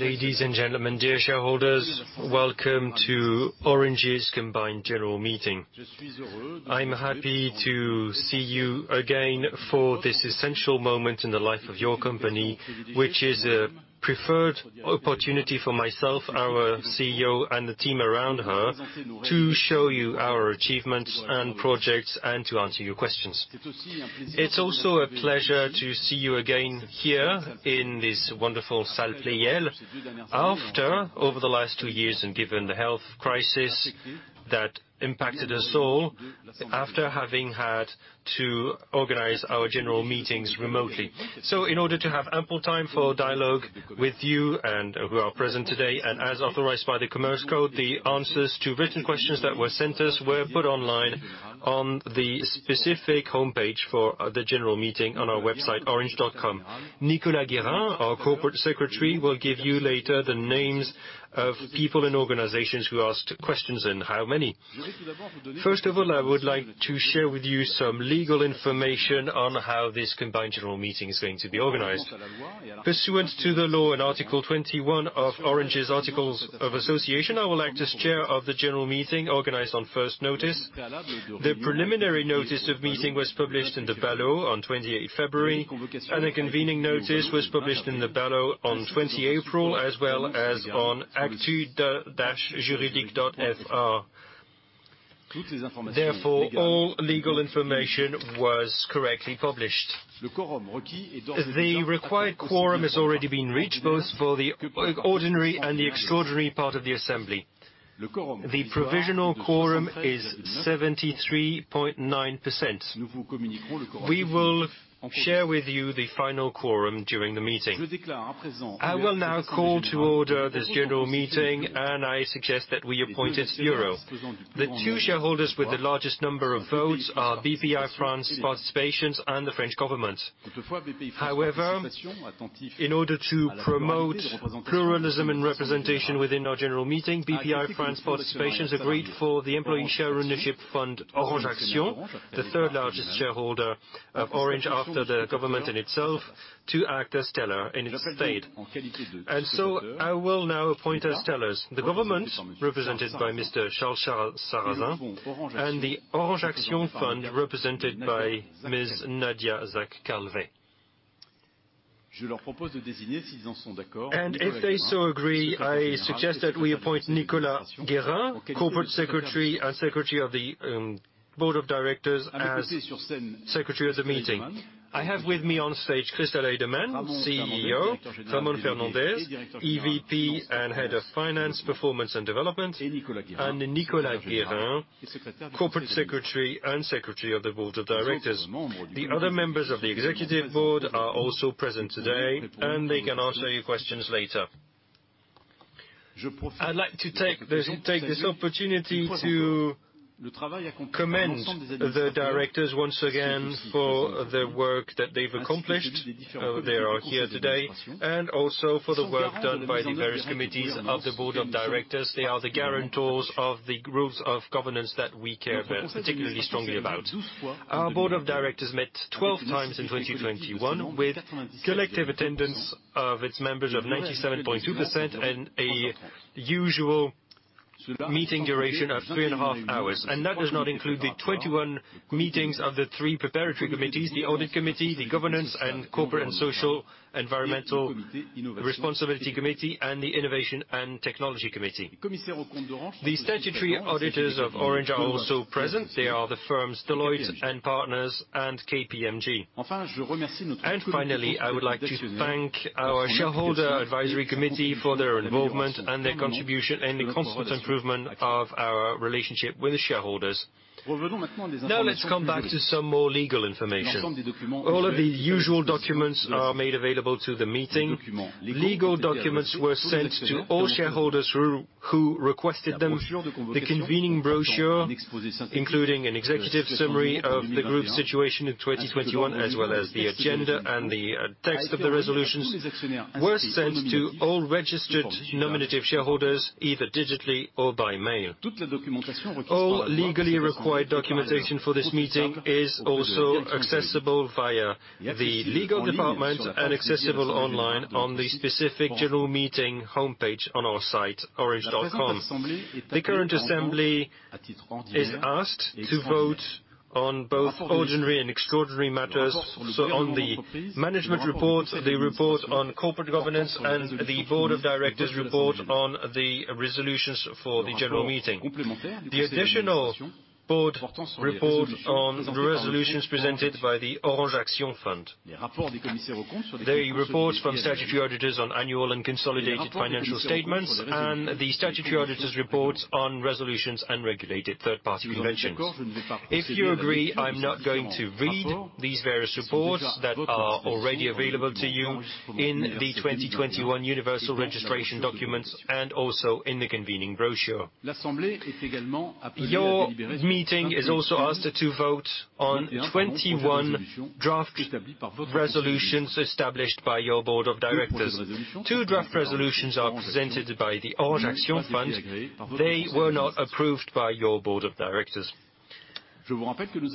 Ladies and gentlemen, dear shareholders, welcome to Orange's Combined General Meeting. I'm happy to see you again for this essential moment in the life of your company, which is a preferred opportunity for myself, our CEO, and the team around her to show you our achievements and projects and to answer your questions. It's also a pleasure to see you again here in this wonderful Salle Pleyel after over the last two years, and given the health crisis that impacted us all, after having had to organize our general meetings remotely. In order to have ample time for dialogue with you and who are present today, and as authorized by the Commerce Code, the answers to written questions that were sent to us were put online on the specific homepage for the general meeting on our website, orange.com. Nicolas Guérin, our corporate secretary, will give you later the names of people and organizations who asked questions and how many. First of all, I would like to share with you some legal information on how this combined general meeting is going to be organized. Pursuant to the law in Article 21 of Orange's Articles of Association, I will act as chair of the general meeting organized on first notice. The preliminary notice of meeting was published in the BALO on 28th February, and a convening notice was published in the BALO on 20 April, as well as on actu-juridique.fr. Therefore, all legal information was correctly published. The required quorum has already been reached, both for the ordinary and the extraordinary part of the assembly. The provisional quorum is 73.9%. We will share with you the final quorum during the meeting. I will now call to order this general meeting, and I suggest that we appoint as tellers the two shareholders with the largest number of votes are Bpifrance Participations and the French government. However, in order to promote pluralism and representation within our general meeting, Bpifrance Participations agreed for the employee share ownership fund Orange Actions, the third-largest shareholder of Orange after the government and itself, to act as teller in its stead. I will now appoint as tellers the government, represented by Mr. Charles Sarrazin, and the Orange Actions fund, represented by Ms. Nadia Zak Calvet. If they so agree, I suggest that we appoint Nicolas Guérin, Corporate Secretary and Secretary of the Board of Directors, as secretary of the meeting. I have with me on stage Christel Heydemann, CEO, Ramon Fernandez, EVP and Head of Finance, Performance, and Development, and Nicolas Guérin, Corporate Secretary and Secretary of the Board of Directors. The other members of the executive board are also present today, and they can answer your questions later. I'd like to take this opportunity to commend the directors once again for the work that they've accomplished. They are here today. Also for the work done by the various committees of the board of directors. They are the guarantors of the rules of governance that we care about particularly strongly about. Our board of directors met 12 times in 2021, with collective attendance of its members of 97.2% and a usual meeting duration of 3.5 hours. That does not include the 21 meetings of the three preparatory committees, the Audit Committee, the Governance and Corporate and Social Environmental Responsibility Committee, and the Innovation and Technology Committee. The statutory auditors of Orange are also present. They are the firms Deloitte & Partners and KPMG. Finally, I would like to thank our Shareholders' Advisory Committee for their involvement and their contribution and the constant improvement of our relationship with the shareholders. Now, let's come back to some more legal information. All of the usual documents are made available to the meeting. Legal documents were sent to all shareholders who requested them. The convening brochure, including an executive summary of the group's situation in 2021, as well as the agenda and the text of the resolutions, were sent to all registered nominative shareholders, either digitally or by mail. All legally required documentation for this meeting is also accessible via the legal department and accessible online on the specific general meeting homepage on our site, orange.com. The current assembly is asked to vote on both ordinary and extraordinary matters, so on the management report, the report on corporate governance, and the board of directors' report on the resolutions for the general meeting. The additional board report on the resolutions presented by the Orange Actions fund. The reports from statutory auditors on annual and consolidated financial statements and the statutory auditors' reports on resolutions and regulated third-party conventions. If you agree, I'm not going to read these various reports that are already available to you in the 2021 Universal Registration Document and also in the convening brochure. Your meeting is also asked to vote on 21 draft resolutions established by your board of directors. Two draft resolutions are presented by the Orange Actions fund. They were not approved by your board of directors.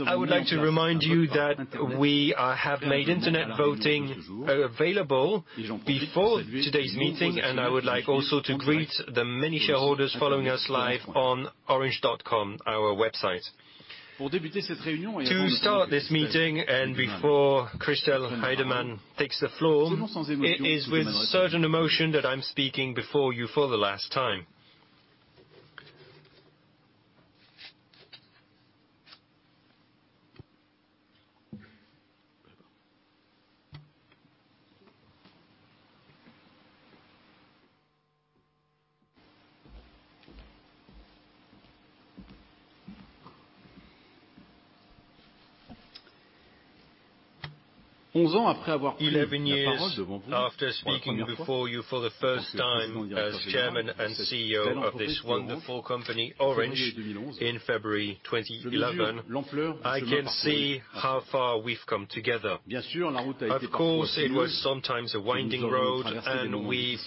I would like to remind you that we have made internet voting available before today's meeting, and I would like also to greet the many shareholders following us live on orange.com, our website. To start this meeting, and before Christel Heydemann takes the floor, it is with certain emotion that I'm speaking before you for the last time. 11 years after speaking before you for the first time as Chairman and CEO of this wonderful company, Orange, in February 2011, I can see how far we've come together. Of course, it was sometimes a winding road, and we've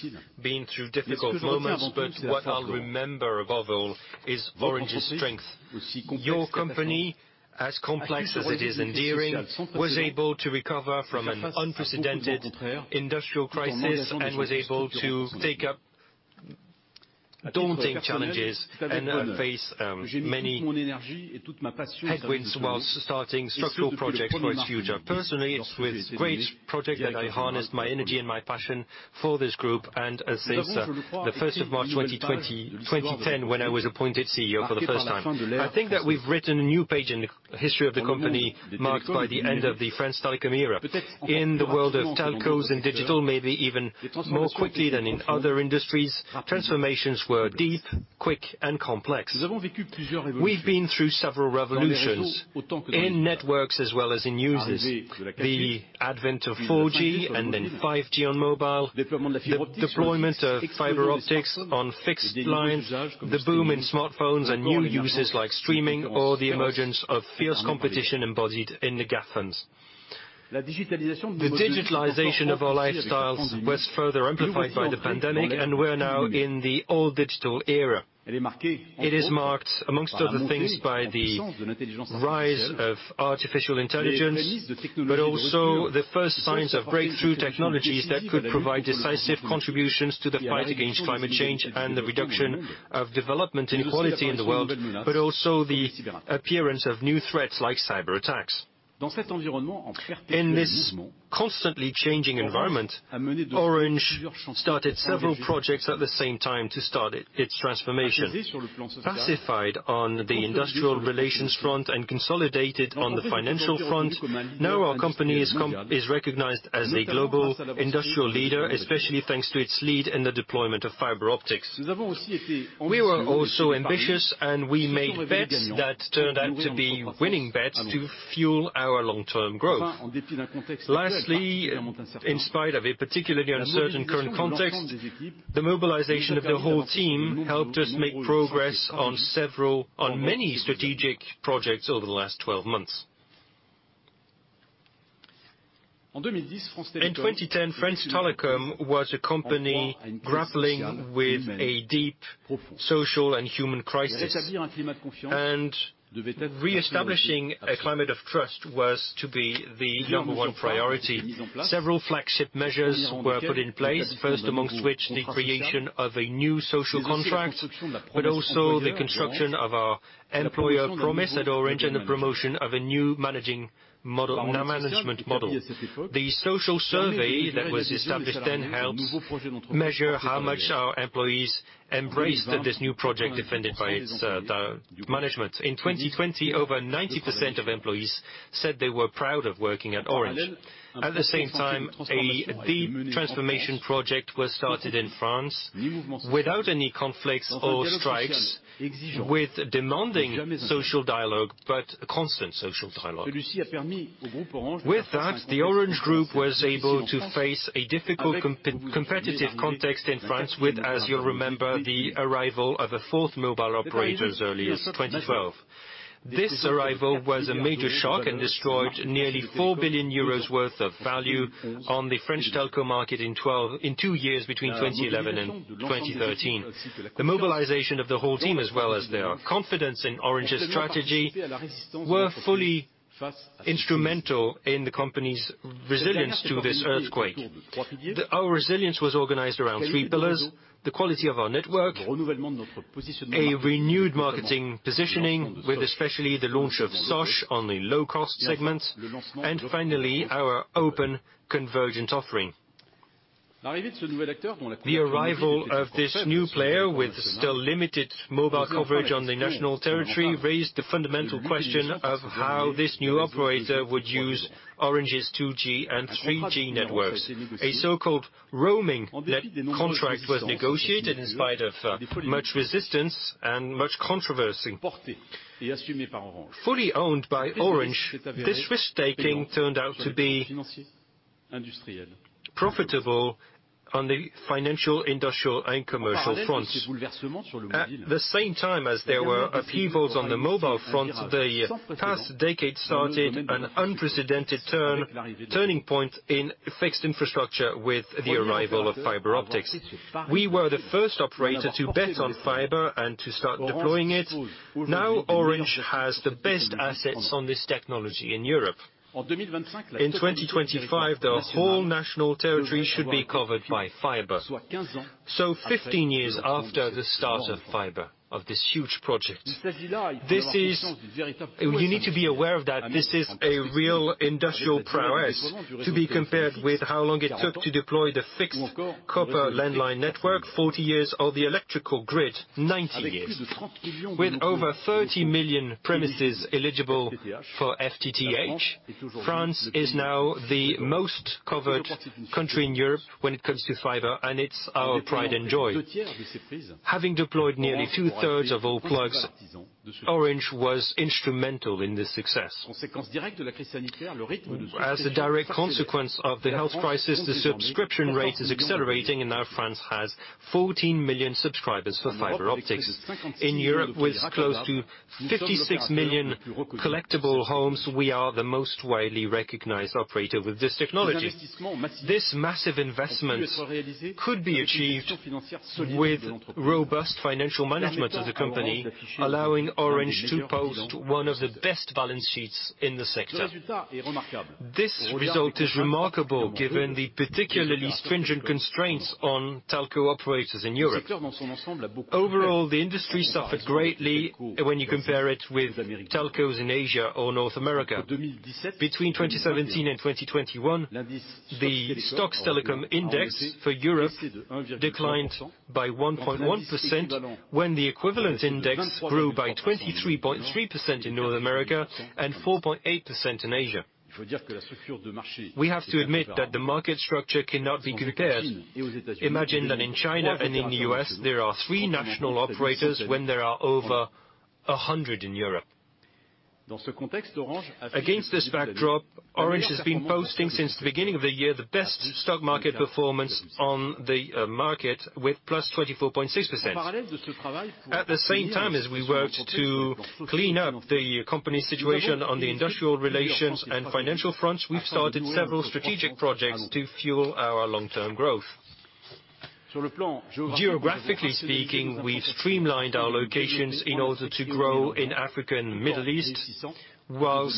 been through difficult moments, but what I'll remember above all is Orange's strength. Your company, as complex as it is endearing, was able to recover from an unprecedented industrial crisis and was able to take up daunting challenges and face many headwinds while starting structural projects for its future. Personally, it's with great pride that I harnessed my energy and my passion for this group and ever since the first of March 2010, when I was appointed CEO for the first time. I think that we've written a new page in the history of the company marked by the end of the France Télécom era. In the world of telcos and digital, maybe even more quickly than in other industries, transformations were deep, quick, and complex. We've been through several revolutions, in networks as well as in users. The advent of 4G and then 5G on mobile, the deployment of fiber optics on fixed lines, the boom in smartphones and new uses like streaming or the emergence of fierce competition embodied in the GAFAMs. The digitalization of our lifestyles was further amplified by the pandemic, and we're now in the all-digital era. It is marked amongst other things by the rise of artificial intelligence, but also the first signs of breakthrough technologies that could provide decisive contributions to the fight against climate change and the reduction of development inequality in the world, but also the appearance of new threats like cyberattacks. In this constantly changing environment, Orange started several projects at the same time to start its transformation. Pacified on the industrial relations front and consolidated on the financial front, now our company is recognized as a global industrial leader, especially thanks to its lead in the deployment of fiber optics. We were also ambitious, and we made bets that turned out to be winning bets to fuel our long-term growth. Lastly, in spite of a particularly uncertain current context, the mobilization of the whole team helped us make progress on many strategic projects over the last 12 months. In 2010, France Télécom was a company grappling with a deep social and human crisis. Reestablishing a climate of trust was to be the number one priority. Several flagship measures were put in place, first amongst which the creation of a new social contract, but also the construction of our employer promise at Orange and the promotion of a new managing model, management model. The social survey that was established then helps measure how much our employees embraced this new project defended by the management. In 2020, over 90% of employees said they were proud of working at Orange. At the same time, a deep transformation project was started in France without any conflicts or strikes, with demanding social dialogue, but constant social dialogue. With that, the Orange Group was able to face a difficult competitive context in France with, as you'll remember, the arrival of a fourth mobile operator as early as 2012. This arrival was a major shock and destroyed nearly 4 billion euros worth of value on the French telco market in two years between 2011 and 2013. The mobilization of the whole team as well as their confidence in Orange's strategy were fully instrumental in the company's resilience to this earthquake. Our resilience was organized around three pillars, the quality of our network, a renewed marketing positioning, with especially the launch of Sosh on the low-cost segment, and finally, our open convergent offering. The arrival of this new player with still limited mobile coverage on the national territory raised the fundamental question of how this new operator would use Orange's 2G and 3G networks. A so-called roaming net contract was negotiated in spite of much resistance and much controversy. Fully owned by Orange, this risk-taking turned out to be profitable on the financial, industrial, and commercial fronts. At the same time as there were upheavals on the mobile front, the past decade started an unprecedented turning point in fixed infrastructure with the arrival of fiber optics. We were the first operator to bet on fiber and to start deploying it. Now, Orange has the best assets on this technology in Europe. In 2025, the whole national territory should be covered by fiber. Fifteen years after the start of fiber, of this huge project. You need to be aware of that, this is a real industrial prowess to be compared with how long it took to deploy the fixed copper landline network, 40 years, or the electrical grid, 90 years. With over 30 million premises eligible for FTTH, France is now the most covered country in Europe when it comes to fiber, and it's our pride and joy. Having deployed nearly 2/3 of all plugs, Orange was instrumental in this success. As a direct consequence of the health crisis, the subscription rate is accelerating, and now France has 14 million subscribers for fiber optics. In Europe, with close to 56 million collectible homes, we are the most widely recognized operator with this technology. This massive investment could be achieved with robust financial management of the company, allowing Orange to post one of the best balance sheets in the sector. This result is remarkable given the particularly stringent constraints on telco operators in Europe. Overall, the industry suffered greatly when you compare it with telcos in Asia or North America. Between 2017 and 2021, the stocks telecom index for Europe declined by 1.1% when the equivalent index grew by 23.3% in North America and 4.8% in Asia. We have to admit that the market structure cannot be compared. Imagine that in China and in the U.S., there are three national operators when there are over a hundred in Europe. Against this backdrop, Orange has been posting since the beginning of the year the best stock market performance on the market with +24.6%. At the same time, as we worked to clean up the company situation on the industrial relations and financial fronts, we've started several strategic projects to fuel our long-term growth. Geographically speaking, we've streamlined our locations in order to grow in Africa and Middle East, while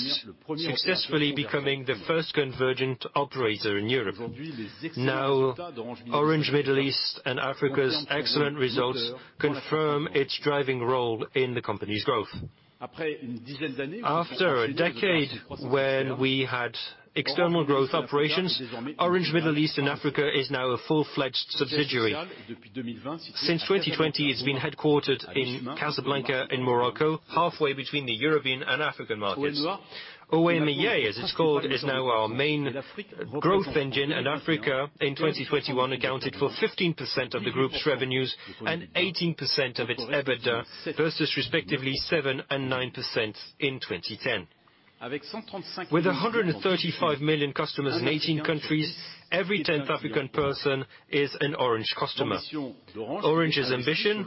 successfully becoming the first convergent operator in Europe. Now, Orange Middle East and Africa's excellent results confirm its driving role in the company's growth. After a decade when we had external growth operations, Orange Middle East and Africa is now a full-fledged subsidiary. Since 2020, it's been headquartered in Casablanca in Morocco, halfway between the European and African markets. OMEA, as it's called, is now our main growth engine in Africa. In 2021, accounted for 15% of the group's revenues and 18% of its EBITDA versus respectively 7% and 9% in 2010. With 135 million customers in 18 countries, every 10th African person is an Orange customer. Orange's ambition,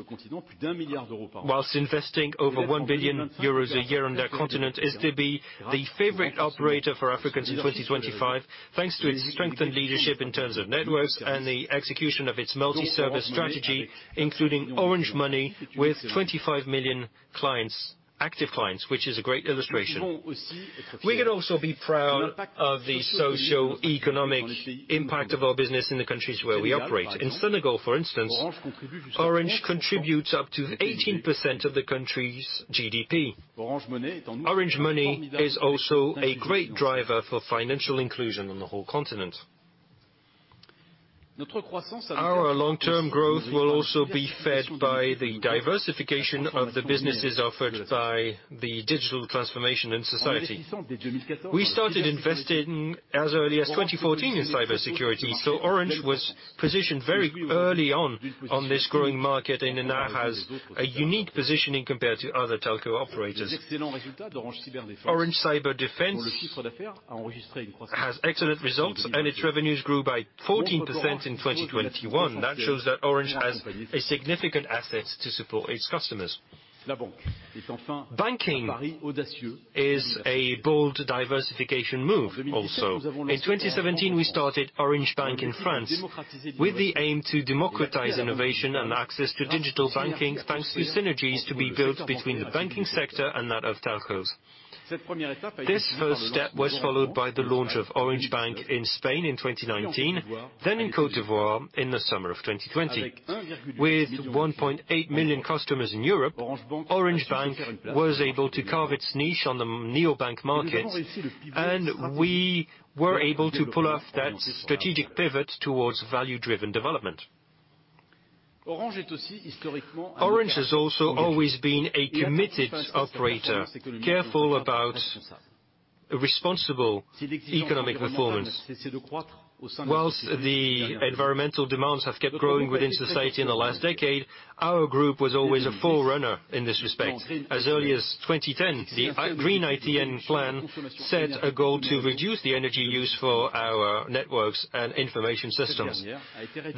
while investing over 1 billion euros a year on that continent, is to be the favorite operator for Africans in 2025, thanks to its strengthened leadership in terms of networks and the execution of its multi-service strategy, including Orange Money with 25 million clients, active clients, which is a great illustration. We can also be proud of the socioeconomic impact of our business in the countries where we operate. In Senegal, for instance, Orange contributes up to 18% of the country's GDP. Orange Money is also a great driver for financial inclusion on the whole continent. Our long-term growth will also be fed by the diversification of the businesses offered by the digital transformation in society. We started investing as early as 2014 in cybersecurity, so Orange was positioned very early on on this growing market and it now has a unique positioning compared to other telco operators. Orange Cyberdefense has excellent results, and its revenues grew by 14% in 2021. That shows that Orange has a significant asset to support its customers. Banking is a bold diversification move also. In 2017, we started Orange Bank in France with the aim to democratize innovation and access to digital banking, thanks to synergies to be built between the banking sector and that of telcos. This first step was followed by the launch of Orange Bank in Spain in 2019, then in Côte d'Ivoire in the summer of 2020. With 1.8 million customers in Europe, Orange Bank was able to carve its niche on the neobank market, and we were able to pull off that strategic pivot towards value-driven development. Orange has also always been a committed operator, careful about a responsible economic performance. While the environmental demands have kept growing within society in the last decade, our group was always a forerunner in this respect. As early as 2010, the Green ITN plan set a goal to reduce the energy use for our networks and information systems.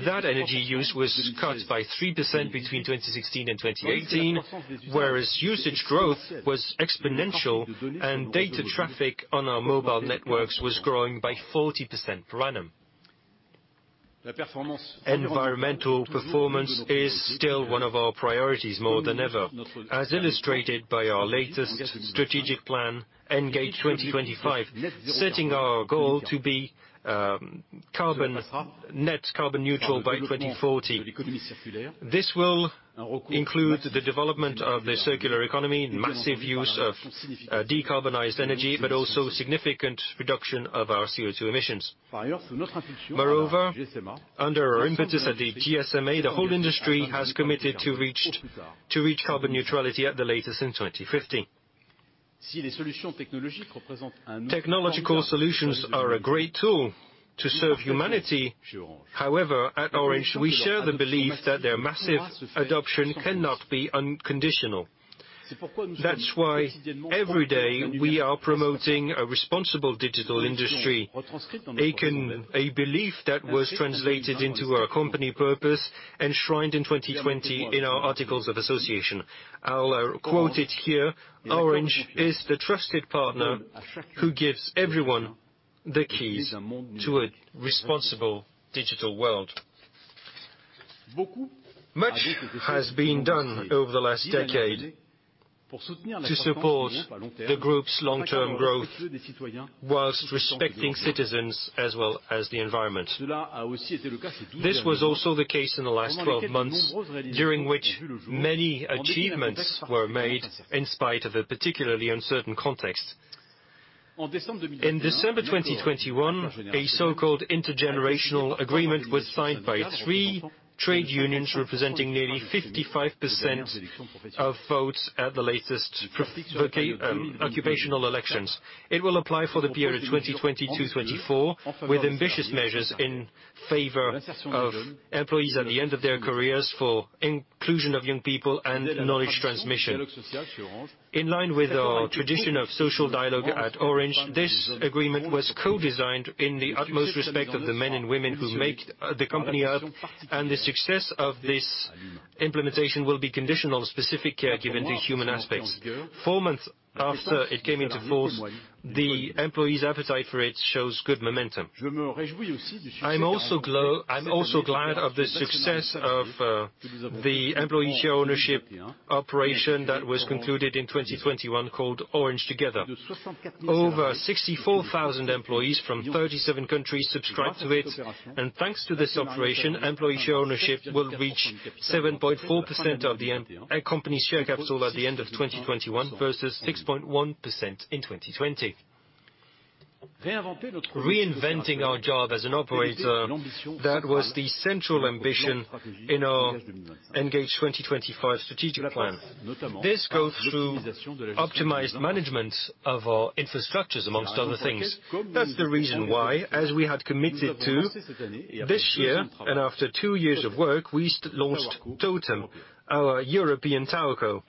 That energy use was cut by 3% between 2016 and 2018, whereas usage growth was exponential and data traffic on our mobile networks was growing by 40% per annum. Environmental performance is still one of our priorities more than ever, as illustrated by our latest strategic plan, Engage 2025, setting our goal to be carbon. Net carbon neutral by 2040. This will include the development of the circular economy, massive use of decarbonized energy, but also significant reduction of our CO2 emissions. Moreover, under our impetus at the GSMA, the whole industry has committed to reach carbon neutrality at the latest in 2050. Technological solutions are a great tool to serve humanity. However, at Orange, we share the belief that their massive adoption cannot be unconditional. That's why every day we are promoting a responsible digital industry akin to a belief that was translated into our company purpose enshrined in 2020 in our articles of association. I'll quote it here. "Orange is the trusted partner who gives everyone the keys to a responsible digital world." Much has been done over the last decade to support the group's long-term growth while respecting citizens as well as the environment. This was also the case in the last 12 months, during which many achievements were made in spite of a particularly uncertain context. In December 2021, a so-called intergenerational agreement was signed by three trade unions representing nearly 55% of votes at the latest occupational elections. It will apply for the period 2020 to 2024, with ambitious measures in favor of employees at the end of their careers for inclusion of young people and knowledge transmission. In line with our tradition of social dialogue at Orange, this agreement was co-designed in the utmost respect of the men and women who make the company up, and the success of this implementation will be conditional on specific care given the human aspects. Four months after it came into force, the employees' appetite for it shows good momentum. I'm also glad of the success of the employee share ownership operation that was concluded in 2021 called Orange Together. Over 64,000 employees from 37 countries subscribed to it, and thanks to this operation, employee share ownership will reach 7.4% of the company share capital at the end of 2021 versus 6.1% in 2020. Reinventing our job as an operator, that was the central ambition in our Engage 2025 strategic plan. This goes through optimized management of our infrastructures, among other things. That's the reason why, as we had committed to, this year, and after two years of work, we launched TOTEM, our European TowerCo.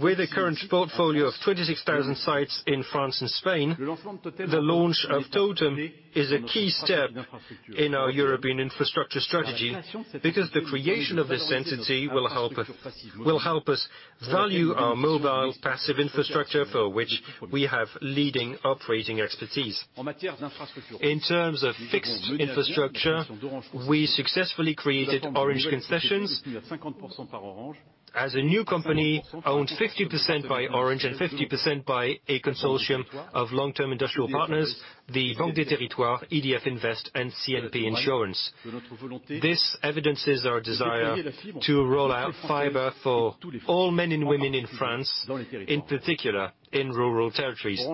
With a current portfolio of 26,000 sites in France and Spain, the launch of TOTEM is a key step in our European infrastructure strategy because the creation of this entity will help us value our mobile passive infrastructure, for which we have leading operating expertise. In terms of fixed infrastructure, we successfully created Orange Concessions. As a new company owned 50% by Orange and 50% by a consortium of long-term industrial partners, the Banque des Territoires, EDF Invest, and CNP Assurances. This evidences our desire to roll out fiber for all men and women in France, in particular in rural territories.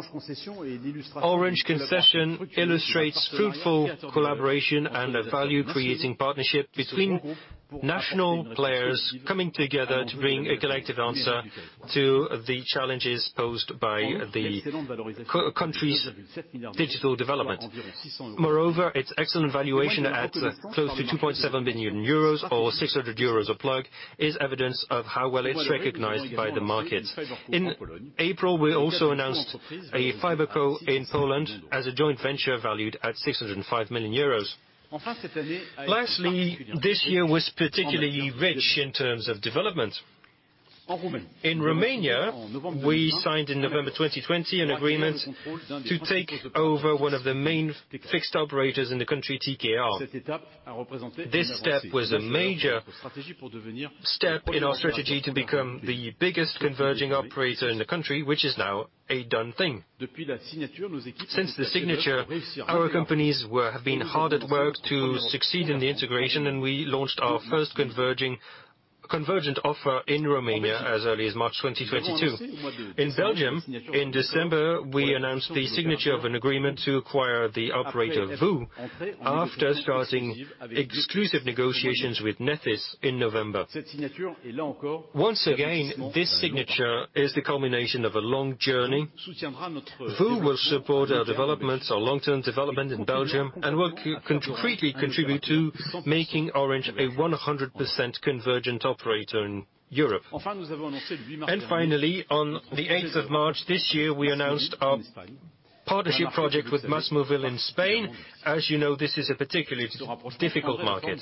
Orange Concessions illustrates fruitful collaboration and a value-creating partnership between national players coming together to bring a collective answer to the challenges posed by the country's digital development. Moreover, its excellent valuation at close to 2.7 billion euros, or 600 euros a plug, is evidence of how well it's recognized by the markets. In April, we also announced a fiber co in Poland as a joint venture valued at 605 million euros. Lastly, this year was particularly rich in terms of development. In Romania, we signed in November 2020 an agreement to take over one of the main fixed operators in the country, TKR. This step was a major step in our strategy to become the biggest converging operator in the country, which is now a done thing. Since the signature, our companies have been hard at work to succeed in the integration, and we launched our first convergent offer in Romania as early as March 2022. In Belgium, in December, we announced the signature of an agreement to acquire the operator VOO after starting exclusive negotiations with Nethys in November. Once again, this signature is the culmination of a long journey. VOO will support our developments, our long-term development in Belgium, and will concretely contribute to making Orange a 100% convergent operator in Europe. Finally, on the 8th of March this year, we announced our partnership project with MásMóvil in Spain. As you know, this is a particularly difficult market.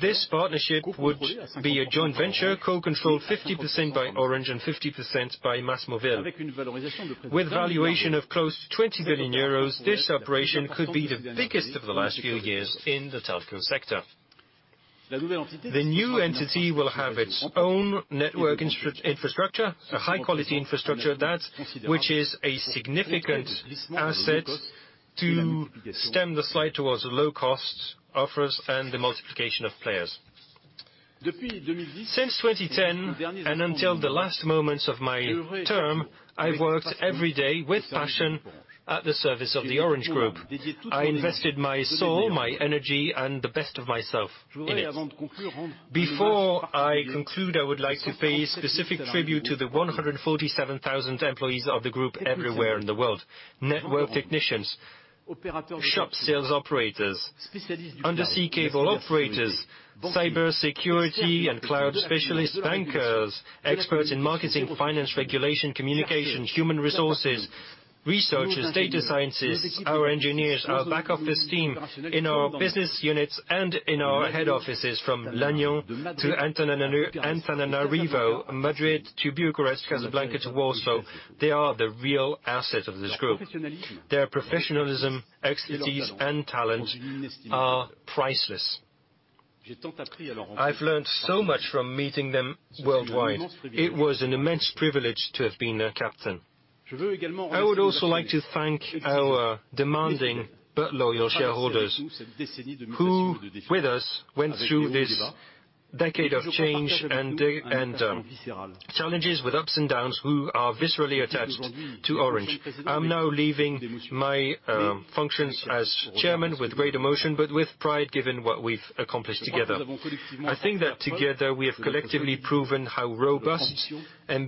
This partnership would be a joint venture co-controlled 50% by Orange and 50% by MásMóvil. With valuation of close to 20 billion euros, this operation could be the biggest of the last few years in the telco sector. The new entity will have its own network infrastructure, a high-quality infrastructure which is a significant asset to stem the slide towards low cost offers and the multiplication of players. Since 2010 and until the last moments of my term, I've worked every day with passion at the service of the Orange Group. I invested my soul, my energy, and the best of myself in it. Before I conclude, I would like to pay specific tribute to the 147,000 employees of the group everywhere in the world. Network technicians, shop sales operators, undersea cable operators, cybersecurity and cloud specialists, bankers, experts in marketing, finance, regulation, communication, human resources, researchers, data scientists, our engineers, our back office team in our business units and in our head offices from Lannion to Antananarivo, Madrid to Bucharest, Casablanca to Warsaw. They are the real asset of this group. Their professionalism, expertise, and talent are priceless. I've learned so much from meeting them worldwide. It was an immense privilege to have been their captain. I would also like to thank our demanding but loyal shareholders, who, with us, went through this decade of change and challenges with ups and downs who are viscerally attached to Orange. I'm now leaving my functions as chairman with great emotion, but with pride, given what we've accomplished together. I think that together we have collectively proven how robust and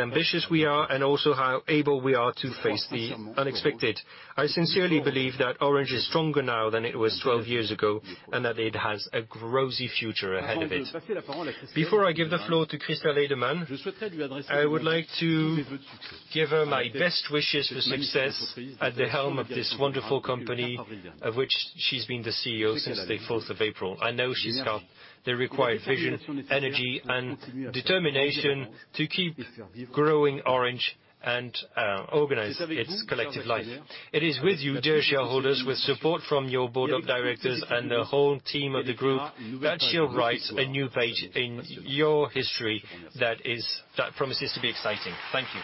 ambitious we are, and also how able we are to face the unexpected. I sincerely believe that Orange is stronger now than it was 12 years ago, and that it has a rosy future ahead of it. Before I give the floor to Christel Heydemann, I would like to give her my best wishes for success at the helm of this wonderful company of which she's been the CEO since the 4th of April. I know she's got the required vision, energy, and determination to keep growing Orange and organize its collective life. It is with you, dear shareholders, with support from your board of directors and the whole team of the group, that you'll write a new page in your history that promises to be exciting. Thank you.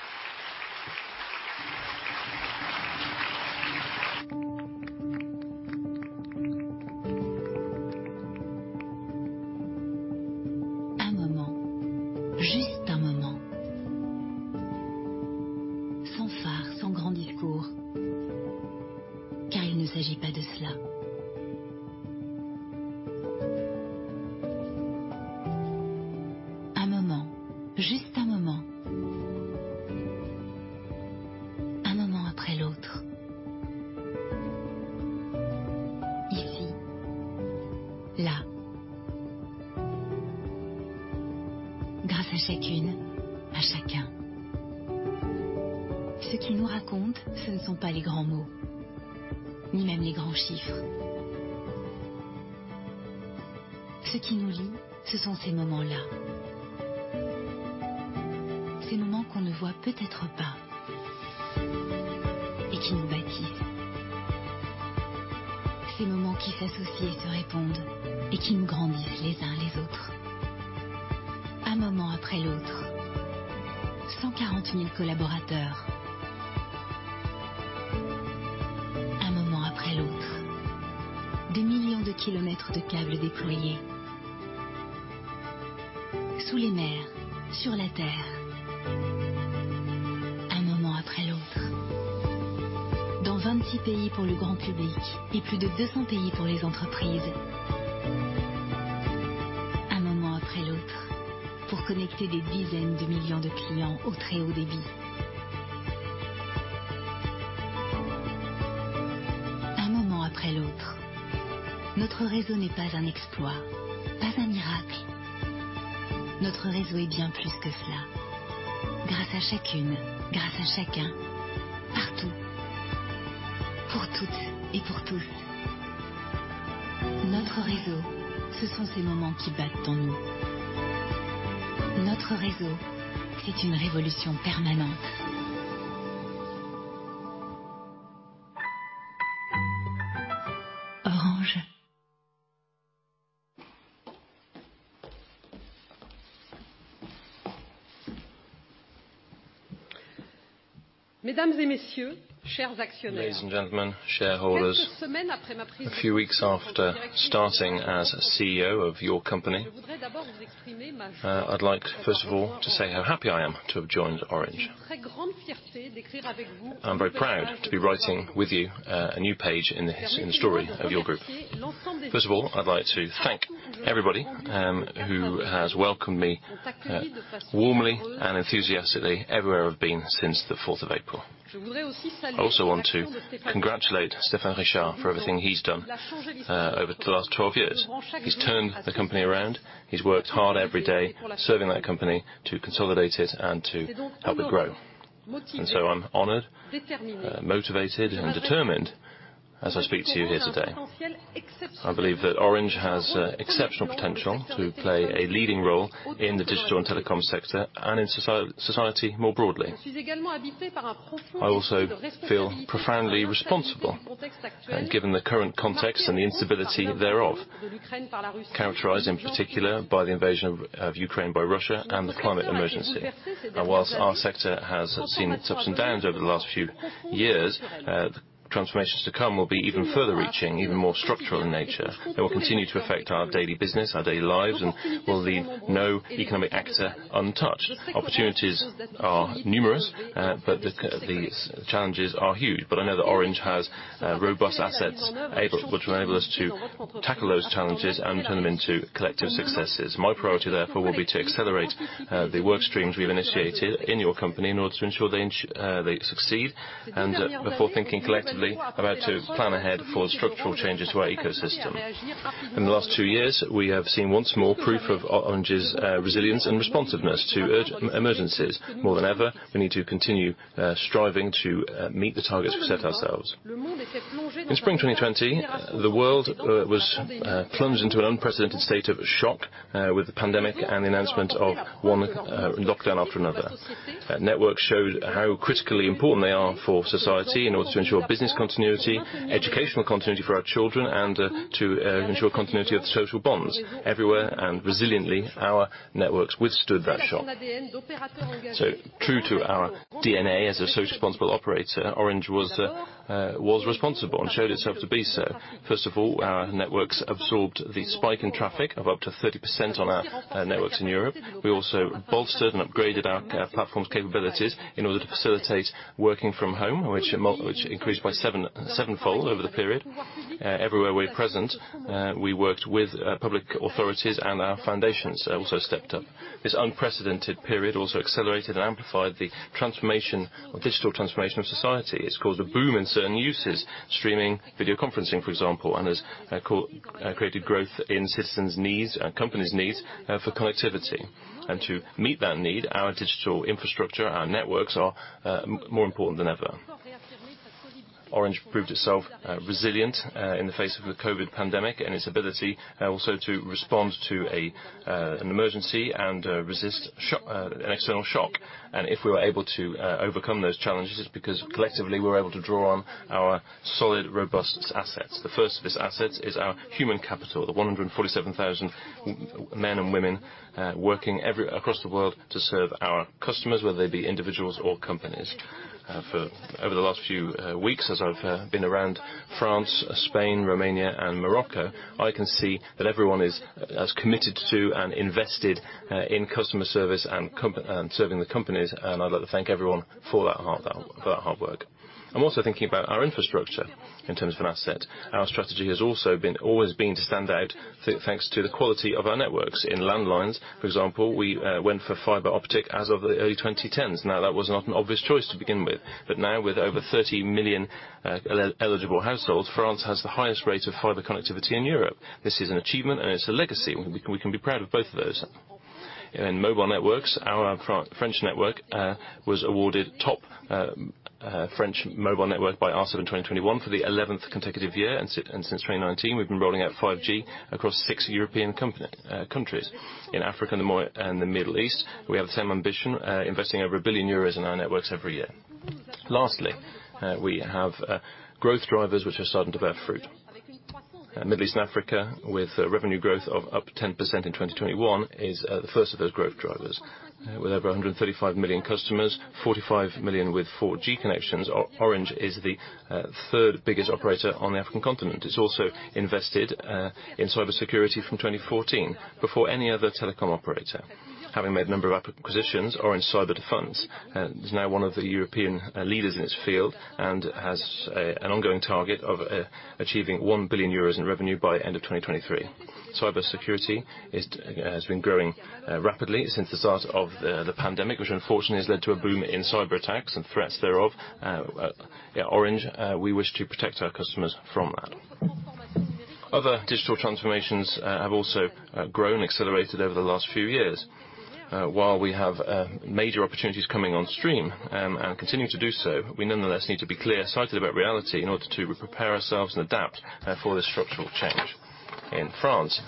Mesdames et messieurs, chers actionnaires. Ladies and gentlemen, shareholders. A few weeks after starting as CEO of your company, I'd like first of all to say how happy I am to have joined Orange. I'm very proud to be writing with you, a new page in the story of your group. First of all, I'd like to thank everybody who has welcomed me warmly and enthusiastically everywhere I've been since the 4th of April. I also want to congratulate Stéphane Richard for everything he's done over the last 12 years. He's turned the company around, he's worked hard every day serving our company to consolidate it and to help it grow. I'm honored, motivated and determined as I speak to you here today. I believe that Orange has exceptional potential to play a leading role in the digital and telecom sector and in society more broadly. I also feel profoundly responsible, and given the current context and the instability thereof, characterized in particular by the invasion of Ukraine by Russia and the climate emergency. Now, while our sector has seen its ups and downs over the last few years, the transformations to come will be even further reaching, even more structural in nature. They will continue to affect our daily business, our daily lives, and will leave no economic aspect untouched. Opportunities are numerous, but these challenges are huge. I know that Orange has robust assets which will enable us to tackle those challenges and turn them into collective successes. My priority, therefore, will be to accelerate the workstreams we've initiated in your company in order to ensure they succeed, and before thinking collectively about to plan ahead for structural changes to our ecosystem. In the last two years, we have seen once more proof of Orange's resilience and responsiveness to emergencies. More than ever, we need to continue striving to meet the targets we've set ourselves. In spring 2020, the world was plunged into an unprecedented state of shock with the pandemic and the announcement of one lockdown after another. Networks showed how critically important they are for society in order to ensure business continuity, educational continuity for our children, and to ensure continuity of social bonds. Everywhere and resiliently, our networks withstood that shock. True to our DNA as a socially responsible operator, Orange was responsible and showed itself to be so. First of all, our networks absorbed the spike in traffic of up to 30% on our networks in Europe. We also bolstered and upgraded our platforms' capabilities in order to facilitate working from home, which increased sevenfold over the period. Everywhere we're present, we worked with public authorities, and our foundations also stepped up. This unprecedented period also accelerated and amplified the digital transformation of society. It's caused a boom in certain uses, streaming, video conferencing, for example, and has created growth in citizens' needs and companies' needs for connectivity. To meet that need, our digital infrastructure, our networks are more important than ever. Orange proved itself resilient in the face of the COVID-19 pandemic and its ability also to respond to an emergency and resist an external shock. If we were able to overcome those challenges, it's because collectively, we're able to draw on our solid, robust assets. The first of these assets is our human capital, the 147,000 women and men working everywhere across the world to serve our customers, whether they be individuals or companies. For over the last few weeks, as I've been around France, Spain, Romania and Morocco, I can see that everyone is as committed to and invested in customer service and serving the companies, and I'd like to thank everyone for that hard work. I'm also thinking about our infrastructure in terms of an asset. Our strategy has always been to stand out thanks to the quality of our networks. In landlines, for example, we went for fiber optic as of the early 2010s. Now, that was not an obvious choice to begin with, but now with over 30 million eligible households, France has the highest rate of fiber connectivity in Europe. This is an achievement and it's a legacy. We can be proud of both of those. In mobile networks, our French network was awarded top French mobile network by Arcep in 2021 for the 11th consecutive year. And since 2019, we've been rolling out 5G across six European countries. In Africa and the Middle East, we have the same ambition, investing over 1 billion euros in our networks every year. Lastly, we have growth drivers which are starting to bear fruit. Middle East and Africa with revenue growth of up to 10% in 2021 is the first of those growth drivers. With over 135 million customers, 45 million with 4G connections, Orange is the third biggest operator on the African continent. It's also invested in cybersecurity from 2014 before any other telecom operator. Having made a number of acquisitions, Orange Cyberdefense is now one of the European leaders in its field and has an ongoing target of achieving 1 billion euros in revenue by end of 2023. Cybersecurity has been growing rapidly since the start of the pandemic, which unfortunately has led to a boom in cyberattacks and threats thereof. Orange, we wish to protect our customers from that. Other digital transformations have also grown, accelerated over the last few years. While we have major opportunities coming on stream and continuing to do so, we nonetheless need to be clear-sighted about reality in order to prepare ourselves and adapt for this structural change. In France,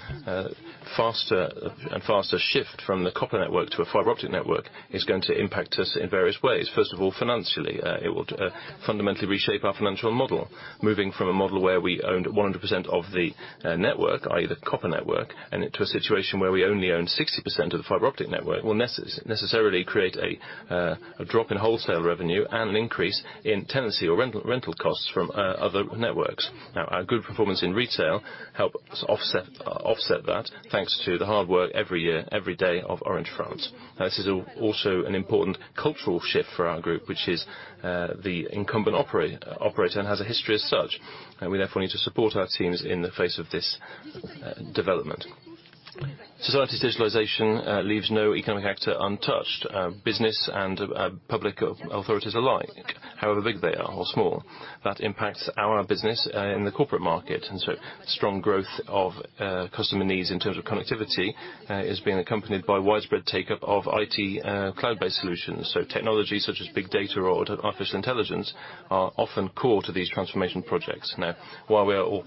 faster and faster shift from the copper network to a fiber optic network is going to impact us in various ways. First of all, financially. It will fundamentally reshape our financial model, moving from a model where we owned 100% of the network, i.e. the copper network, and into a situation where we only own 60% of the fiber optic network, will necessarily create a drop in wholesale revenue and an increase in tenancy or rental costs from other networks. Our good performance in retail helps us offset that thanks to the hard work every year, every day of Orange France. This is also an important cultural shift for our group, which is the incumbent operator and has a history as such, and we therefore need to support our teams in the face of this development. Society's digitalization leaves no economic actor untouched, business and public authorities alike, however big they are or small. That impacts our business in the corporate market, and so strong growth of customer needs in terms of connectivity is being accompanied by widespread take-up of IT cloud-based solutions. Technology such as big data or artificial intelligence are often core to these transformation projects. While we're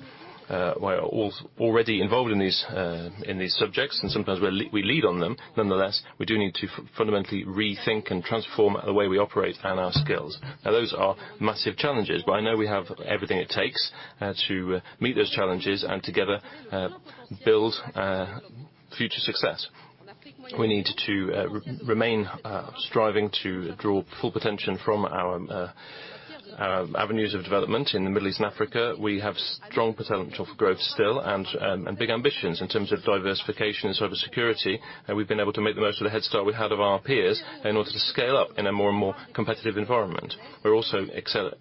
already involved in these subjects, and sometimes we lead on them, nonetheless, we do need to fundamentally rethink and transform the way we operate and our skills. Now, those are massive challenges, but I know we have everything it takes to meet those challenges and together build future success. We need to remain striving to draw full potential from our avenues of development. In the Middle East and Africa, we have strong potential for growth still and big ambitions in terms of diversification and cyber security. We've been able to make the most of the head start we had of our peers in order to scale up in a more and more competitive environment. We're also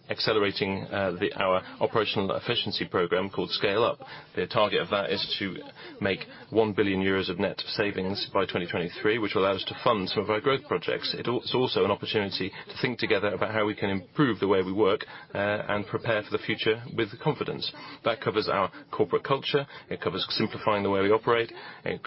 accelerating our operational efficiency program called Scale Up. The target of that is to make 1 billion euros of net savings by 2023, which will allow us to fund some of our growth projects. It's also an opportunity to think together about how we can improve the way we work and prepare for the future with confidence. That covers our corporate culture, it covers simplifying the way we operate, it,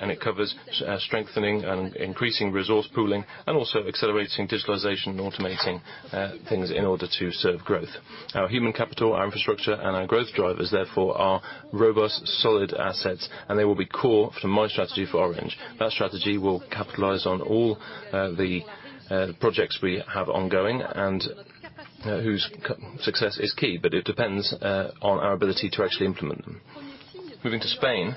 and it covers strengthening and increasing resource pooling, and also accelerating digitalization and automating things in order to serve growth. Our human capital, our infrastructure, and our growth drivers, therefore, are robust, solid assets, and they will be core to my strategy for Orange. That strategy will capitalize on all the projects we have ongoing and whose success is key, but it depends on our ability to actually implement them. Moving to Spain,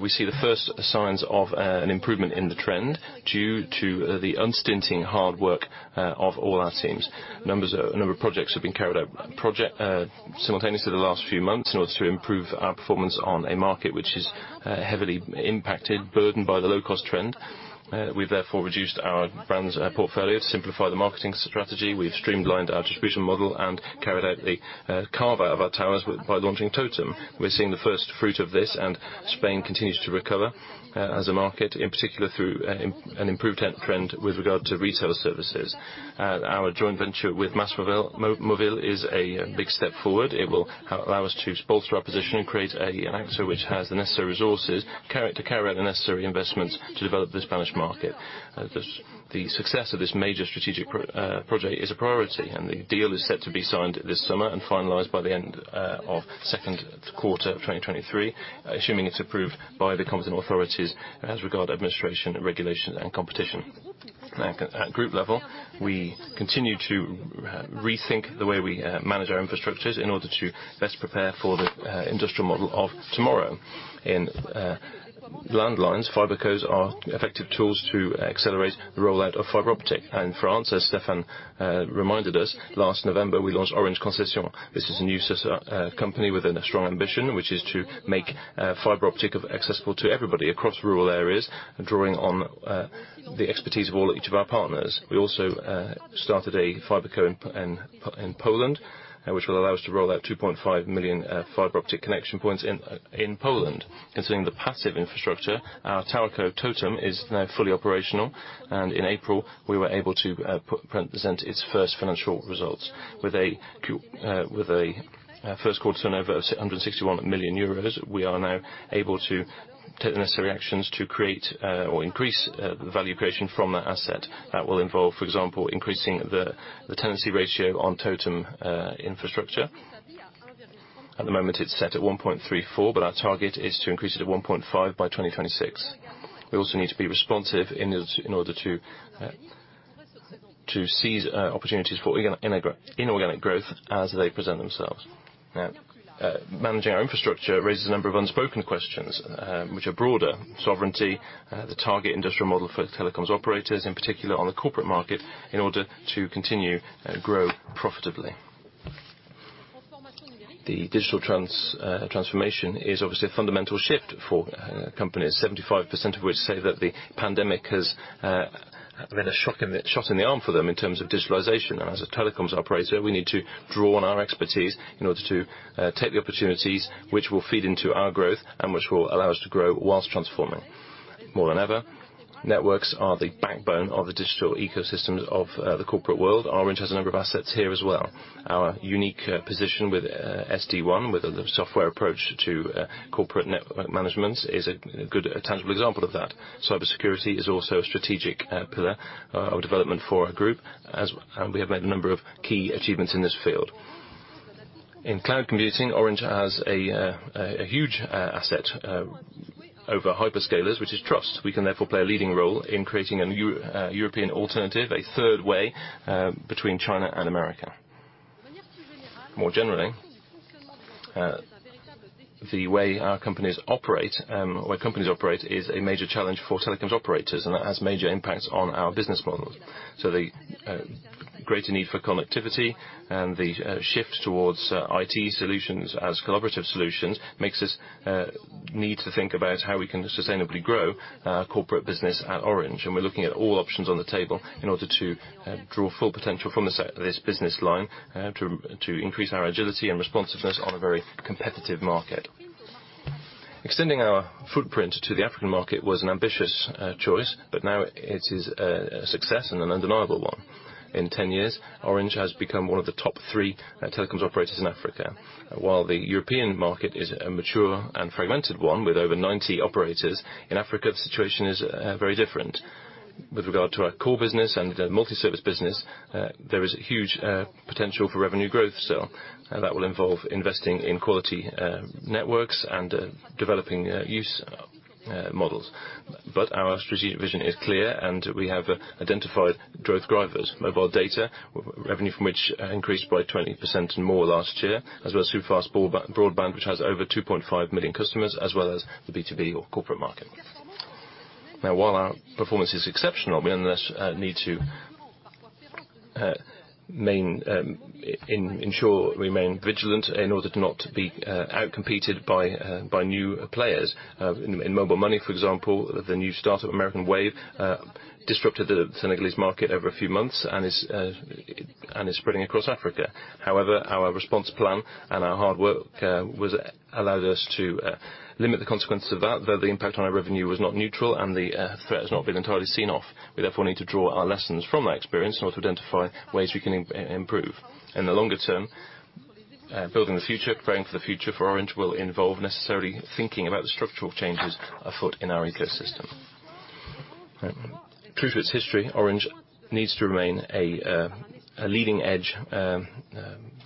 we see the first signs of an improvement in the trend due to the unstinting hard work of all our teams. A number of projects have been carried out simultaneously the last few months in order to improve our performance on a market which is heavily impacted, burdened by the low-cost trend. We've therefore reduced our brands portfolio to simplify the marketing strategy. We've streamlined our distribution model and carried out the carve-out of our towers by launching TOTEM. We're seeing the first fruit of this, and Spain continues to recover as a market, in particular, through an improved trend with regard to retail services. Our joint venture with MásMóvil is a big step forward. It will allow us to bolster our position and create an actor which has the necessary resources to carry out the necessary investments to develop the Spanish market. The success of this major strategic project is a priority, and the deal is set to be signed this summer and finalized by the end of second quarter of 2023, assuming it's approved by the competent authorities as regards administration, regulation, and competition. At group level, we continue to rethink the way we manage our infrastructures in order to best prepare for the industrial model of tomorrow. In landlines, FiberCos are effective tools to accelerate the rollout of fiber optic. In France, as Stéphane reminded us, last November, we launched Orange Concessions. This is a new company with a strong ambition, which is to make fiber optic accessible to everybody across rural areas, drawing on the expertise of all, each of our partners. We also started a FiberCo in Poland, which will allow us to roll out 2.5 million fiber optic connection points in Poland. Considering the passive infrastructure, our TowerCo TOTEM is now fully operational, and in April, we were able to present its first financial results. With a first quarter turnover of 161 million euros, we are now able to take the necessary actions to create or increase the value creation from that asset. That will involve, for example, increasing the tenancy ratio on TOTEM infrastructure. At the moment, it's set at 1.34, but our target is to increase it to 1.5 by 2026. We also need to be responsive in order to seize opportunities for inorganic growth as they present themselves. Now, managing our infrastructure raises a number of unspoken questions, which are broader. Sovereignty, the target industrial model for telecoms operators, in particular on the corporate market, in order to continue and grow profitably. The digital transformation is obviously a fundamental shift for companies, 75% of which say that the pandemic has been a shot in the arm for them in terms of digitalization. As a telecoms operator, we need to draw on our expertise in order to take the opportunities which will feed into our growth and which will allow us to grow whilst transforming. More than ever, networks are the backbone of the digital ecosystems of the corporate world. Orange has a number of assets here as well. Our unique position with SD-WAN, with a software approach to corporate network management, is a good tangible example of that. Cybersecurity is also a strategic pillar of development for our group, as we have made a number of key achievements in this field. In cloud computing, Orange has a huge asset over hyperscalers, which is trust. We can therefore play a leading role in creating a new European alternative, a third way between China and America. More generally, the way our companies operate, the way companies operate is a major challenge for telecoms operators, and that has major impacts on our business model. The greater need for connectivity and the shift towards IT solutions as collaborative solutions makes us need to think about how we can sustainably grow corporate business at Orange, and we're looking at all options on the table in order to draw full potential from this business line to increase our agility and responsiveness on a very competitive market. Extending our footprint to the African market was an ambitious choice, but now it is a success and an undeniable one. In 10 years, Orange has become one of the top three telecoms operators in Africa. While the European market is a mature and fragmented one with over 90 operators, in Africa the situation is very different. With regard to our core business and multiservice business, there is huge potential for revenue growth. That will involve investing in quality networks and developing use models. Our strategic vision is clear, and we have identified growth drivers. Mobile data, revenue from which increased by 20% and more last year, as well as superfast broadband which has over 2.5 million customers, as well as the B2B or corporate market. Now, while our performance is exceptional, we nonetheless need to ensure we remain vigilant in order not to be outcompeted by new players. In mobile money, for example, the new startup Wave disrupted the Senegalese market over a few months and is spreading across Africa. However, our response plan and our hard work allowed us to limit the consequences of that. Though the impact on our revenue was not neutral, and the threat has not been entirely seen off. We therefore need to draw our lessons from that experience in order to identify ways we can improve. In the longer term, building the future, preparing for the future for Orange will involve necessarily thinking about the structural changes afoot in our ecosystem. True to its history, Orange needs to remain a leading-edge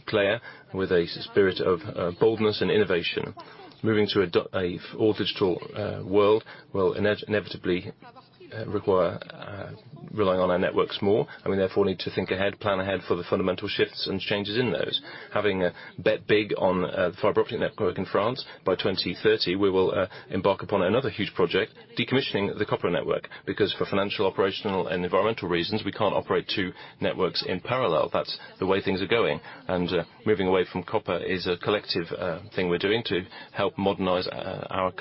player with a spirit of boldness and innovation. Moving to a digital world will inevitably require relying on our networks more, and we therefore need to think ahead, plan ahead for the fundamental shifts and changes in those. Having bet big on fiber optic network in France, by 2030 we will embark upon another huge project, decommissioning the copper network. Because for financial, operational, and environmental reasons, we can't operate two networks in parallel. That's the way things are going, and moving away from copper is a collective thing we're doing to help modernize our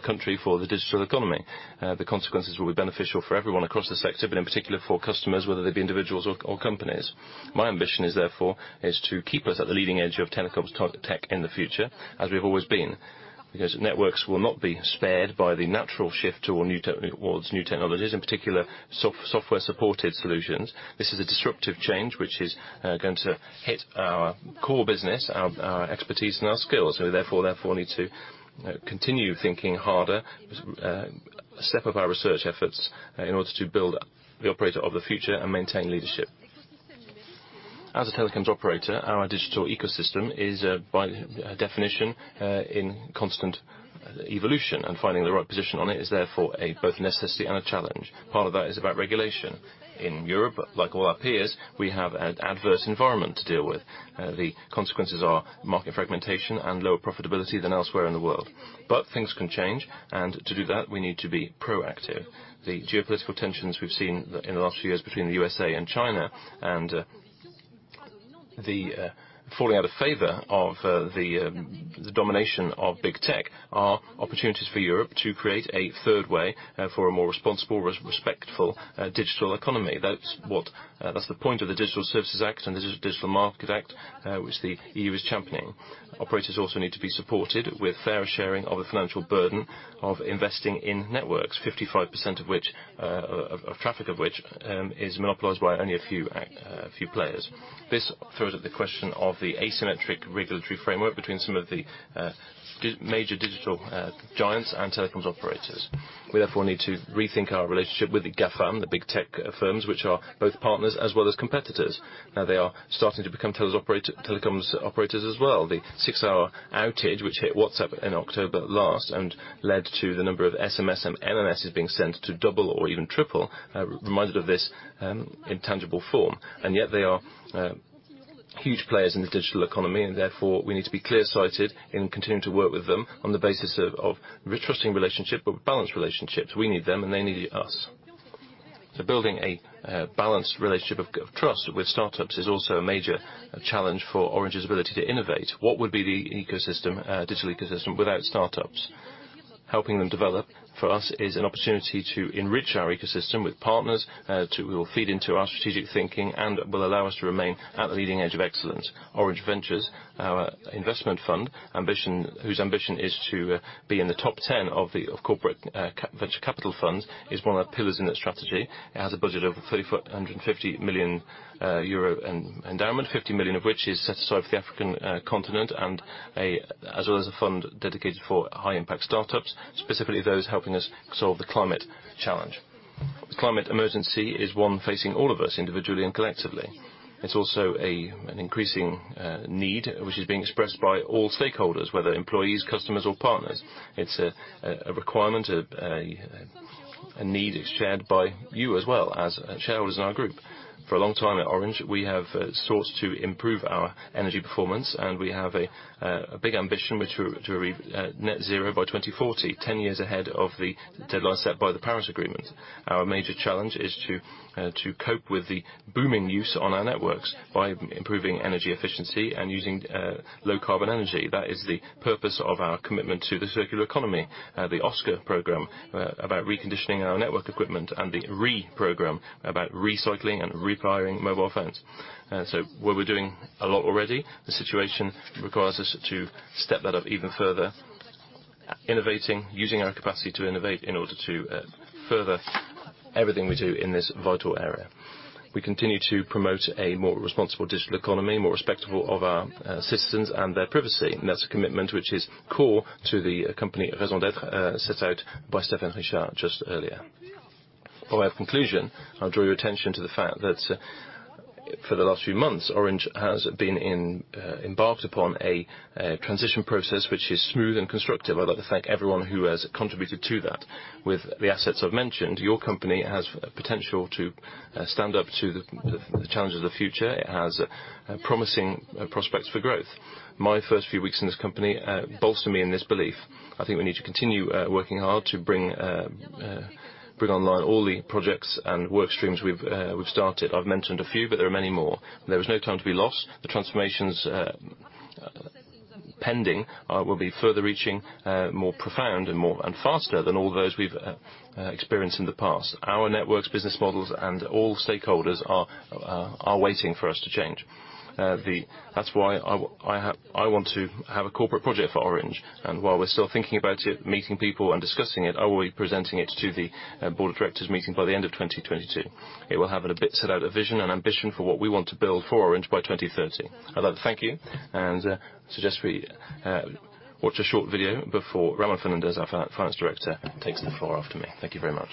country for the digital economy. The consequences will be beneficial for everyone across the sector, but in particular for customers, whether they be individuals or companies. My ambition is therefore to keep us at the leading edge of telecoms tech in the future, as we've always been. Because networks will not be spared by the natural shift towards new technologies, in particular software-supported solutions. This is a disruptive change which is going to hit our core business, our expertise and our skills. We therefore need to continue thinking harder, step up our research efforts, in order to build the operator of the future and maintain leadership. As a telecom operator, our digital ecosystem is, by definition, in constant evolution, and finding the right position on it is therefore both a necessity and a challenge. Part of that is about regulation. In Europe, like all our peers, we have an adverse environment to deal with. The consequences are market fragmentation and lower profitability than elsewhere in the world. Things can change, and to do that, we need to be proactive. The geopolitical tensions we've seen in the last few years between the U.S.A and China and the falling out of favor of the domination of big tech are opportunities for Europe to create a third way for a more responsible, respectful digital economy. That's the point of the Digital Services Act and the Digital Markets Act which the EU is championing. Operators also need to be supported with fairer sharing of the financial burden of investing in networks, 55% of which traffic is monopolized by only a few players. This throws up the question of the asymmetric regulatory framework between some of the major digital giants and telecoms operators. We therefore need to rethink our relationship with the GAFAM, the big tech firms, which are both partners as well as competitors. Now they are starting to become teleoperators, telecom operators as well. The six-hour outage which hit WhatsApp in October last and led to the number of SMS and MMSs being sent to double or even triple reminded of this in intangible form. Yet they are huge players in the digital economy, and therefore we need to be clear-sighted in continuing to work with them on the basis of a trusting relationship, but balanced relationships. We need them, and they need us. Building a balanced relationship of trust with startups is also a major challenge for Orange's ability to innovate. What would be the ecosystem, digital ecosystem without startups? Helping them develop for us is an opportunity to enrich our ecosystem with partners who will feed into our strategic thinking and will allow us to remain at the leading edge of excellence. Orange Ventures, our investment fund, whose ambition is to be in the top 10 of the corporate venture capital funds, is one of the pillars in its strategy. It has a budget of 3,450 million euro endowment, 50 million euro of which is set aside for the African continent as well as a fund dedicated for high-impact startups, specifically those helping us solve the climate challenge. The climate emergency is one facing all of us, individually and collectively. It's also an increasing need which is being expressed by all stakeholders, whether employees, customers or partners. It's a requirement, a need shared by you as well as shareholders in our group. For a long time at Orange, we have sought to improve our energy performance, and we have a big ambition to reach net zero by 2040, 10 years ahead of the deadline set by the Paris Agreement. Our major challenge is to cope with the booming use on our networks by improving energy efficiency and using low carbon energy. That is the purpose of our commitment to the circular economy. The OSCAR program about reconditioning our network equipment and the Re program about recycling and repairing mobile phones. While we're doing a lot already, the situation requires us to step that up even further, innovating, using our capacity to innovate in order to further everything we do in this vital area. We continue to promote a more responsible digital economy, more respectful of our citizens and their privacy, and that's a commitment which is core to the company raison d'être, set out by Stéphane Richard just earlier. For a conclusion, I'll draw your attention to the fact that, for the last few months, Orange has embarked upon a transition process which is smooth and constructive. I'd like to thank everyone who has contributed to that. With the assets I've mentioned, your company has potential to stand up to the challenges of the future. It has promising prospects for growth. My first few weeks in this company bolster me in this belief. I think we need to continue working hard to bring online all the projects and work streams we've started. I've mentioned a few, but there are many more. There is no time to be lost. The transformations pending will be further reaching, more profound and faster than all those we've experienced in the past. Our networks, business models, and all stakeholders are waiting for us to change. That's why I want to have a corporate project for Orange, and while we're still thinking about it, meeting people and discussing it, I will be presenting it to the board of directors meeting by the end of 2022. It will help set out a vision and ambition for what we want to build for Orange by 2030. I'd like to thank you and suggest we watch a short video before Ramon Fernandez, our Finance Director, takes the floor after me. Thank you very much.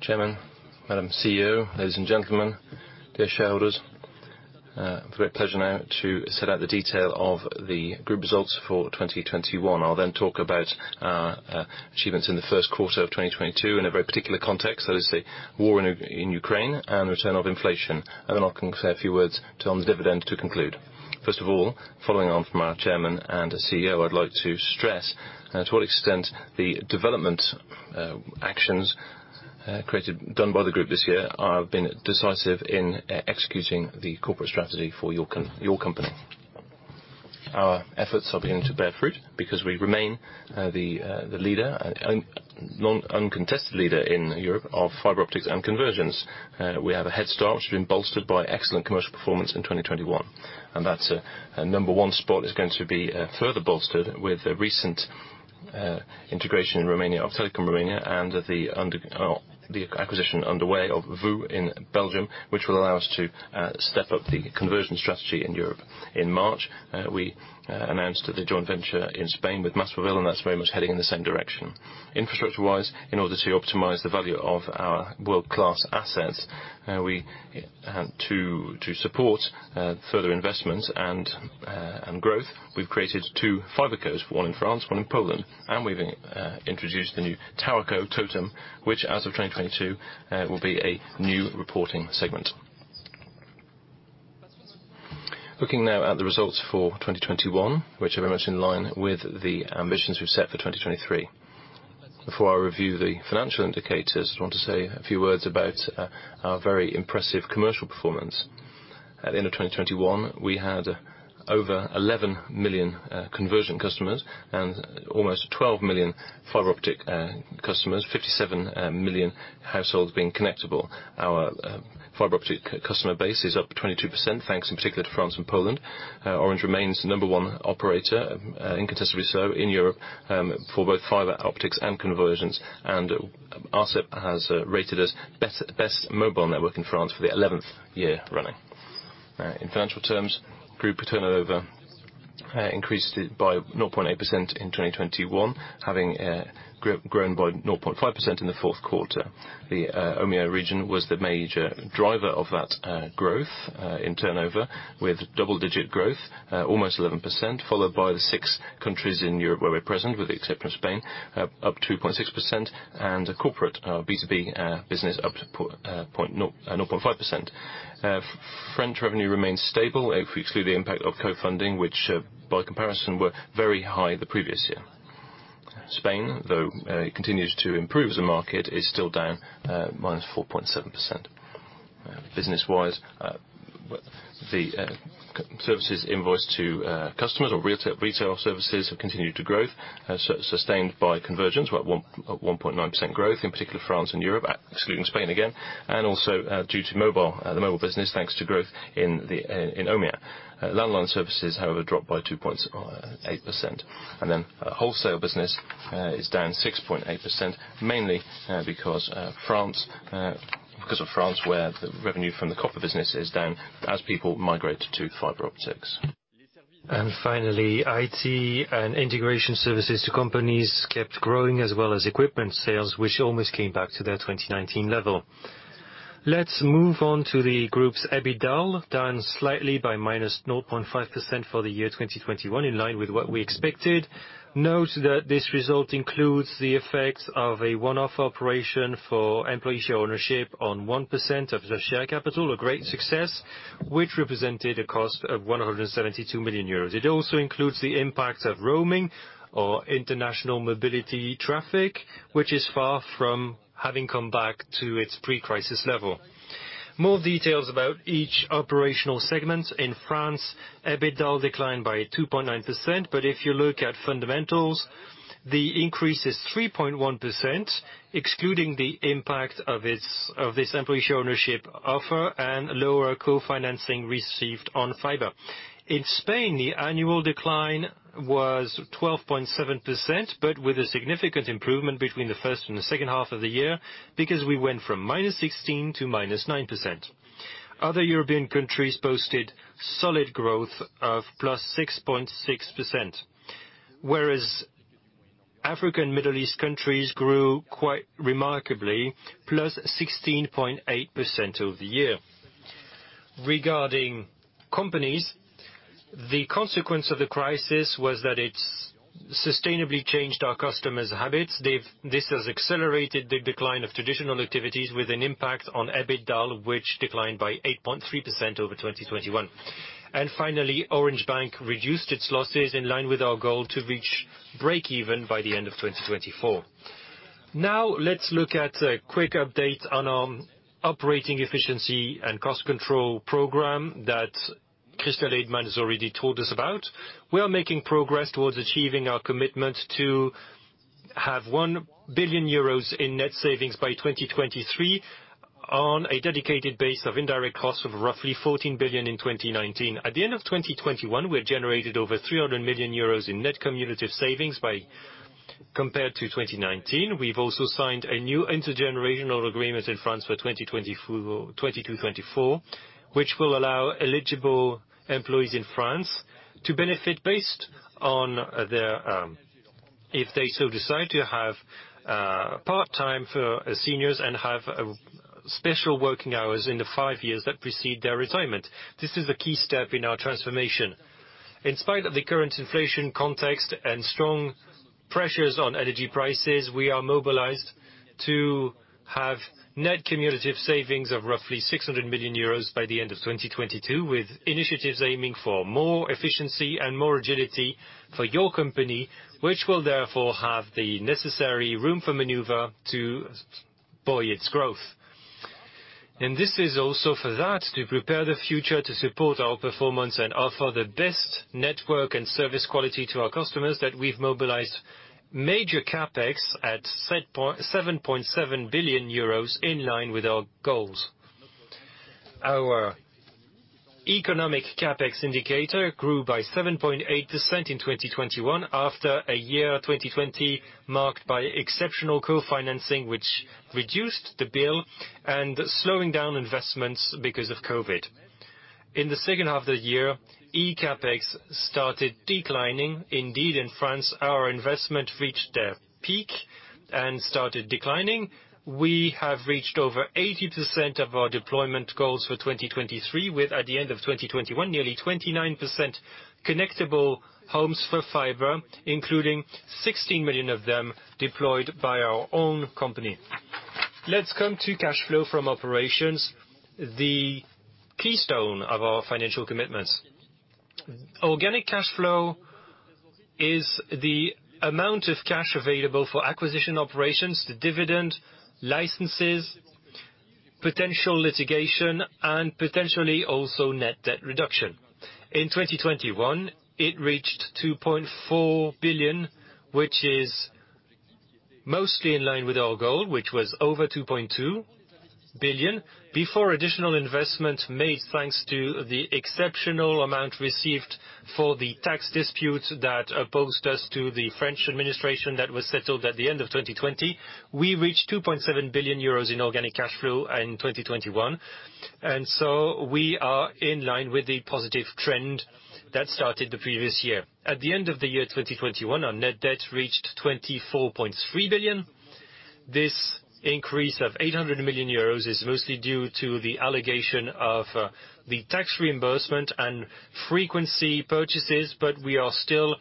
Chairman, Madam CEO, ladies and gentlemen, dear shareholders, great pleasure now to set out the detail of the group results for 2021. I'll then talk about achievements in the first quarter of 2022 in a very particular context, that is the war in Ukraine and return of inflation. I'll convey a few words on the dividend to conclude. First of all, following on from our Chairman and CEO, I'd like to stress to what extent the development actions created done by the group this year have been decisive in executing the corporate strategy for your company. Our efforts are beginning to bear fruit because we remain the uncontested leader in Europe of fiber optics and conversions. We have a head start, which has been bolstered by excellent commercial performance in 2021, and that's number one spot is going to be further bolstered with the recent integration in Romania of Telekom Romania, and the acquisition underway of VOO in Belgium, which will allow us to step up the conversion strategy in Europe. In March, we announced the joint venture in Spain with MásMóvil, and that's very much heading in the same direction. Infrastructure-wise, in order to optimize the value of our world-class assets, to support further investments and growth, we've created two FiberCos, one in France, one in Poland, and we've introduced the new TowerCo, TOTEM, which as of 2022 will be a new reporting segment. Looking now at the results for 2021, which are very much in line with the ambitions we've set for 2023. Before I review the financial indicators, I just want to say a few words about our very impressive commercial performance. At the end of 2021, we had over 11 million converged customers and almost 12 million fiber optic customers, 57 million households being connectable. Our fiber optic customer base is up 22%, thanks in particular to France and Poland. Orange remains the number one operator, uncontestably so, in Europe, for both fiber optics and coverages, and Arcep has rated us best mobile network in France for the 11th year running. In financial terms, group turnover increased by 0.8% in 2021, having grown by 0.5% in the fourth quarter. The OMEA region was the major driver of that growth in turnover with double-digit growth, almost 11%, followed by the six countries in Europe where we're present with the exception of Spain, up 2.6% and a corporate B2B business up 0.5%. French revenue remains stable if we exclude the impact of co-funding, which, by comparison, were very high the previous year. Spain, though, continues to improve as a market, is still down minus 4.7%. Business-wise, the services invoiced to customers or retail services have continued to grow, sustained by convergence with 1.9% growth, in particular France and Europe, excluding Spain again, and also due to mobile, the mobile business, thanks to growth in OMEA. Landline services, however, dropped by 2.8%. Wholesale business is down 6.8%, mainly because of France, where the revenue from the copper business is down as people migrate to fiber optics. IT and integration services to companies kept growing as well as equipment sales, which almost came back to their 2019 level. Let's move on to the group's EBITDA, down slightly by -0.5% for the year 2021, in line with what we expected. Note that this result includes the effects of a one-off operation for employee share ownership on 1% of the share capital, a great success, which represented a cost of 172 million euros. It also includes the impact of roaming or international mobility traffic, which is far from having come back to its pre-crisis level. More details about each operational segment. In France, EBITDA declined by 2.9%, but if you look at fundamentals, the increase is 3.1%, excluding the impact of this employee share ownership offer and lower co-financing received on fiber. In Spain, the annual decline was 12.7%, but with a significant improvement between the first and the second half of the year because we went from -16% to -9%. Other European countries posted solid growth of +6.6%, whereas Africa and Middle East countries grew quite remarkably, +16.8% over the year. Regarding companies, the consequence of the crisis was that it's sustainably changed our customers' habits. This has accelerated the decline of traditional activities with an impact on EBITDA, which declined by 8.3% over 2021. Finally, Orange Bank reduced its losses in line with our goal to reach break even by the end of 2024. Now let's look at a quick update on our operating efficiency and cost control program that Christel Heydemann has already told us about. We are making progress towards achieving our commitment to have 1 billion euros in net savings by 2023 on a dedicated base of indirect costs of roughly 14 billion in 2019. At the end of 2021, we had generated over 300 million euros in net cumulative savings by comparison to 2019. We've also signed a new intergenerational agreement in France for 2024, which will allow eligible employees in France to benefit based on their, if they so decide to have, part-time for seniors and have special working hours in the five years that precede their retirement. This is a key step in our transformation. In spite of the current inflation context and strong pressures on energy prices, we are mobilized to have net cumulative savings of roughly 600 million euros by the end of 2022 with initiatives aiming for more efficiency and more agility for your company, which will therefore have the necessary room for maneuver to buoy its growth. This is also for that, to prepare the future to support our performance and offer the best network and service quality to our customers that we've mobilized major CapEx at set point, 7.7 billion euros in line with our goals. Our economic CapEx indicator grew by 7.8% in 2021 after a year, 2020, marked by exceptional co-financing which reduced the bill and slowing down investments because of COVID-19. In the second half of the year, eCapEx started declining. Indeed, in France, our investment reached a peak and started declining. We have reached over 80% of our deployment goals for 2023, with at the end of 2021, nearly 29% connectable homes for fiber, including 16 million of them deployed by our own company. Let's come to cash flow from operations, the keystone of our financial commitments. Organic cash flow is the amount of cash available for acquisition operations, the dividend, licenses, potential litigation, and potentially also net debt reduction. In 2021, it reached 2.4 billion, which is mostly in line with our goal, which was over 2.2 billion. Before additional investments made thanks to the exceptional amount received for the tax dispute that opposed us to the French administration that was settled at the end of 2020. We reached 2.7 billion euros in organic cash flow in 2021, so we are in line with the positive trend that started the previous year. At the end of the year, 2021, our net debt reached 24.3 billion. This increase of 800 million euros is mostly due to the allocation of the tax reimbursement and frequency purchases, but we are still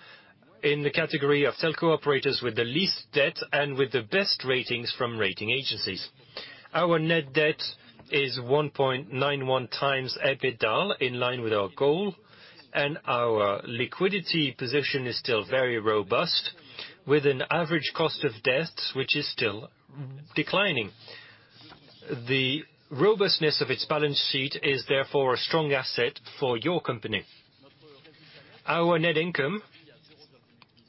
in the category of telco operators with the least debt and with the best ratings from rating agencies. Our net debt is 1.91x EBITDA, in line with our goal, and our liquidity position is still very robust, with an average cost of debts which is still declining. The robustness of its balance sheet is therefore a strong asset for your company. Our net income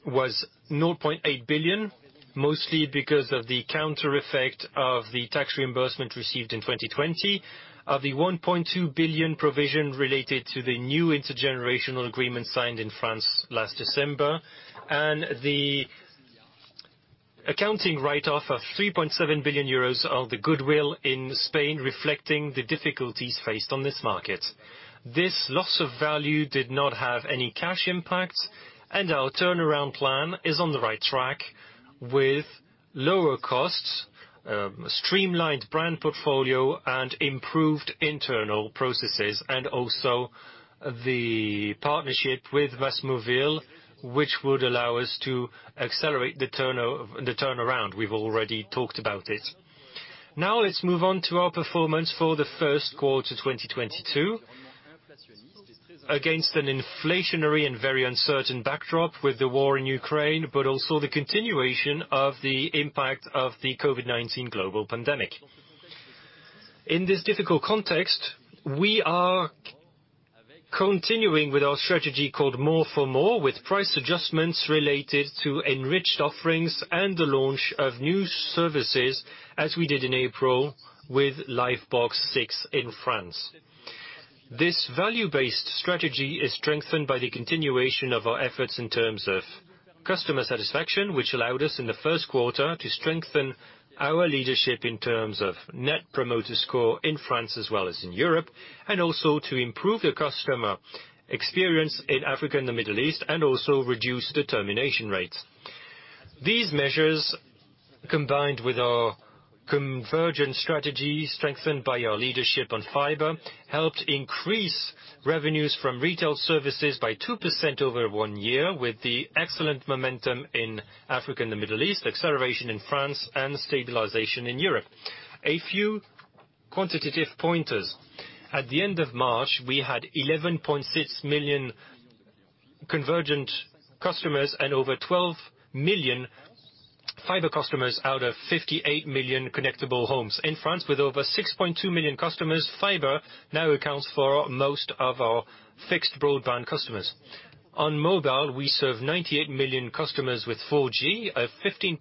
was -0.8 billion, mostly because of the counter effect of the tax reimbursement received in 2020, of the 1.2 billion provision related to the new intergenerational agreement signed in France last December, and the accounting write-off of 3.7 billion euros of the goodwill in Spain reflecting the difficulties faced on this market. This loss of value did not have any cash impact, and our turnaround plan is on the right track with lower costs, streamlined brand portfolio, and improved internal processes, and also the partnership with MásMóvil, which would allow us to accelerate the turnaround. We've already talked about it. Now, let's move on to our performance for the first quarter 2022. Against an inflationary and very uncertain backdrop with the war in Ukraine, but also the continuation of the impact of the COVID-19 global pandemic. In this difficult context, we are continuing with our strategy called More for More with price adjustments related to enriched offerings and the launch of new services as we did in April with Livebox 6 in France. This value-based strategy is strengthened by the continuation of our efforts in terms of customer satisfaction, which allowed us in the first quarter to strengthen our leadership in terms of Net Promoter Score in France as well as in Europe, and also to improve the customer experience in Africa and the Middle East, and also reduce the termination rates. These measures, combined with our convergent strategy strengthened by our leadership on fiber, helped increase revenues from retail services by 2% over one year with the excellent momentum in Africa and the Middle East, acceleration in France, and stabilization in Europe. A few quantitative pointers. At the end of March, we had 11.6 million convergent customers and over 12 million fiber customers out of 58 million connectable homes. In France with over 6.2 million customers, fiber now accounts for most of our fixed broadband customers. On mobile, we serve 98 million customers with 4G, a 15%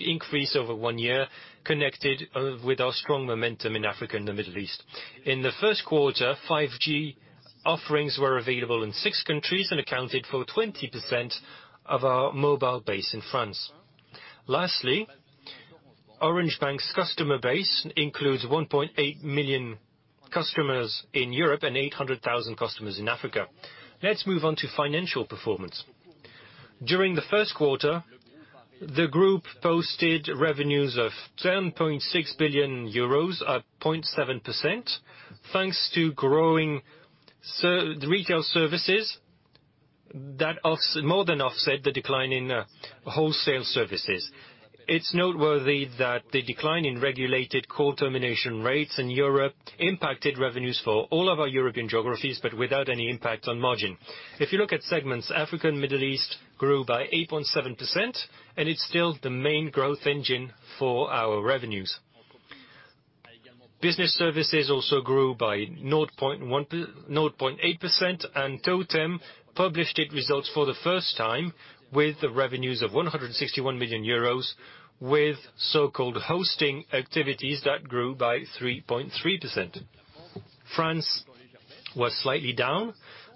increase over one year connected with our strong momentum in Africa and the Middle East. In the first quarter, 5G offerings were available in six countries and accounted for 20% of our mobile base in France. Lastly, Orange Bank's customer base includes 1.8 million customers in Europe and 800,000 customers in Africa. Let's move on to financial performance. During the first quarter, the group posted revenues of 10.6 billion euros at 0.7%, thanks to growing retail services that more than offset the decline in wholesale services. It's noteworthy that the decline in regulated call termination rates in Europe impacted revenues for all of our European geographies, but without any impact on margin. If you look at segments, Africa and Middle East grew by 8.7%, and it's still the main growth engine for our revenues. Business services also grew by 0.8%, and TOTEM published its results for the first time with revenues of 161 million euros, with so-called hosting activities that grew by 3.3%. France was slightly down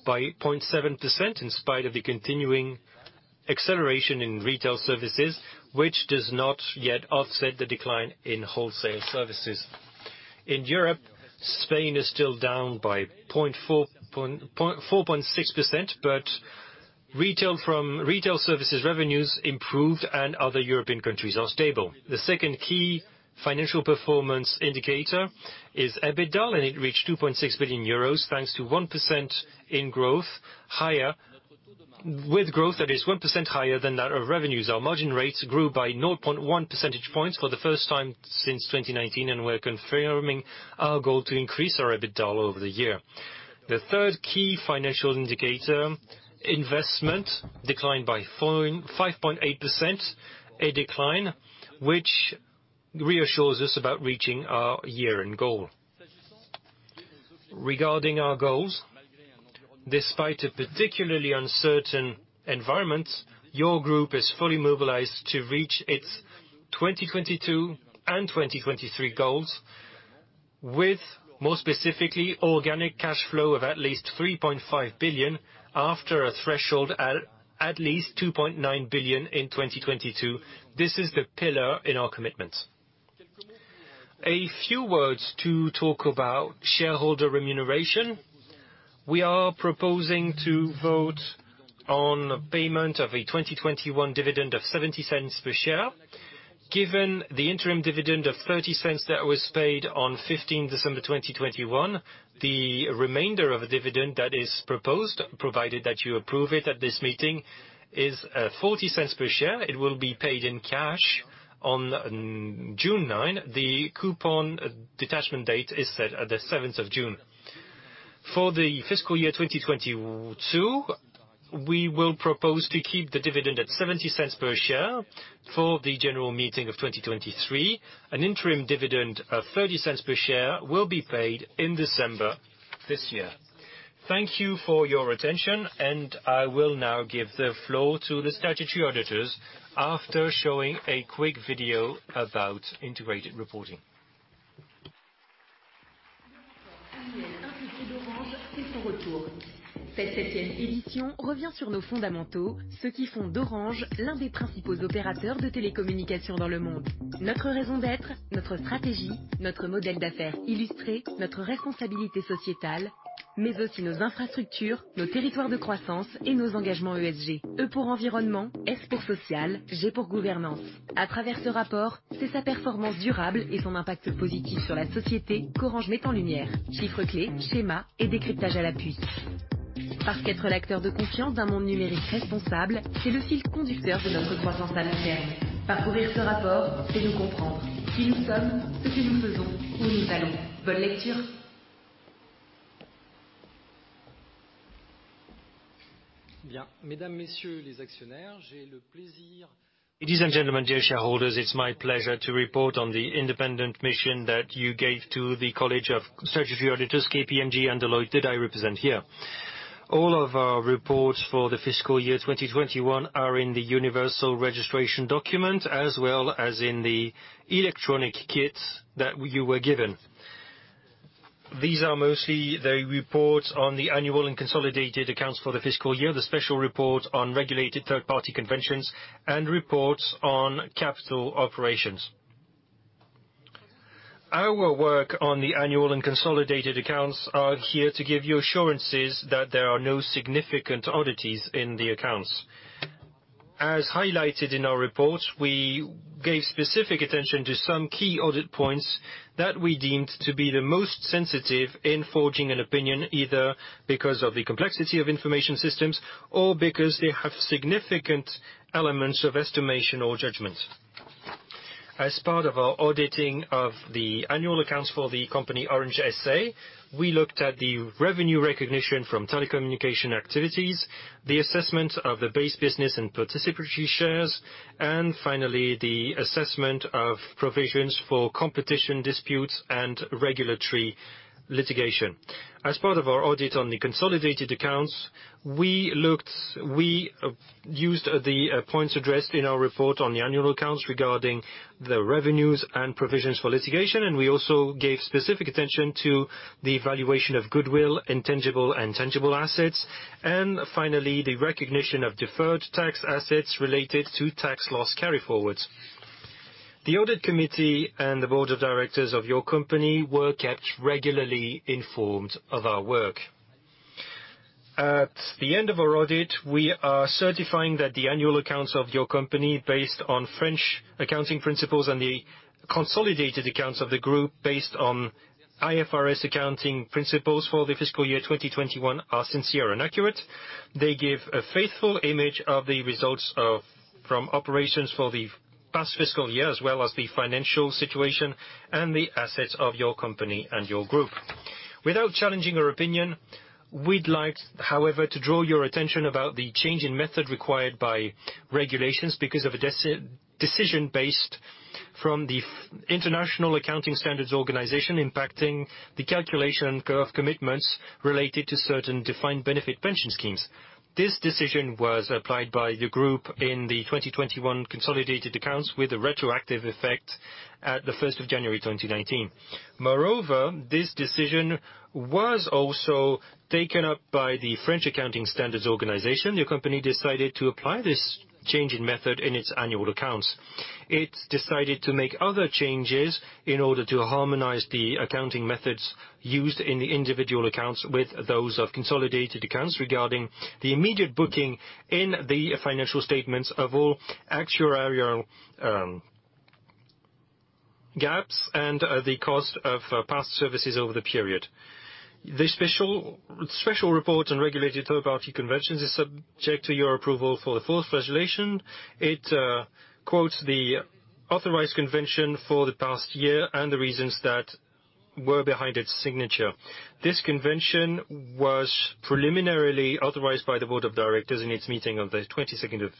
by 0.7% in spite of the continuing acceleration in retail services, which does not yet offset the decline in wholesale services. In Europe, Spain is still down by 4.6%, but retail services revenues improved and other European countries are stable. The second key financial performance indicator is EBITDA, and it reached 2.6 billion euros thanks to 1% higher growth. With growth that is 1% higher than that of revenues, our margin rates grew by 0.1 percentage points for the first time since 2019, and we're confirming our goal to increase our EBITDA over the year. The third key financial indicator, investment, declined by 5.8%, a decline which reassures us about reaching our year-end goal. Regarding our goals, despite a particularly uncertain environment, your group is fully mobilized to reach its 2022 and 2023 goals, with more specifically organic cash flow of at least 3.5 billion after a threshold of at least 2.9 billion in 2022. This is the pillar in our commitments. A few words to talk about shareholder remuneration. We are proposing to vote on payment of a 2021 dividend of 0.70 per share. Given the interim dividend of 0.30 that was paid on 15 December 2021, the remainder of the dividend that is proposed, provided that you approve it at this meeting, is 0.40 per share. It will be paid in cash on June 9. The coupon detachment date is set at 7th of June. For the fiscal year 2022, we will propose to keep the dividend at 0.70 per share. For the general meeting of 2023, an interim dividend of 0.30 per share will be paid in December this year. Thank you for your attention, and I will now give the floor to the statutory auditors after showing a quick video about integrated reporting. Ladies and gentlemen, dear shareholders, it's my pleasure to report on the independent mission that you gave to the College of Statutory Auditors, KPMG, and Deloitte that I represent here. All of our reports for the fiscal year 2021 are in the universal registration document, as well as in the electronic kit that you were given. These are mostly the reports on the annual and consolidated accounts for the fiscal year, the special report on regulated third-party conventions, and reports on capital operations. Our work on the annual and consolidated accounts is here to give you assurances that there are no significant oddities in the accounts. As highlighted in our report, we gave specific attention to some key audit points that we deemed to be the most sensitive in forming an opinion, either because of the complexity of information systems or because they have significant elements of estimation or judgment. As part of our auditing of the annual accounts for the company Orange S.A., we looked at the revenue recognition from telecommunications activities, the assessment of the base business and participatory shares, and finally, the assessment of provisions for competition disputes and regulatory litigation. As part of our audit on the consolidated accounts, we used the points addressed in our report on the annual accounts regarding the revenues and provisions for litigation, and we also gave specific attention to the valuation of goodwill, intangible and tangible assets, and finally, the recognition of deferred tax assets related to tax loss carry-forwards. The Audit Committee and the Board of Directors of your company were kept regularly informed of our work. At the end of our audit, we are certifying that the annual accounts of your company, based on French accounting principles, and the consolidated accounts of the group, based on IFRS accounting principles for the fiscal year 2021, are sincere and accurate. They give a faithful image of the results from operations for the past fiscal year, as well as the financial situation and the assets of your company and your group. Without challenging your opinion, we'd like, however, to draw your attention to the change in method required by regulations because of a decision by the International Accounting Standards organization impacting the calculation of commitments related to certain defined benefit pension schemes. This decision was applied by the group in the 2021 consolidated accounts with a retroactive effect at the 1st of January 2019. Moreover, this decision was also taken up by the French Accounting Standard Organizations. The company decided to apply this change in method in its annual accounts. It decided to make other changes in order to harmonize the accounting methods used in the individual accounts with those of consolidated accounts regarding the immediate booking in the financial statements of all actuarial gaps and the cost of past services over the period. The special report on regulated third-party conventions is subject to your approval for the fourth resolution. It quotes the authorized convention for the past year and the reasons that were behind its signature. This convention was preliminarily authorized by the board of directors in its meeting on the 22nd of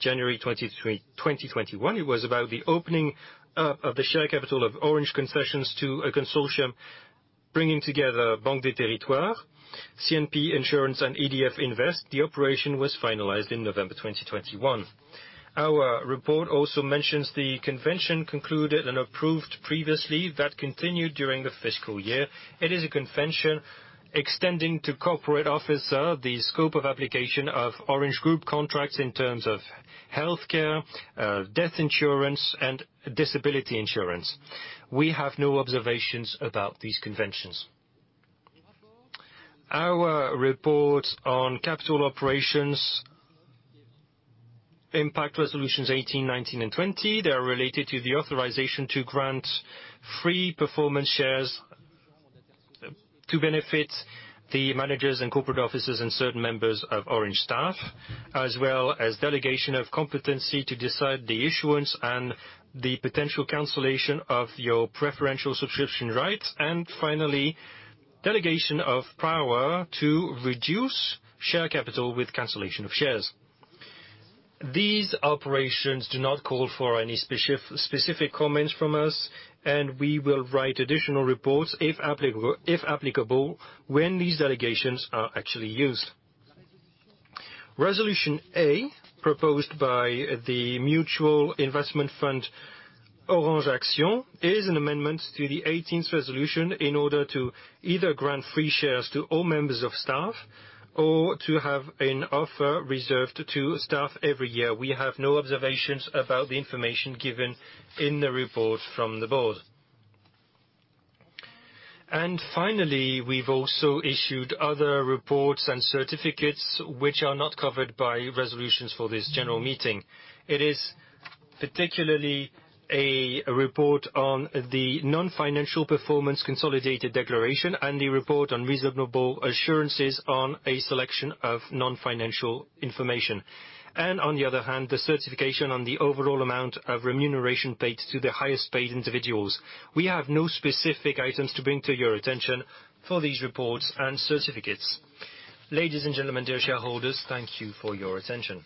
January 2021. It was about the opening of the share capital of Orange Concessions to a consortium bringing together Banque des Territoires, CNP Assurances, and EDF Invest. The operation was finalized in November 2021. Our report also mentions the convention concluded and approved previously that continued during the fiscal year. It is a convention extending to corporate officer the scope of application of Orange Group contracts in terms of healthcare, death insurance, and disability insurance. We have no observations about these conventions. Our report on capital operations impact resolutions 18, 19, and 20. They are related to the authorization to grant free performance shares to benefit the managers and corporate officers and certain members of Orange staff, as well as delegation of competency to decide the issuance and the potential cancellation of your preferential subscription rights, and finally, delegation of power to reduce share capital with cancellation of shares. These operations do not call for any specific comments from us, and we will write additional reports if applicable when these delegations are actually used. Resolution A, proposed by the mutual investment fund Orange Actions, is an amendment to the 18th resolution in order to either grant free shares to all members of staff or to have an offer reserved to staff every year. We have no observations about the information given in the report from the board. Finally, we've also issued other reports and certificates which are not covered by resolutions for this general meeting. It is particularly a report on the non-financial performance consolidated declaration and the report on reasonable assurances on a selection of non-financial information. On the other hand, the certification on the overall amount of remuneration paid to the highest-paid individuals. We have no specific items to bring to your attention for these reports and certificates. Ladies and gentlemen, dear shareholders, thank you for your attention.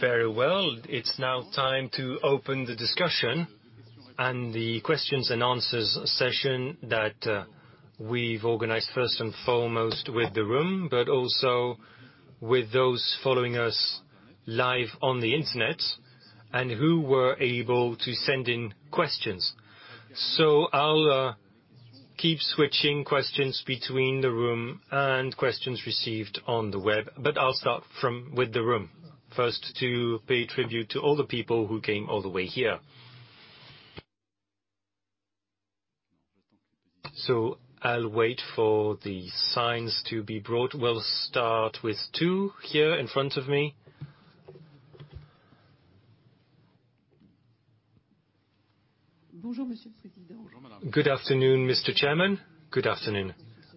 Very well. It's now time to open the discussion and the questions and answers session that we've organized first and foremost with the room, but also with those following us live on the internet and who were able to send in questions. I'll keep switching questions between the room and questions received on the web, but I'll start with the room first to pay tribute to all the people who came all the way here. I'll wait for the signs to be brought. We'll start with two here in front of me. Good afternoon, Mr. Chairman. Good afternoon.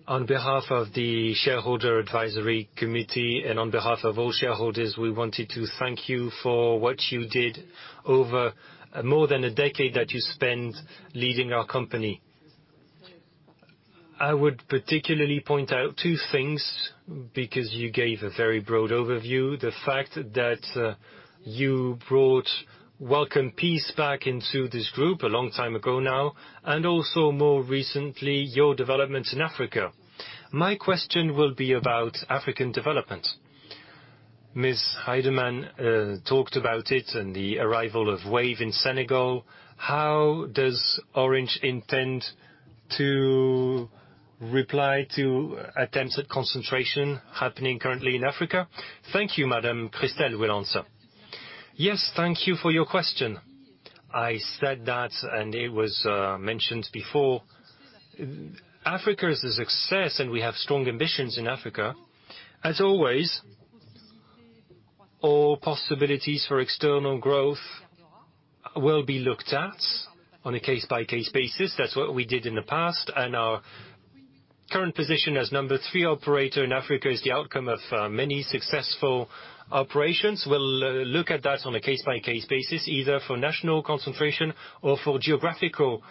On behalf of the Shareholders' Advisory Committee and on behalf of all shareholders, we wanted to thank you for what you did over more than a decade that you spent leading our company. I would particularly point out two things because you gave a very broad overview. The fact that you brought welcome peace back into this group a long time ago now, and also more recently, your development in Africa. My question will be about African development. Ms. Heydemann talked about it and the arrival of Wave in Senegal. How does Orange intend to reply to attempts at concentration happening currently in Africa? Thank you. Madam Christel Heydemann will answer. Yes, thank you for your question. I said that, and it was mentioned before. Africa is a success, and we have strong ambitions in Africa. As always, all possibilities for external growth will be looked at on a case-by-case basis. That's what we did in the past, and our current position as number three operator in Africa is the outcome of many successful operations. We'll look at that on a case-by-case basis, either for national concentration or for geographical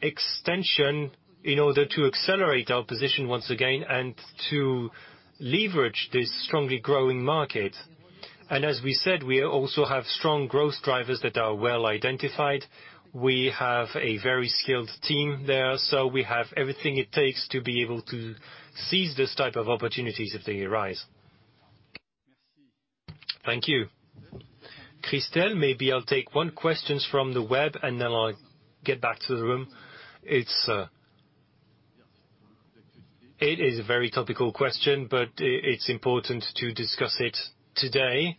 extension in order to accelerate our position once again and to leverage this strongly growing market. As we said, we also have strong growth drivers that are well identified. We have a very skilled team there, so we have everything it takes to be able to seize this type of opportunities if they arise. Thank you. Christel, maybe I'll take one question from the web, and then I'll get back to the room. It's a very topical question, but it's important to discuss it today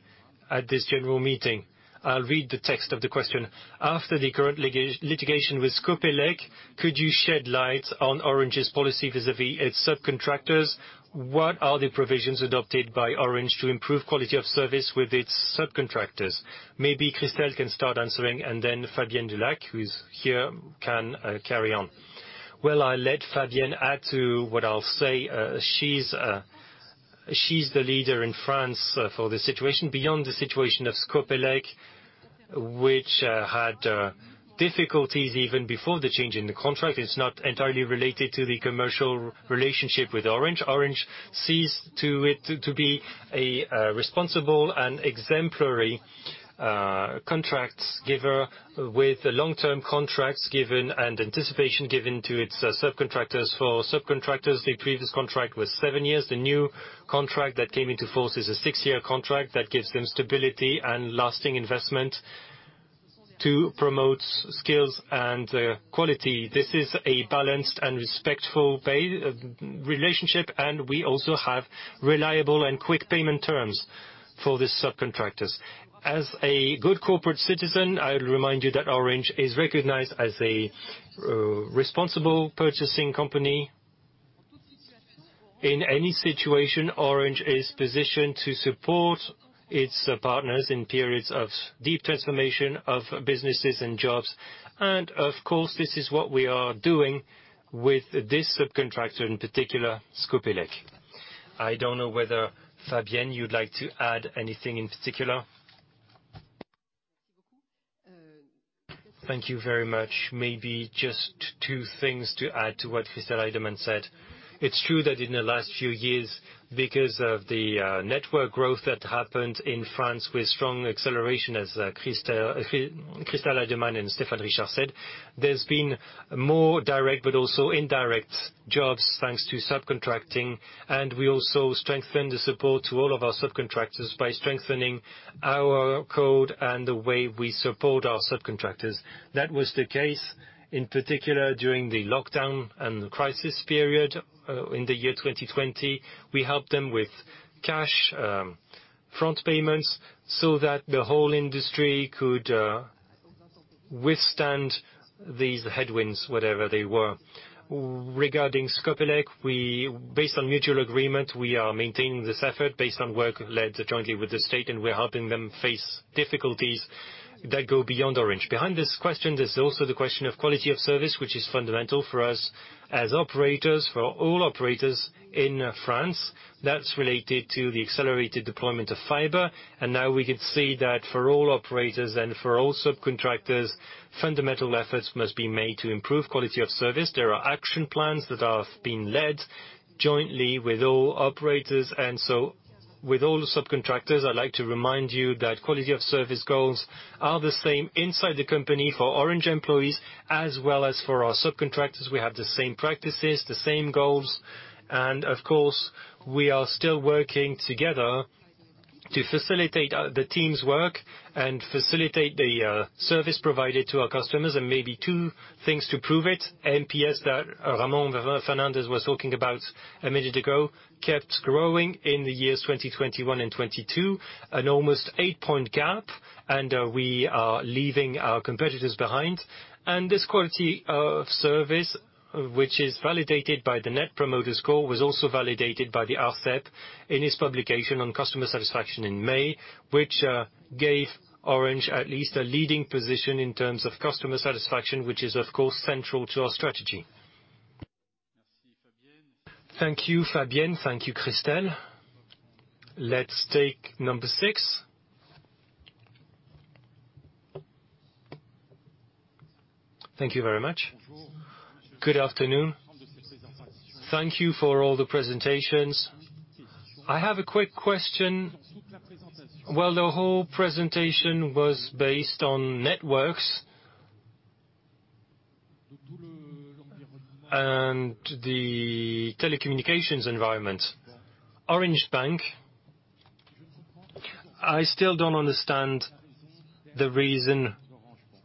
at this general meeting. I'll read the text of the question. After the current litigation with Scopelec, could you shed light on Orange's policy vis-à-vis its subcontractors? What are the provisions adopted by Orange to improve quality of service with its subcontractors? Maybe Christel Heydemann can start answering, and then Fabienne Dulac, who is here, can carry on. Well, I'll let Fabienne add to what I'll say. She's the leader in France for the situation. Beyond the situation of Scopelec, which had difficulties even before the change in the contract, it's not entirely related to the commercial relationship with Orange. Orange seeks to be a responsible and exemplary contract giver with long-term contracts given and anticipation given to its subcontractors. For subcontractors, the previous contract was seven years. The new contract that came into force is a six-year contract that gives them stability and lasting investment to promote skills and quality. This is a balanced and respectful payer relationship, and we also have reliable and quick payment terms for the subcontractors. As a good corporate citizen, I'll remind you that Orange is recognized as a responsible purchasing company. In any situation, Orange is positioned to support its partners in periods of deep transformation of businesses and jobs. Of course, this is what we are doing with this subcontractor, in particular Scopelec. I don't know whether, Fabienne, you'd like to add anything in particular. Thank you very much. Maybe just two things to add to what Christel Heydemann said. It's true that in the last few years, because of the network growth that happened in France with strong acceleration, as Christel Heydemann and Stéphane Richard said, there's been more direct but also indirect jobs thanks to subcontracting, and we also strengthened the support to all of our subcontractors by strengthening our code and the way we support our subcontractors. That was the case in particular during the lockdown and the crisis period in the year 2020. We helped them with cash front payments so that the whole industry could withstand these headwinds, whatever they were. Regarding Scopelec, we are maintaining this effort based on work led jointly with the state, and we're helping them face difficulties that go beyond Orange. Behind this question, there's also the question of quality of service, which is fundamental for us as operators, for all operators in France. That's related to the accelerated deployment of fiber. Now we can see that for all operators and for all subcontractors, fundamental efforts must be made to improve quality of service. There are action plans that have been led jointly with all operators. With all the subcontractors, I'd like to remind you that quality of service goals are the same inside the company for Orange employees as well as for our subcontractors. We have the same practices, the same goals, and of course, we are still working together to facilitate the team's work and facilitate the service provided to our customers. Maybe two things to prove it. NPS that Ramon Fernandez was talking about a minute ago kept growing in the years 2021 and 2022, an almost eight-point gap, and we are leaving our competitors behind. This quality of service, which is validated by the Net Promoter Score, was also validated by the Arcep in its publication on customer satisfaction in May, which gave Orange at least a leading position in terms of customer satisfaction, which is, of course, central to our strategy. Thank you, Fabienne. Thank you, Christel. Let's take number six. Thank you very much. Good afternoon. Thank you for all the presentations. I have a quick question. Well, the whole presentation was based on networks and the telecommunications environment. Orange Bank, I still don't understand the reason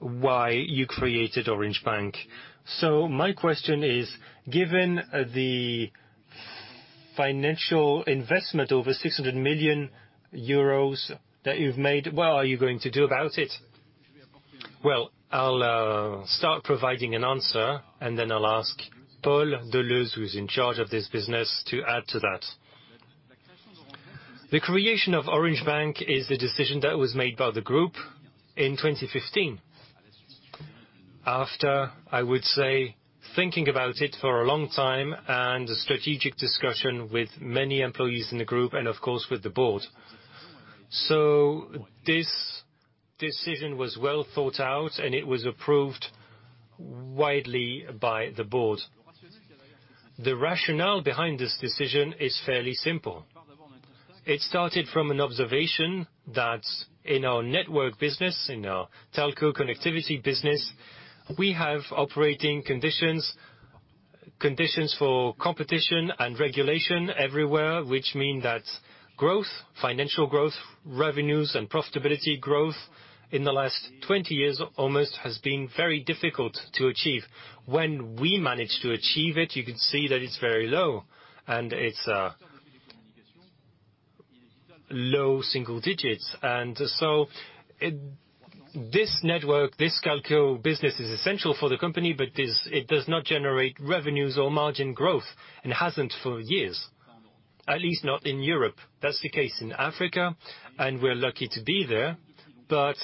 why you created Orange Bank. So my question is, given the financial investment, over 600 million euros, that you've made, what are you going to do about it? Well, I'll start providing an answer, and then I'll ask Paul de Leusse, who's in charge of this business, to add to that. The creation of Orange Bank is a decision that was made by the group in 2015. After, I would say, thinking about it for a long time and a strategic discussion with many employees in the group and of course with the board. This decision was well thought out, and it was approved widely by the board. The rationale behind this decision is fairly simple. It started from an observation that in our network business, in our telco connectivity business, we have operating conditions for competition and regulation everywhere, which mean that growth, financial growth, revenues and profitability growth in the last 20 years almost has been very difficult to achieve. When we manage to achieve it, you can see that it's very low, and it's low single digits. This network, this telco business is essential for the company, but it does not generate revenues or margin growth and hasn't for years, at least not in Europe. That's the case in Africa, and we're lucky to be there, but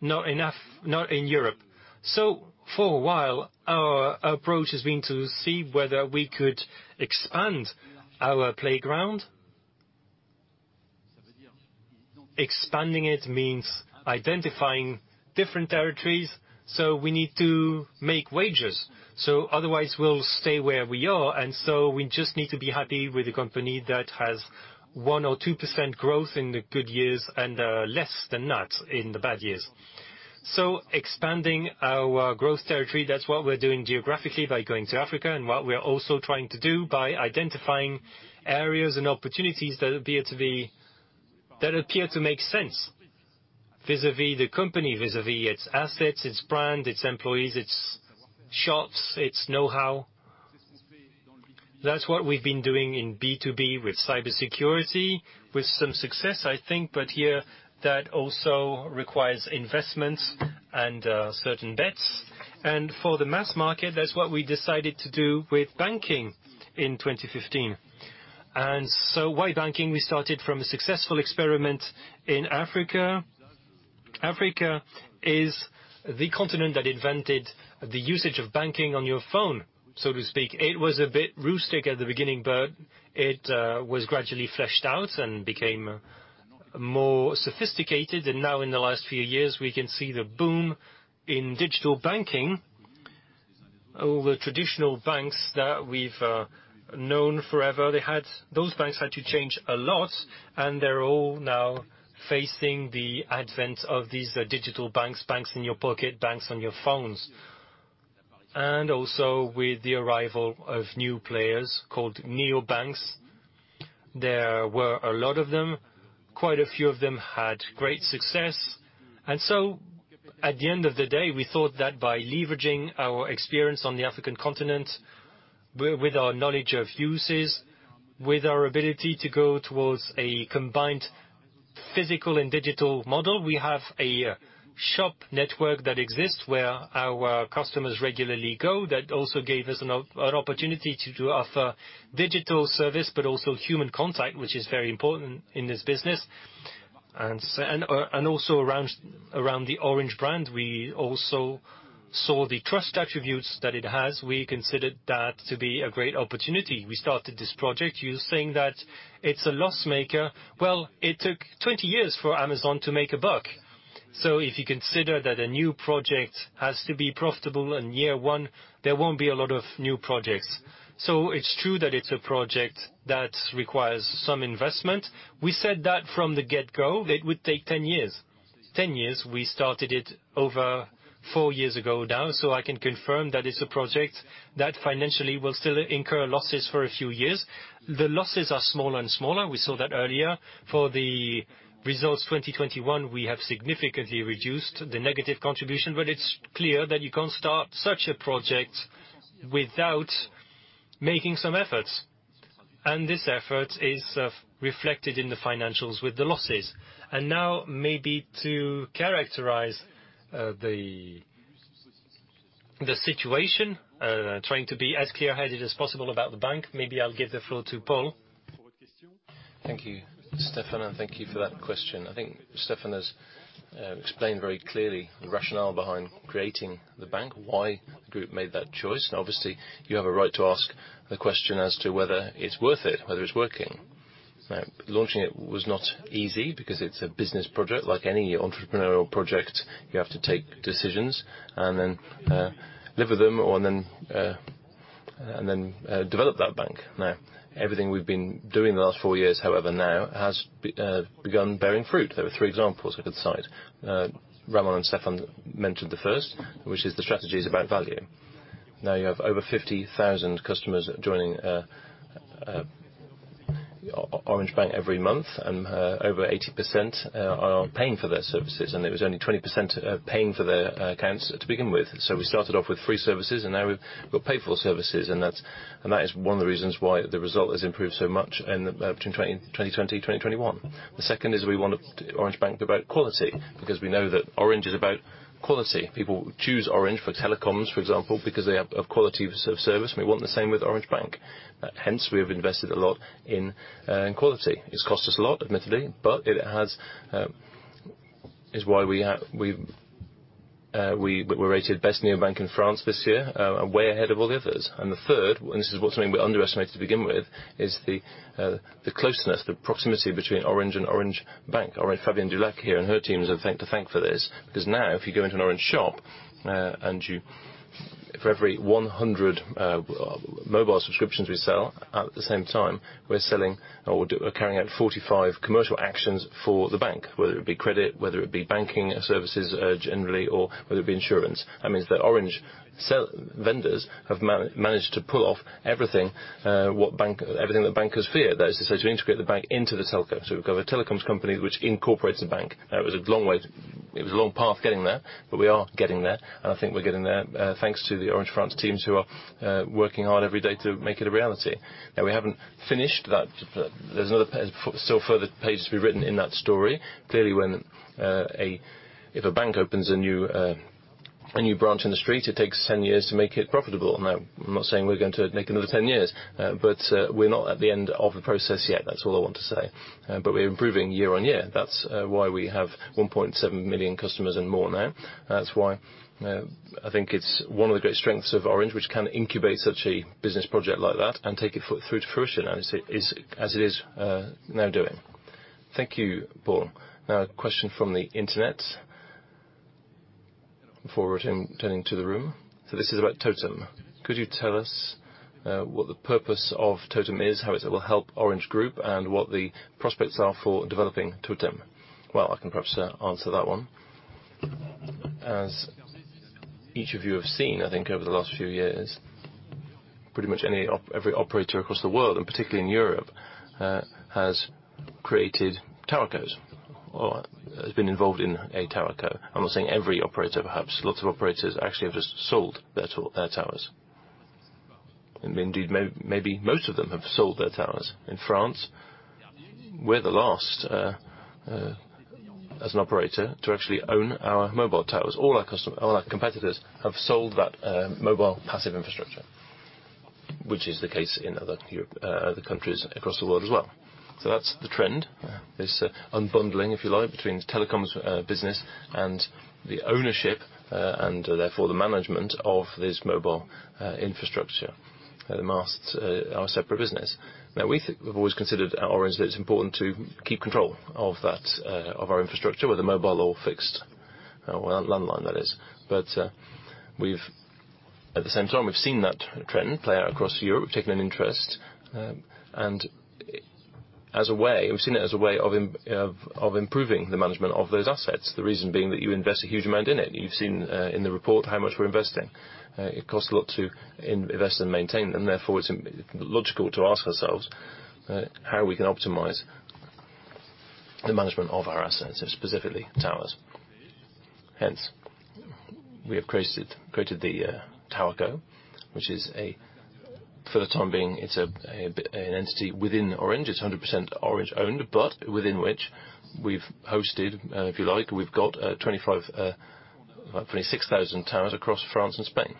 not enough, not in Europe. For a while, our approach has been to see whether we could expand our playground. Expanding it means identifying different territories, so we need to make wagers. Otherwise we'll stay where we are, and so we just need to be happy with the company that has 1% or 2% growth in the good years and less than that in the bad years. Expanding our growth territory, that's what we're doing geographically by going to Africa and what we are also trying to do by identifying areas and opportunities that appear to make sense vis-à-vis the company, vis-à-vis its assets, its brand, its employees, its shops, its know-how. That's what we've been doing in B2B with cybersecurity, with some success, I think. Here that also requires investments and certain bets. For the mass market, that's what we decided to do with banking in 2015. Why banking? We started from a successful experiment in Africa. Africa is the continent that invented the usage of banking on your phone, so to speak. It was a bit rustic at the beginning, but it was gradually fleshed out and became more sophisticated. Now in the last few years we can see the boom in digital banking. All the traditional banks that we've known forever, those banks had to change a lot, and they're all now facing the advent of these digital banks in your pocket, banks on your phones. Also with the arrival of new players called neobanks. There were a lot of them. Quite a few of them had great success. At the end of the day, we thought that by leveraging our experience on the African continent with our knowledge of uses, with our ability to go towards a combined physical and digital model, we have a shop network that exists where our customers regularly go. That also gave us an opportunity to offer digital service, but also human contact, which is very important in this business. And also around the Orange brand, we also saw the trust attributes that it has. We considered that to be a great opportunity. We started this project. You're saying that it's a loss maker. Well, it took 20 years for Amazon to make a buck. If you consider that a new project has to be profitable in year one, there won't be a lot of new projects. It's true that it's a project that requires some investment. We said that from the get-go, it would take 10 years. 10 years, we started it over four years ago now, so I can confirm that it's a project that financially will still incur losses for a few years. The losses are smaller and smaller. We saw that earlier. For the results 2021, we have significantly reduced the negative contribution, but it's clear that you can't start such a project without making some efforts. This effort is reflected in the financials with the losses. Now maybe to characterize the situation, trying to be as clear-headed as possible about the bank, maybe I'll give the floor to Paul. Thank you, Stéphane, and thank you for that question. I think Stéphane has explained very clearly the rationale behind creating the bank, why the group made that choice. Obviously you have a right to ask the question as to whether it's worth it, whether it's working. Now, launching it was not easy because it's a business project. Like any entrepreneurial project, you have to take decisions and then live with them and then develop that bank. Now, everything we've been doing the last four years, however, has begun bearing fruit. There are three examples I could cite. Ramon and Stéphane mentioned the first, which is the strategy is about value. Now you have over 50,000 customers joining Orange Bank every month, and over 80% are paying for their services, and it was only 20% paying for their accounts to begin with. We started off with free services, and now we've got paid for services. That is one of the reasons why the result has improved so much between 2020 and 2021. The second is we want Orange Bank about quality because we know that Orange is about quality. People choose Orange for telecoms, for example, because they have a quality of service. We want the same with Orange Bank. Hence, we have invested a lot in quality. It's cost us a lot, admittedly, but it is why we're rated best neobank in France this year, way ahead of all the others. The third, this is something we underestimated to begin with, is the closeness, the proximity between Orange and Orange Bank. Fabienne Dulac here and her teams we have to thank for this, because now if you go into an Orange shop, for every 100 mobile subscriptions we sell, at the same time, we're selling or carrying out 45 commercial actions for the bank, whether it be credit, whether it be banking services, generally, or whether it be insurance. That means that Orange vendors have managed to pull off everything that bankers fear. That is, to integrate the bank into the telco. We've got a telecom company which incorporates the bank. It was a long way. It was a long path getting there, but we are getting there. I think we're getting there, thanks to the Orange France teams who are working hard every day to make it a reality. We haven't finished. There's another page still further pages to be written in that story. Clearly, if a bank opens a new branch in the street, it takes 10 years to make it profitable. I'm not saying we're going to take another 10 years, but we're not at the end of the process yet. That's all I want to say. We're improving year-on-year. That's why we have 1.7 million customers and more now. That's why, I think it's one of the great strengths of Orange, which can incubate such a business project like that and take it through to fruition as it is, now doing. Thank you, Paul. Now a question from the Internet before returning to the room. So this is about TOTEM. Could you tell us, what the purpose of TOTEM is, how it will help Orange Group, and what the prospects are for developing TOTEM? Well, I can perhaps answer that one. As each of you have seen, I think, over the last few years, pretty much every operator across the world, and particularly in Europe, has created TowerCos or has been involved in a TowerCo. I'm not saying every operator, perhaps. Lots of operators actually have just sold their towers. Indeed, maybe most of them have sold their towers. In France, we're the last as an operator to actually own our mobile towers. All our competitors have sold that mobile passive infrastructure, which is the case in other European countries across the world as well. That's the trend. This unbundling, if you like, between the telecoms business and the ownership and therefore the management of this mobile infrastructure. The masts are a separate business. Now, we've always considered at Orange that it's important to keep control of that of our infrastructure, whether mobile or fixed, well, landline, that is. At the same time, we've seen that trend play out across Europe. We've taken an interest. As a way, we've seen it as a way of improving the management of those assets. The reason being that you invest a huge amount in it. You've seen in the report how much we're investing. It costs a lot to invest and maintain them. Therefore, it's logical to ask ourselves how we can optimize the management of our assets, specifically towers. Hence, we have created TOTEM, which is, for the time being, an entity within Orange. It's 100% Orange-owned, but within which we've hosted, if you like, we've got 25-26,000 towers across France and Spain.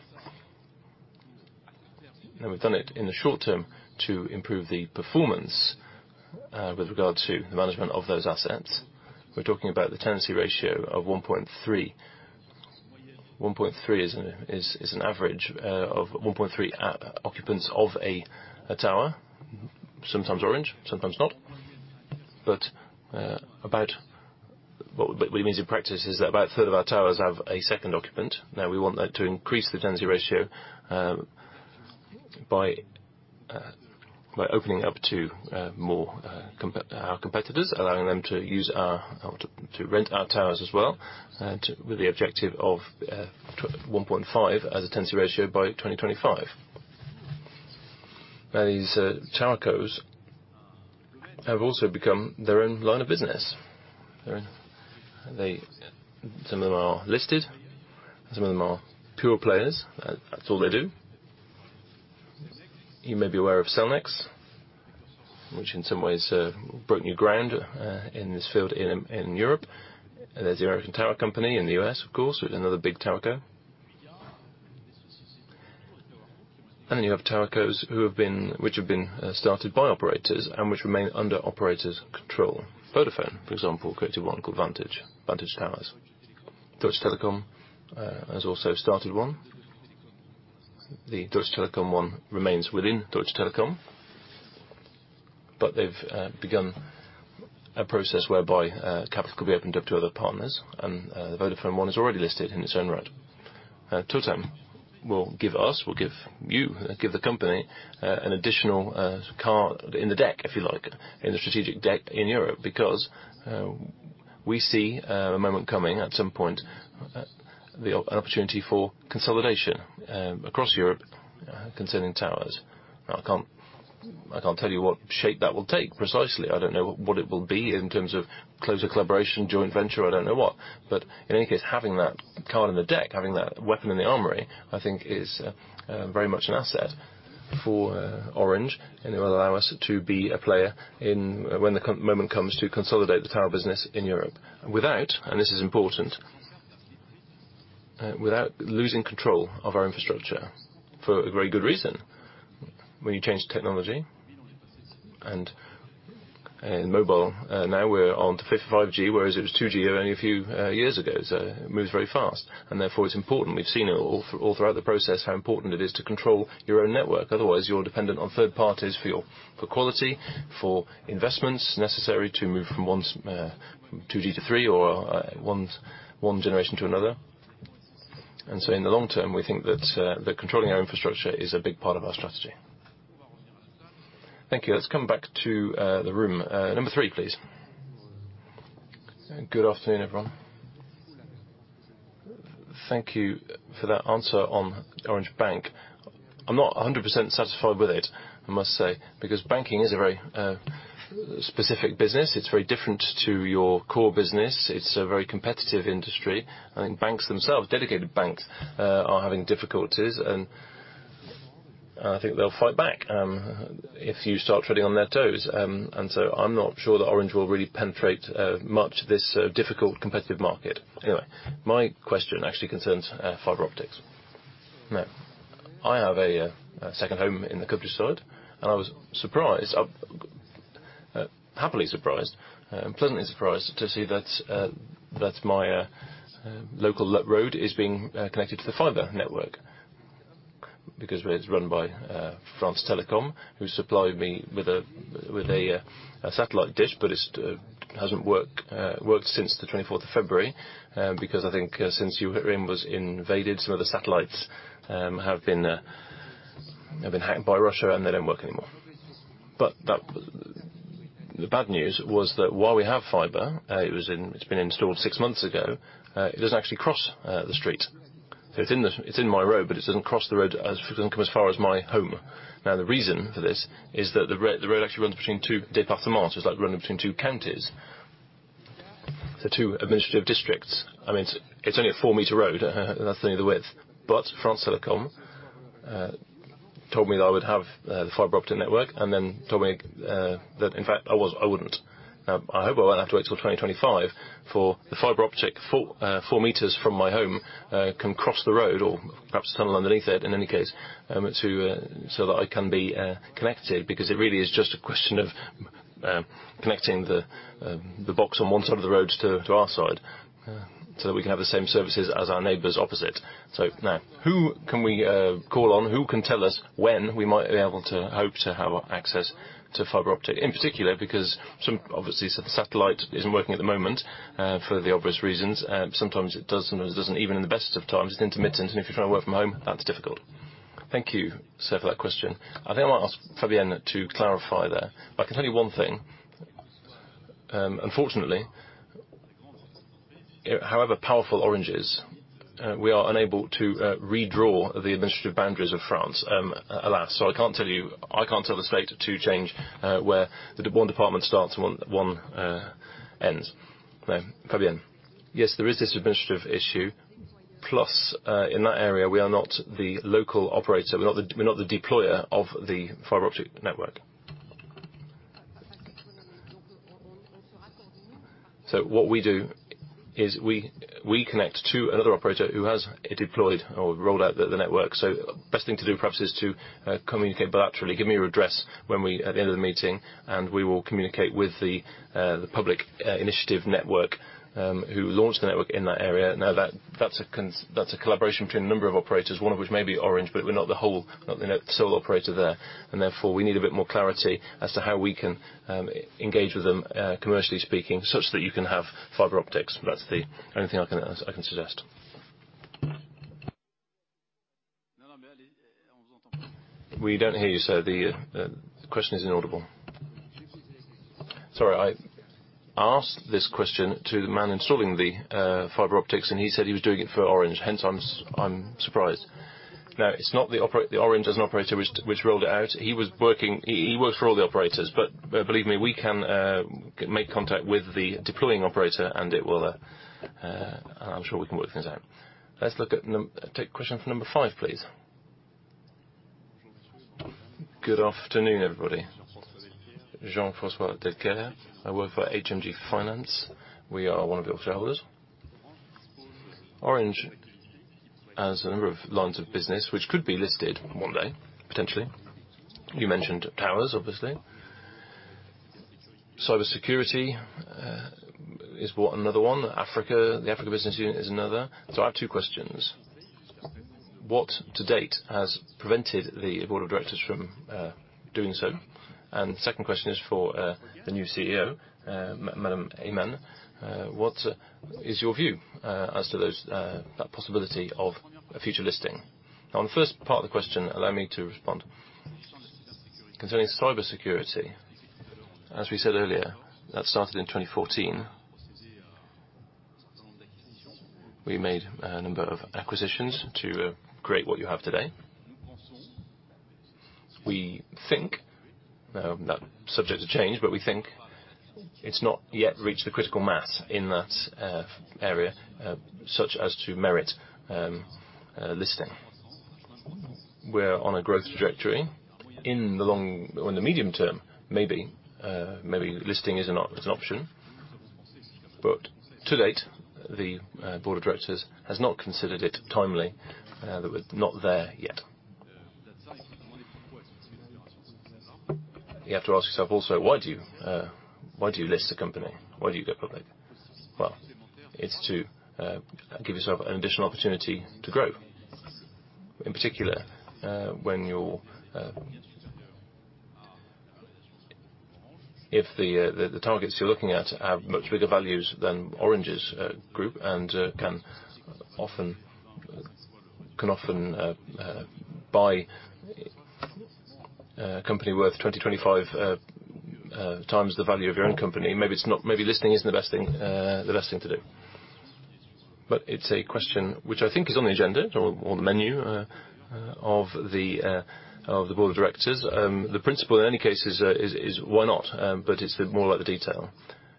Now, we've done it in the short term to improve the performance with regard to the management of those assets. We're talking about the tenancy ratio of 1.3. 1.3 is an average of 1.3 occupants of a tower. Sometimes Orange, sometimes not. What it means in practice is that about a third of our towers have a second occupant. We want that to increase the tenancy ratio by opening it up to more competitors, allowing them to rent our towers as well, with the objective of 1.5 as a tenancy ratio by 2025. These TowerCos have also become their own line of business. Some of them are listed, some of them are pure players. That's all they do. You may be aware of Cellnex, which in some ways broke new ground in this field in Europe. There's the American Tower Company in the U.S., of course, with another big TowerCo. Then you have TowerCos which have been started by operators and which remain under operators' control. Vodafone, for example, created one called Vantage Towers. Deutsche Telekom has also started one. The Deutsche Telekom one remains within Deutsche Telekom, but they've begun a process whereby capital could be opened up to other partners, and the Vodafone one is already listed in its own right. TOTEM will give the company an additional card in the deck, if you like, in the strategic deck in Europe, because we see a moment coming at some point, an opportunity for consolidation across Europe concerning towers. I can't tell you what shape that will take precisely. I don't know what it will be in terms of closer collaboration, joint venture, I don't know what. In any case, having that card in the deck, having that weapon in the armory, I think is very much an asset for Orange, and it will allow us to be a player when the moment comes to consolidate the tower business in Europe. Without, and this is important, without losing control of our infrastructure for a very good reason. When you change technology, and mobile, now we're onto 5G, whereas it was 2G only a few years ago. It moves very fast, and therefore it's important. We've seen it all throughout the process how important it is to control your own network, otherwise you're dependent on third parties for your, for quality, for investments necessary to move from 2G to 3G, one generation to another. In the long term, we think that controlling our infrastructure is a big part of our strategy. Thank you. Let's come back to the room. Number three, please. Good afternoon, everyone. Thank you for that answer on Orange Bank. I'm not 100% satisfied with it, I must say, because banking is a very specific business. It's very different to your core business. It's a very competitive industry, and banks themselves, dedicated banks, are having difficulties. I think they'll fight back if you start treading on their toes. I'm not sure that Orange will really penetrate much this difficult, competitive market. Anyway. My question actually concerns fiber optics. Now, I have a second home in the Côte d'Azur, and I was surprised, happily surprised, pleasantly surprised to see that my local road is being connected to the fiber network. Because it's run by France Télécom, who supplied me with a satellite dish, but it hasn't worked since the 24th of February. Because I think since Ukraine was invaded, some of the satellites have been hacked by Russia, and they don't work anymore. But the bad news was that while we have fiber, it's been installed six months ago, it doesn't actually cross the street. It's in my road, but it doesn't cross the road. It doesn't come as far as my home. Now, the reason for this is that the road actually runs between two départements. It's like running between two counties. The two administrative districts. I mean, it's only a 4 m road and that's only the width. France Télécom told me that I would have the fiber optic network and then told me that in fact I wouldn't. I hope I won't have to wait till 2025 for the fiber optic for 4 m from my home can cross the road or perhaps tunnel underneath it in any case to so that I can be connected because it really is just a question of connecting the box on one side of the road to our side so that we can have the same services as our neighbors opposite. Now, who can we call on? Who can tell us when we might be able to hope to have access to fiber optic? In particular, because some, obviously the satellite isn't working at the moment for the obvious reasons. Sometimes it does, sometimes it doesn't. Even in the best of times, it's intermittent, and if you're trying to work from home, that's difficult. Thank you, sir, for that question. I think I might ask Fabienne to clarify that. I can tell you one thing. Unfortunately, however powerful Orange is, we are unable to redraw the administrative boundaries of France, alas. I can't tell you, I can't tell the state to change where the one department starts and one ends. Now, Fabienne. Yes, there is this administrative issue, plus in that area we are not the local operator. We're not the deployer of the fiber optic network. What we do is we connect to another operator who has deployed or rolled out the network. Best thing to do, perhaps, is to communicate bilaterally. Give me your address when we at the end of the meeting, and we will communicate with the Public Initiative Network who launched the network in that area. That's a collaboration between a number of operators, one of which may be Orange, but we're not the whole, the sole operator there. Therefore, we need a bit more clarity as to how we can engage with them commercially speaking, such that you can have fiber optics. That's the only thing I can suggest. We don't hear you, sir. The question is inaudible. Sorry. I asked this question to the man installing the fiber optics, and he said he was doing it for Orange. Hence I'm surprised. No, it's not the Orange as an operator which rolled it out. He was working. He works for all the operators. Believe me, we can make contact with the deploying operator, and it will. I'm sure we can work things out. Let's take question from number five, please. Good afternoon, everybody. Jean-François Delcaire. I work for HMG Finance. We are one of your shareholders. Orange has a number of lines of business which could be listed one day, potentially. You mentioned towers, obviously. Cybersecurity is another one. Africa, the Africa business unit is another. I have two questions. What to date has prevented the board of directors from doing so? Second question is for the new CEO, Madam Heydemann. What is your view as to those that possibility of a future listing? On the first part of the question, allow me to respond. Concerning cybersecurity, as we said earlier, that started in 2014. We made a number of acquisitions to create what you have today. We think that subjects have changed, but we think it's not yet reached the critical mass in that area such as to merit a listing. We're on a growth trajectory. In the long, or in the medium term, maybe listing is an option. To date, the board of directors has not considered it timely that we're not there yet. You have to ask yourself also, why do you list the company? Why do you go public? Well, it's to give yourself an additional opportunity to grow. In particular, if the targets you're looking at have much bigger values than Orange's group and can often buy a company worth 25 times the value of your own company, maybe listing isn't the best thing to do. It's a question which I think is on the agenda or the menu of the board of directors. The principle in any case is why not? It's more like the detail.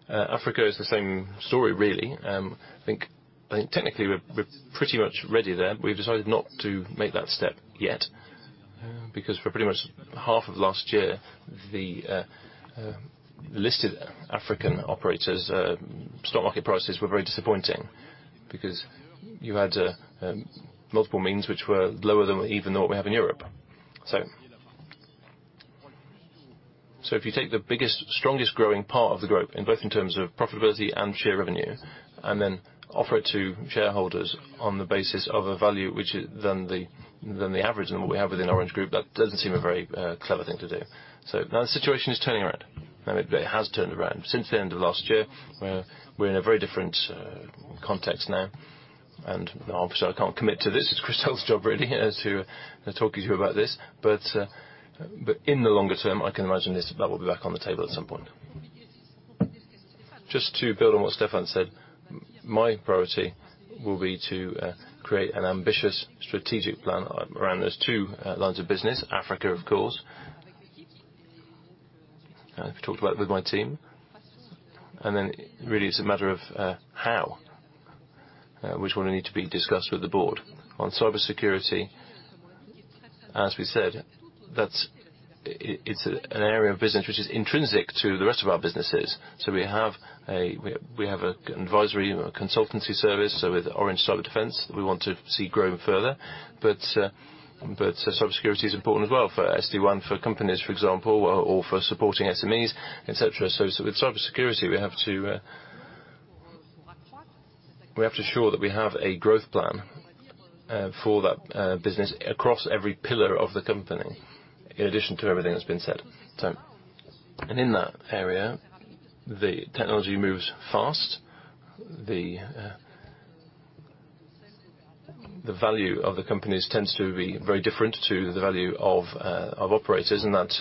Africa is the same story really. I think technically we're pretty much ready there. We've decided not to make that step yet, because for pretty much half of last year, the listed African operators' stock market prices were very disappointing because you had multiples which were lower than even what we have in Europe. If you take the biggest, strongest growing part of the group, in terms of profitability and revenue share, and then offer it to shareholders on the basis of a value which is lower than the average of what we have within Orange Group, that doesn't seem a very clever thing to do. Now the situation is turning around, and it has turned around. Since the end of last year, we're in a very different context now, and obviously I can't commit to this. It's Christel's job really to talk to you about this. In the longer term, I can imagine this, that will be back on the table at some point. Just to build on what Stéphane said, my priority will be to create an ambitious strategic plan around those two lines of business. Africa, of course, I've talked about with my team, and then really it's a matter of which will need to be discussed with the board. On cybersecurity, as we said, that's. It's an area of business which is intrinsic to the rest of our businesses. We have a advisory consultancy service, so with Orange Cyberdefense, we want to see growing further. Cybersecurity is important as well for SD-WAN, for companies, for example, or for supporting SMEs, et cetera. With cybersecurity, we have to ensure that we have a growth plan for that business across every pillar of the company, in addition to everything that's been said. In that area, the technology moves fast. The value of the companies tends to be very different to the value of operators, and that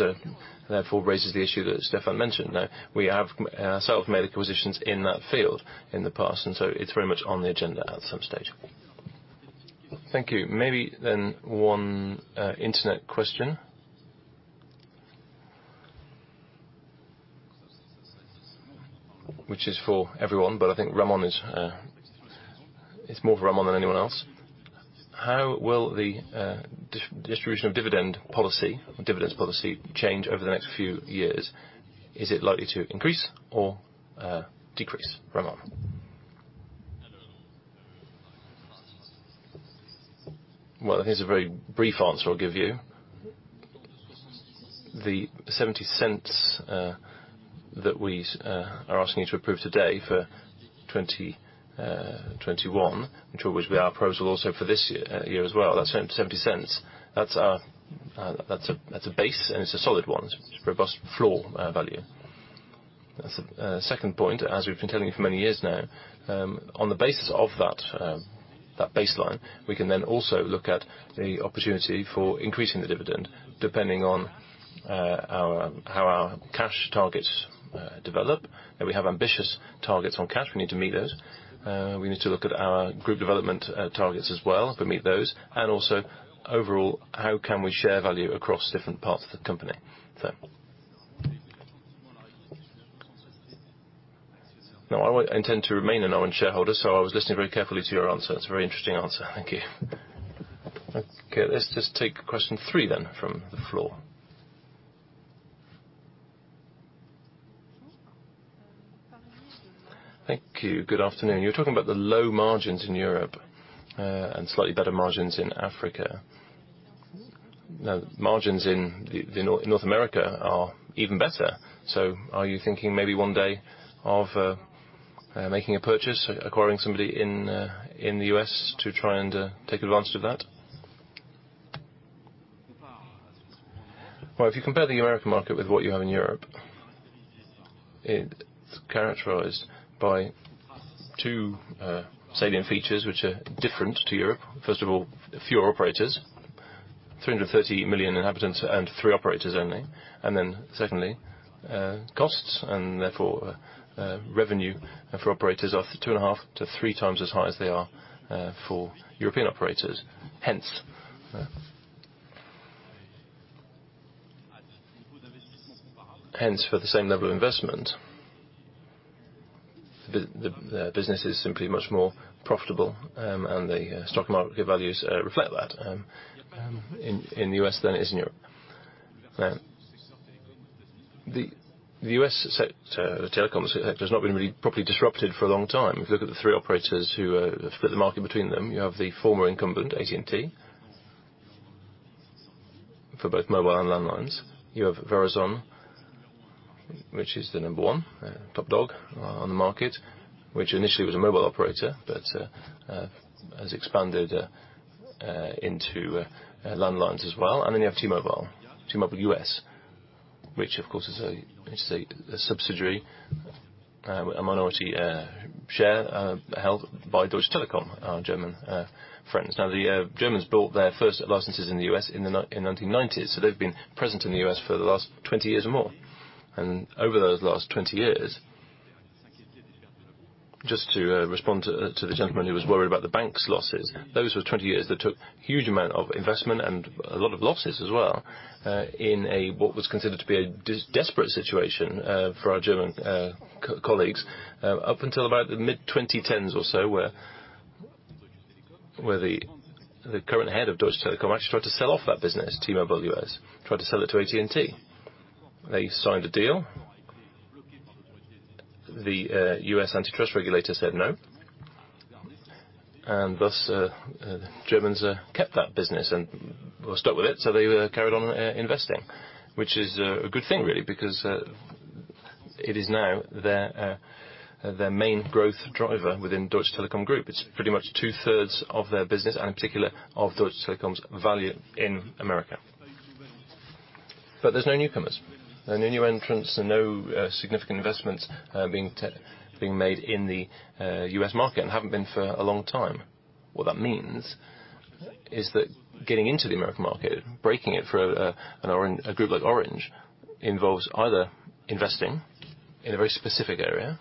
therefore raises the issue that Stéphane mentioned. Now, we have ourselves made acquisitions in that field in the past, and it's very much on the agenda at some stage. Thank you. Maybe then one internet question. Which is for everyone, but I think it's more for Ramon than anyone else. How will the distribution of dividends policy change over the next few years? Is it likely to increase or decrease, Ramon? Well, I think it's a very brief answer I'll give you. The 0.70 that we are asking you to approve today for 2021, which will be our proposal also for this year as well. That EUR 0.70, that's a base, and it's a solid one. It's a robust floor value. That's it. Second point, as we've been telling you for many years now, on the basis of that baseline, we can then also look at the opportunity for increasing the dividend depending on how our cash targets develop. We have ambitious targets on cash. We need to meet those. We need to look at our group development targets as well to meet those, and also overall, how can we share value across different parts of the company? No, I intend to remain an Orange shareholder, so I was listening very carefully to your answer. It's a very interesting answer. Thank you. Okay, let's just take question three then from the floor. Thank you. Good afternoon. You're talking about the low margins in Europe and slightly better margins in Africa. Now, margins in North America are even better. Are you thinking maybe one day of making a purchase, acquiring somebody in the U.S. to try and take advantage of that? Well, if you compare the American market with what you have in Europe, it's characterized by two salient features which are different to Europe. First of all, fewer operators, 330 million inhabitants and three operators only. Secondly, costs, and therefore, revenue for operators are 2.5-3x as high as they are for European operators. Hence, for the same level of investment, the business is simply much more profitable, and the stock market values reflect that in the U.S. than it is in Europe. The U.S. sector, the telecoms sector, has not been really properly disrupted for a long time. If you look at the three operators who have split the market between them, you have the former incumbent, AT&T, for both mobile and landlines. You have Verizon, which is the number one, top dog on the market, which initially was a mobile operator, but has expanded into landlines as well. You have T-Mobile. T-Mobile U.S., which of course is a subsidiary, a minority share held by Deutsche Telekom, our German friends. Now, the Germans bought their first licenses in the U.S. in the 1990s, so they've been present in the U.S. for the last 20 years or more. Over those last 20 years, just to respond to the gentleman who was worried about the bank's losses, those were 20 years that took huge amount of investment and a lot of losses as well, in a what was considered to be a desperate situation, for our German colleagues, up until about the mid-2010s or so, where the current head of Deutsche Telekom actually tried to sell off that business, T-Mobile U.S. Tried to sell it to AT&T. They signed a deal. The U.S. antitrust regulator said no. Thus, the Germans kept that business and, well, stuck with it, so they carried on investing. Which is a good thing, really, because it is now their main growth driver within Deutsche Telekom Group. It's pretty much 2/3 of their business, and in particular, of Deutsche Telekom's value in America. There's no newcomers. There are no new entrants. There are no significant investments being made in the U.S. market, and haven't been for a long time. What that means is that getting into the American market, breaking it for an Orange, a group like Orange, involves either investing in a very specific area,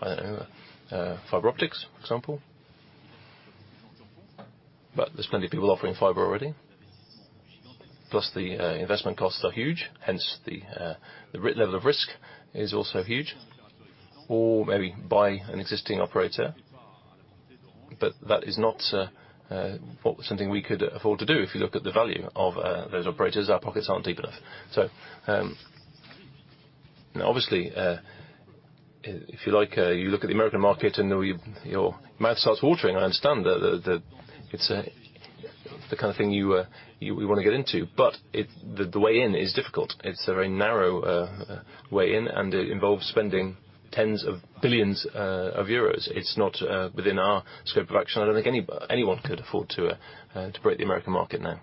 I don't know, fiber optics, for example. There's plenty of people offering fiber already. The investment costs are huge, hence the level of risk is also huge. Maybe buy an existing operator, but that is not something we could afford to do. If you look at the value of those operators, our pockets aren't deep enough. Now obviously, if you like, you look at the American market and your mouth starts watering, I understand. It's the kind of thing you want to get into. The way in is difficult. It's a very narrow way in, and it involves spending tens of billions of euros. It's not within our scope of action. I don't think anyone could afford to break the American market now.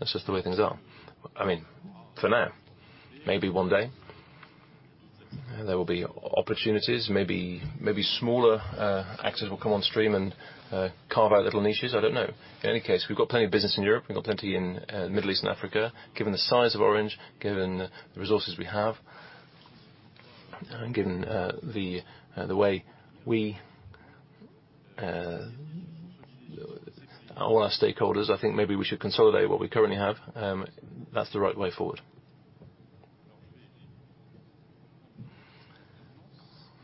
That's just the way things are. I mean, for now. Maybe one day there will be opportunities. Maybe smaller actors will come on stream and carve out little niches. I don't know. In any case, we've got plenty of business in Europe. We've got plenty in Middle East and Africa. Given the size of Orange, given the resources we have, and given the way we all our stakeholders, I think maybe we should consolidate what we currently have. That's the right way forward.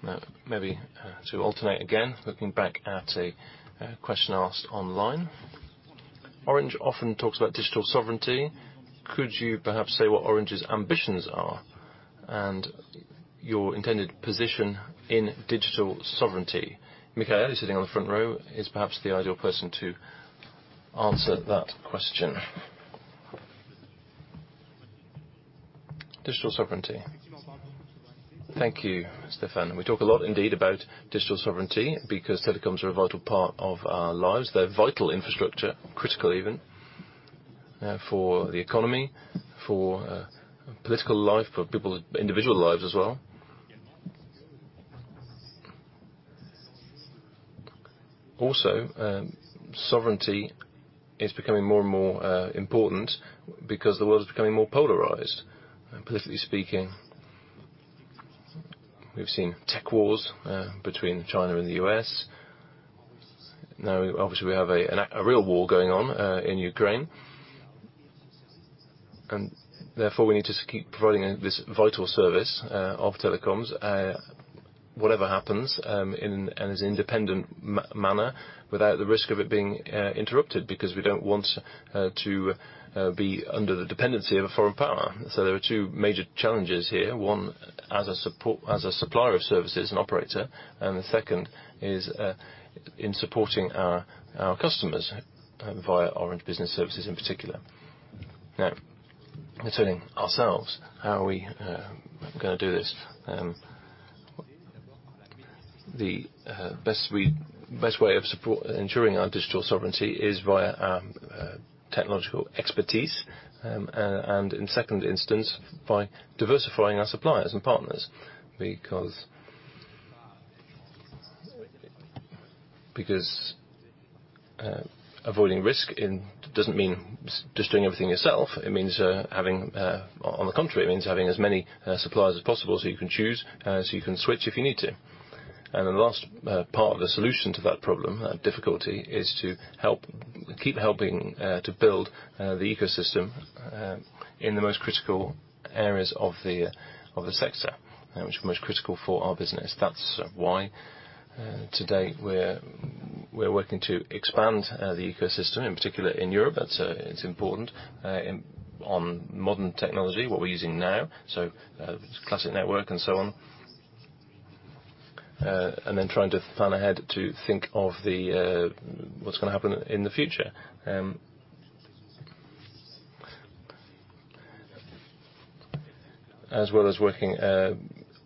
Now, maybe to alternate again, looking back at a question asked online. Orange often talks about digital sovereignty. Could you perhaps say what Orange's ambitions are and your intended position in digital sovereignty? Michaël, who's sitting on the front row, is perhaps the ideal person to answer that question. Digital sovereignty. Thank you, Stéphane. We talk a lot indeed about digital sovereignty because telecoms are a vital part of our lives. They're vital infrastructure, critical even, for the economy, for political life, for people's individual lives as well. Also, sovereignty is becoming more and more important because the world is becoming more polarized, politically speaking. We've seen tech wars between China and the U.S. Now, obviously, we have a real war going on in Ukraine. Therefore, we need to keep providing this vital service of telecoms whatever happens, in an independent manner, without the risk of it being interrupted, because we don't want to be under the dependency of a foreign power. There are two major challenges here. One, as a support, as a supplier of services and operator, and the second is in supporting our customers via Orange Business Services in particular. Now, returning ourselves, how are we gonna do this? The best way of support, ensuring our digital sovereignty is via our technological expertise and in second instance, by diversifying our suppliers and partners. Because avoiding risk in doesn't mean just doing everything yourself. It means On the contrary, it means having as many suppliers as possible so you can choose so you can switch if you need to. The last part of the solution to that problem, difficulty, is to help keep helping to build the ecosystem in the most critical areas of the sector which are most critical for our business. That's why today we're working to expand the ecosystem, in particular in Europe. That's it. It's important on modern technology, what we're using now. Classic network and so on. Then trying to plan ahead to think of the what's gonna happen in the future. As well as working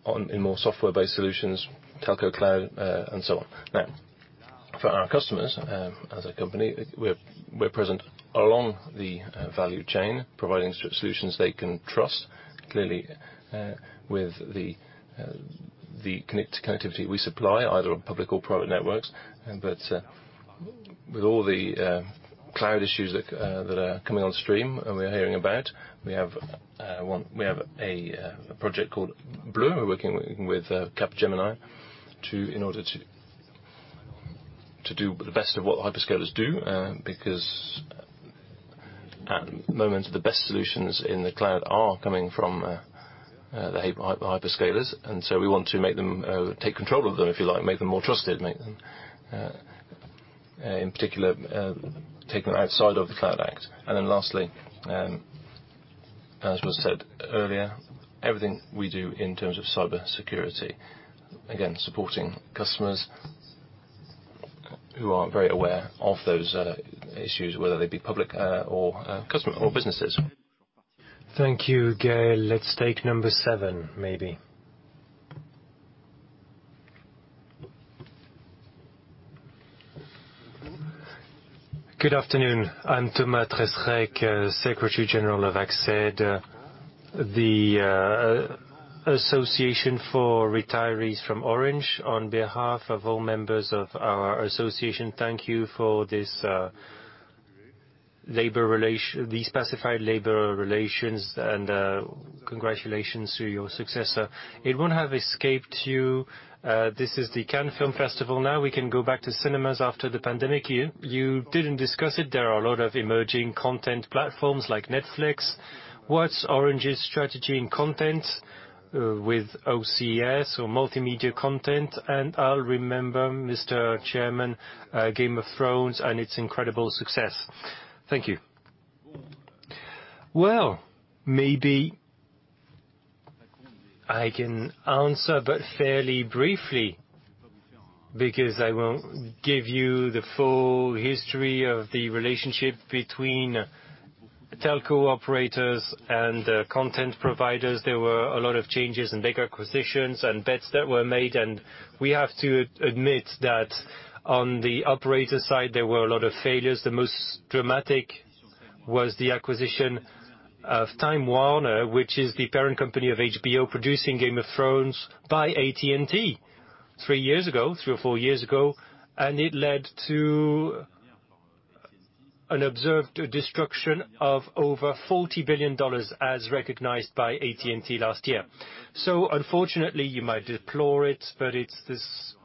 on more software-based solutions, telco cloud, and so on. Now, for our customers, as a company, we're present along the value chain, providing solutions they can trust. Clearly, with the connectivity we supply, either on public or private networks. With all the cloud issues that are coming on stream and we're hearing about, we have a project called Bleu. We're working with Capgemini in order to do the best of what hyperscalers do. Because at moments, the best solutions in the cloud are coming from the hyperscalers. We want to make them take control of them, if you like. Make them more trusted, make them in particular take them outside of the Cloud Act. Lastly, as was said earlier, everything we do in terms of cybersecurity, again, supporting customers who are very aware of those issues, whether they be public or businesses. Thank you, Michaël. Let's take number seven, maybe. Good afternoon. I'm Thomas Trescrique, Secretary General of ACSED, the Association for Retirees from Orange. On behalf of all members of our association, thank you for this, these specified labor relations, and congratulations to your successor. It won't have escaped you, this is the Cannes Film Festival now. We can go back to cinemas after the pandemic year. You didn't discuss it, there are a lot of emerging content platforms like Netflix. What's Orange's strategy in content, with OCS or multimedia content? And I'll remember, Mr. Chairman, Game of Thrones and its incredible success. Thank you. Well, maybe I can answer, but fairly briefly, because I won't give you the full history of the relationship between telco operators and content providers. There were a lot of changes and big acquisitions and bets that were made, and we have to admit that on the operator side, there were a lot of failures. The most dramatic was the acquisition of Time Warner, which is the parent company of HBO, producing Game of Thrones by AT&T three years ago, three or four years ago, and it led to an observed destruction of over $40 billion as recognized by AT&T last year. Unfortunately, you might deplore it, but it's this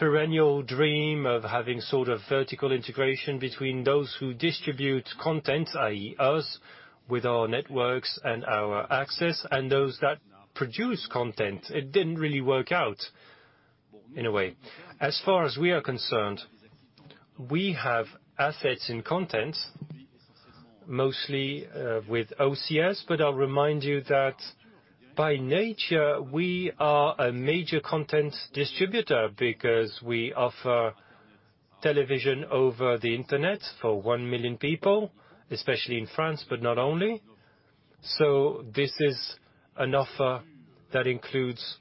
perennial dream of having sort of vertical integration between those who distribute content, i.e. us, with our networks and our access and those that produce content. It didn't really work out in a way. As far as we are concerned, we have assets in content, mostly, with OCS, but I'll remind you that by nature, we are a major content distributor because we offer television over the internet for one million people, especially in France, but not only. This is an offer that includes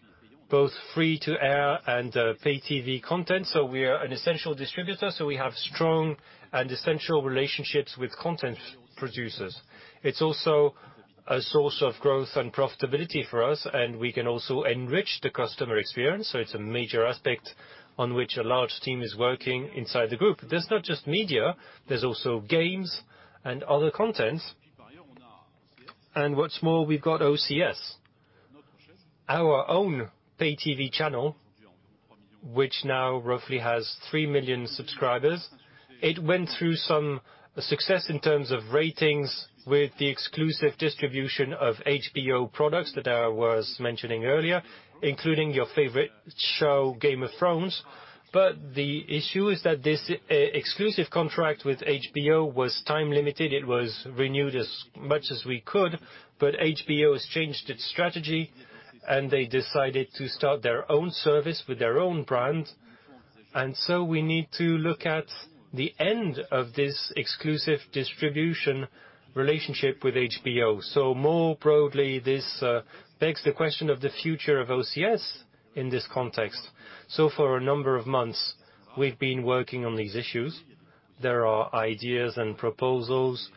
both free to air and pay TV content. We are an essential distributor, so we have strong and essential relationships with content producers. It's also a source of growth and profitability for us, and we can also enrich the customer experience. It's a major aspect on which a large team is working inside the group. There's not just media, there's also games and other content. What's more, we've got OCS, our own pay TV channel, which now roughly has three million subscribers. It went through some success in terms of ratings with the exclusive distribution of HBO products that I was mentioning earlier, including your favorite show, Game of Thrones. The issue is that this exclusive contract with HBO was time limited. It was renewed as much as we could, but HBO has changed its strategy, and they decided to start their own service with their own brand. We need to look at the end of this exclusive distribution relationship with HBO. More broadly, this begs the question of the future of OCS in this context. For a number of months, we've been working on these issues. There are ideas and proposals.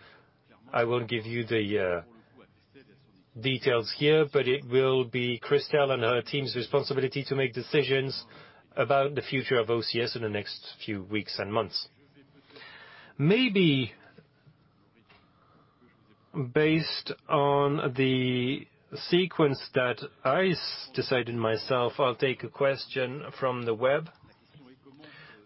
I won't give you the details here, but it will be Christel and her team's responsibility to make decisions about the future of OCS in the next few weeks and months. Maybe based on the sequence that I decided myself, I'll take a question from the web.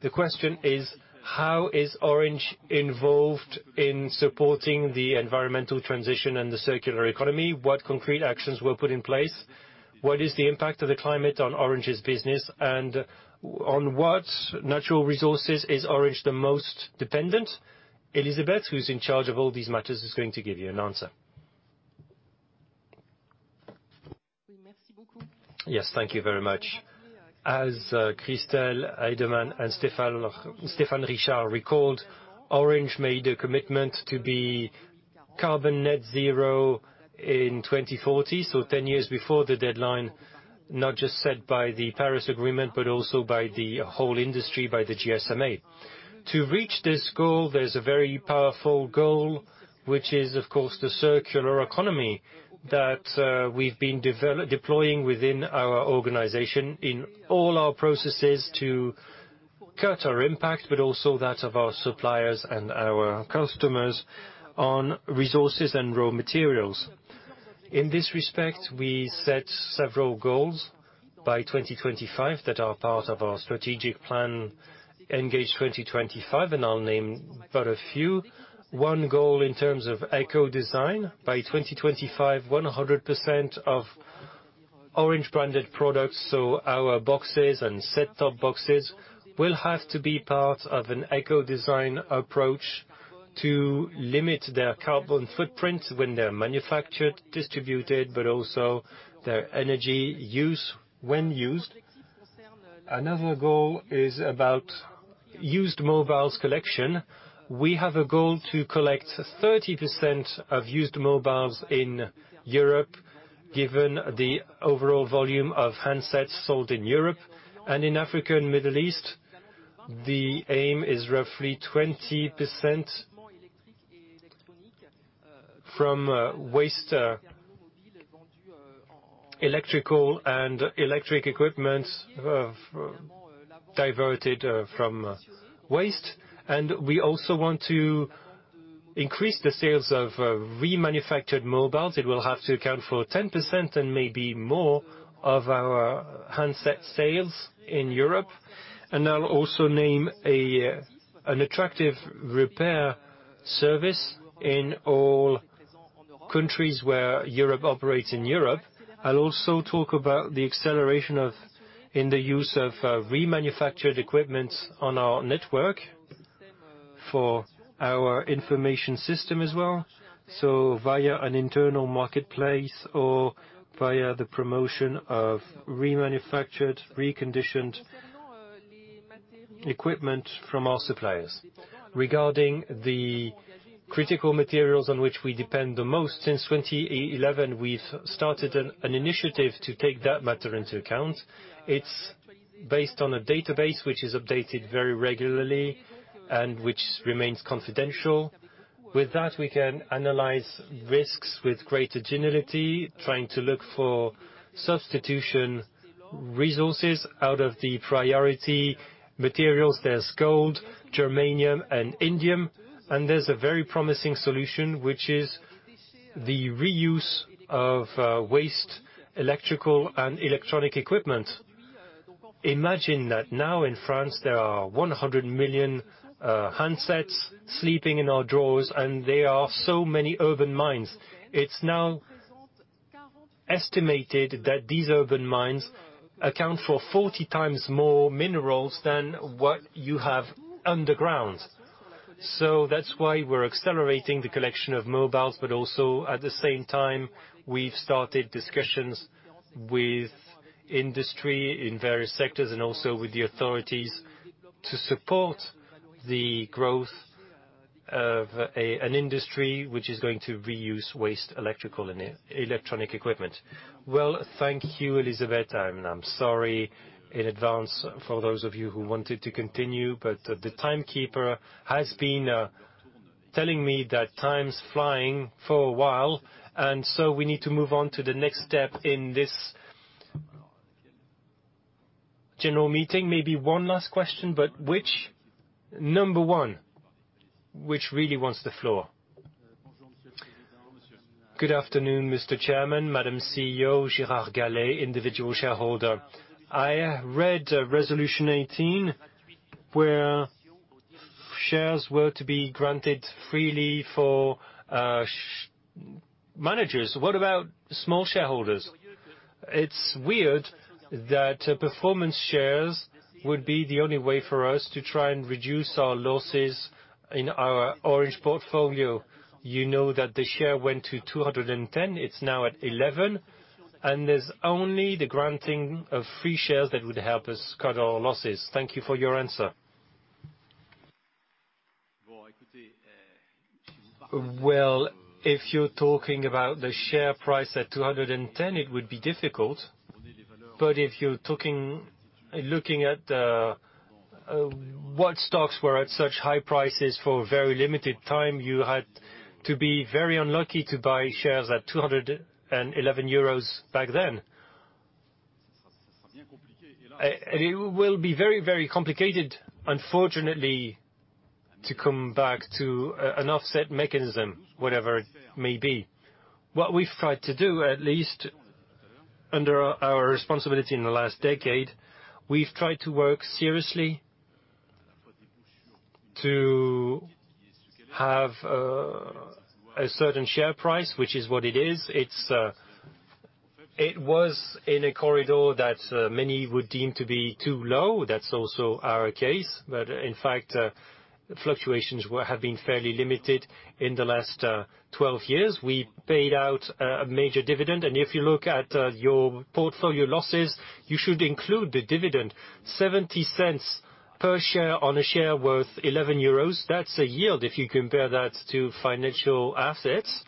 The question is, how is Orange involved in supporting the environmental transition and the circular economy? What concrete actions were put in place? What is the impact of the climate on Orange's business, and on what natural resources is Orange the most dependent? Elizabeth, who's in charge of all these matters, is going to give you an answer. Yes, thank you very much. As Christel Heydemann and Stéphane Richard recalled, Orange made a commitment to be carbon net zero in 2040, so 10 years before the deadline, not just set by the Paris Agreement, but also by the whole industry, by the GSMA. To reach this goal, there's a very powerful goal, which is, of course, the circular economy that we've been deploying within our organization in all our processes to cut our impact, but also that of our suppliers and our customers on resources and raw materials. In this respect, we set several goals by 2025 that are part of our strategic plan, Engage2025, and I'll name but a few. One goal in terms of eco-design. By 2025, 100% of Orange-branded products, so our boxes and set-top boxes, will have to be part of an eco-design approach to limit their carbon footprint when they're manufactured, distributed, but also their energy use when used. Another goal is about used mobiles collection. We have a goal to collect 30% of used mobiles in Europe, given the overall volume of handsets sold in Europe. In Africa and Middle East, the aim is roughly 20% from waste electrical and electronic equipment diverted from waste. We also want to increase the sales of remanufactured mobiles. It will have to account for 10% and maybe more of our handset sales in Europe. I'll also name an attractive repair service in all countries where Orange operates in Europe. I'll also talk about the acceleration in the use of remanufactured equipment on our network for our information system as well, so via an internal marketplace or via the promotion of remanufactured, reconditioned equipment from our suppliers. Regarding the critical materials on which we depend the most, since 2011, we've started an initiative to take that matter into account. It's based on a database which is updated very regularly and which remains confidential. With that, we can analyze risks with greater generality, trying to look for substitution resources. Out of the priority materials, there's gold, germanium, and indium, and there's a very promising solution, which is the reuse of waste electrical and electronic equipment. Imagine that now in France, there are 100 million handsets sleeping in our drawers, and there are so many urban mines. It's now estimated that these urban mines account for 40 times more minerals than what you have underground. That's why we're accelerating the collection of mobiles, but also, at the same time, we've started discussions with industry in various sectors and also with the authorities to support the growth of a industry which is going to reuse waste electrical and electronic equipment. Well, thank you, Elizabeth, and I'm sorry in advance for those of you who wanted to continue, but the timekeeper has been telling me that time's flying for a while, and so we need to move on to the next step in this general meeting. Maybe one last question, but which? Number one. Which really wants the floor? Good afternoon, Mr. Chairman, Madam CEO, Gérard Gallé, individual shareholder. I read resolution 18, where shares were to be granted freely for managers. What about small shareholders? It's weird that performance shares would be the only way for us to try and reduce our losses in our Orange portfolio. You know that the share went to 210, it's now at 11, and there's only the granting of free shares that would help us cut our losses. Thank you for your answer. Well, if you're talking about the share price at 210, it would be difficult. If you're talking about looking at what stocks were at such high prices for a very limited time, you had to be very unlucky to buy shares at 211 euros back then. It will be very, very complicated, unfortunately, to come back to an offset mechanism, whatever it may be. What we've tried to do at least. Under our responsibility in the last decade, we've tried to work seriously to have a certain share price, which is what it is. It was in a corridor that many would deem to be too low. That's also our case. In fact, fluctuations have been fairly limited in the last 12 years. We paid out a major dividend. If you look at your portfolio losses, you should include the dividend, 0.70 per share on a share worth 11 euros. That's a yield. If you compare that to financial assets,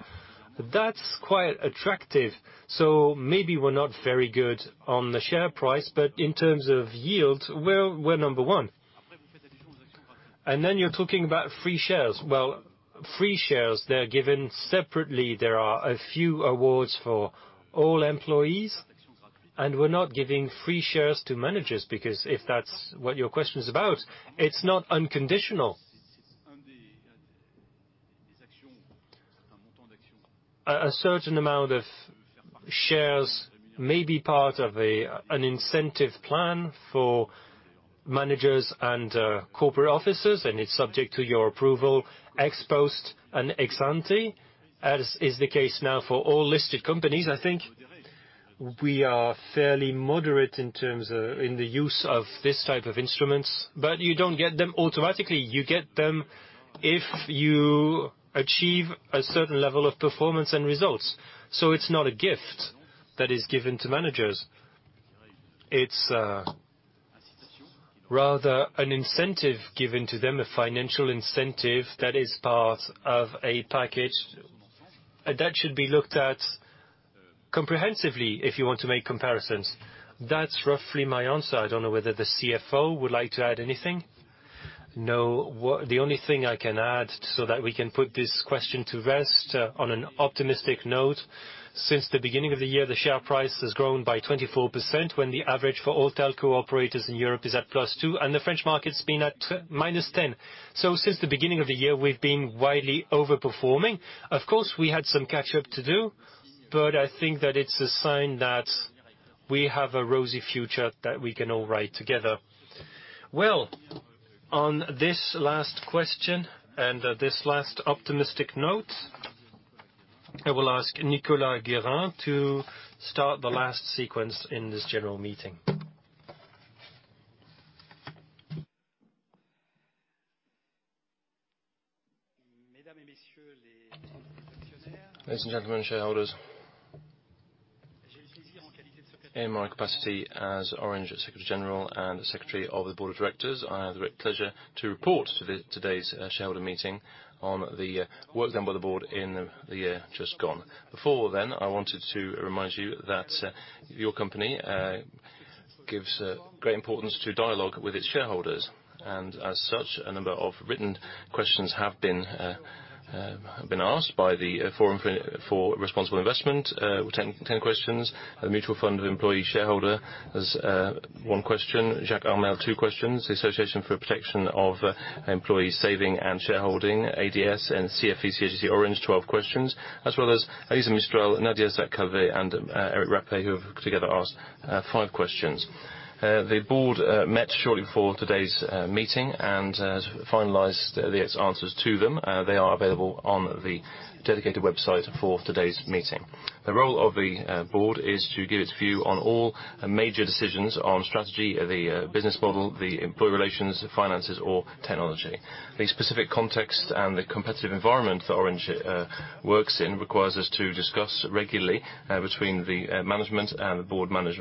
that's quite attractive. Maybe we're not very good on the share price, but in terms of yields, we're number one. Then you're talking about free shares. Well, free shares, they're given separately. There are a few awards for all employees, and we're not giving free shares to managers because if that's what your question is about, it's not unconditional. A certain amount of shares may be part of an incentive plan for managers and corporate officers, and it's subject to your approval, ex post and ex ante, as is the case now for all listed companies. I think we are fairly moderate in terms of, in the use of this type of instruments, but you don't get them automatically. You get them if you achieve a certain level of performance and results. It's not a gift that is given to managers. It's rather an incentive given to them, a financial incentive that is part of a package that should be looked at comprehensively if you want to make comparisons. That's roughly my answer. I don't know whether the CFO would like to add anything. No. The only thing I can add so that we can put this question to rest on an optimistic note. Since the beginning of the year, the share price has grown by 24%, when the average for all telco operators in Europe is at +2%, and the French market's been at -10%. Since the beginning of the year, we've been widely overperforming. Of course, we had some catch up to do, but I think that it's a sign that we have a rosy future that we can all ride together. Well, on this last question and this last optimistic note, I will ask Nicolas Guérin to start the last sequence in this general meeting. Ladies and gentlemen, shareholders. In my capacity as Orange Secretary General and Secretary of the Board of Directors, I have the great pleasure to report today's shareholder meeting on the work done by the board in the year just gone. Before then, I wanted to remind you that your company gives great importance to dialogue with its shareholders. As such, a number of written questions have been asked by the Forum for Responsible Investment, 10 questions. The Mutual Fund Employee Shareholder has one question. Jacques Aschenbroich, two questions. The Association for Protection of Employee Saving and Shareholding, ADEAS, and CFE-CGC Orange, 12 questions. As well as Élisa Mistral, Nadia Sakhri, and Eric [Rapper], who have together asked five questions. The board met shortly before today's meeting and has finalized its answers to them. They are available on the dedicated website for today's meeting. The role of the board is to give its view on all major decisions on strategy, the business model, the employee relations, finances, or technology. The specific context and the competitive environment that Orange works in requires us to discuss regularly between the management and the board members,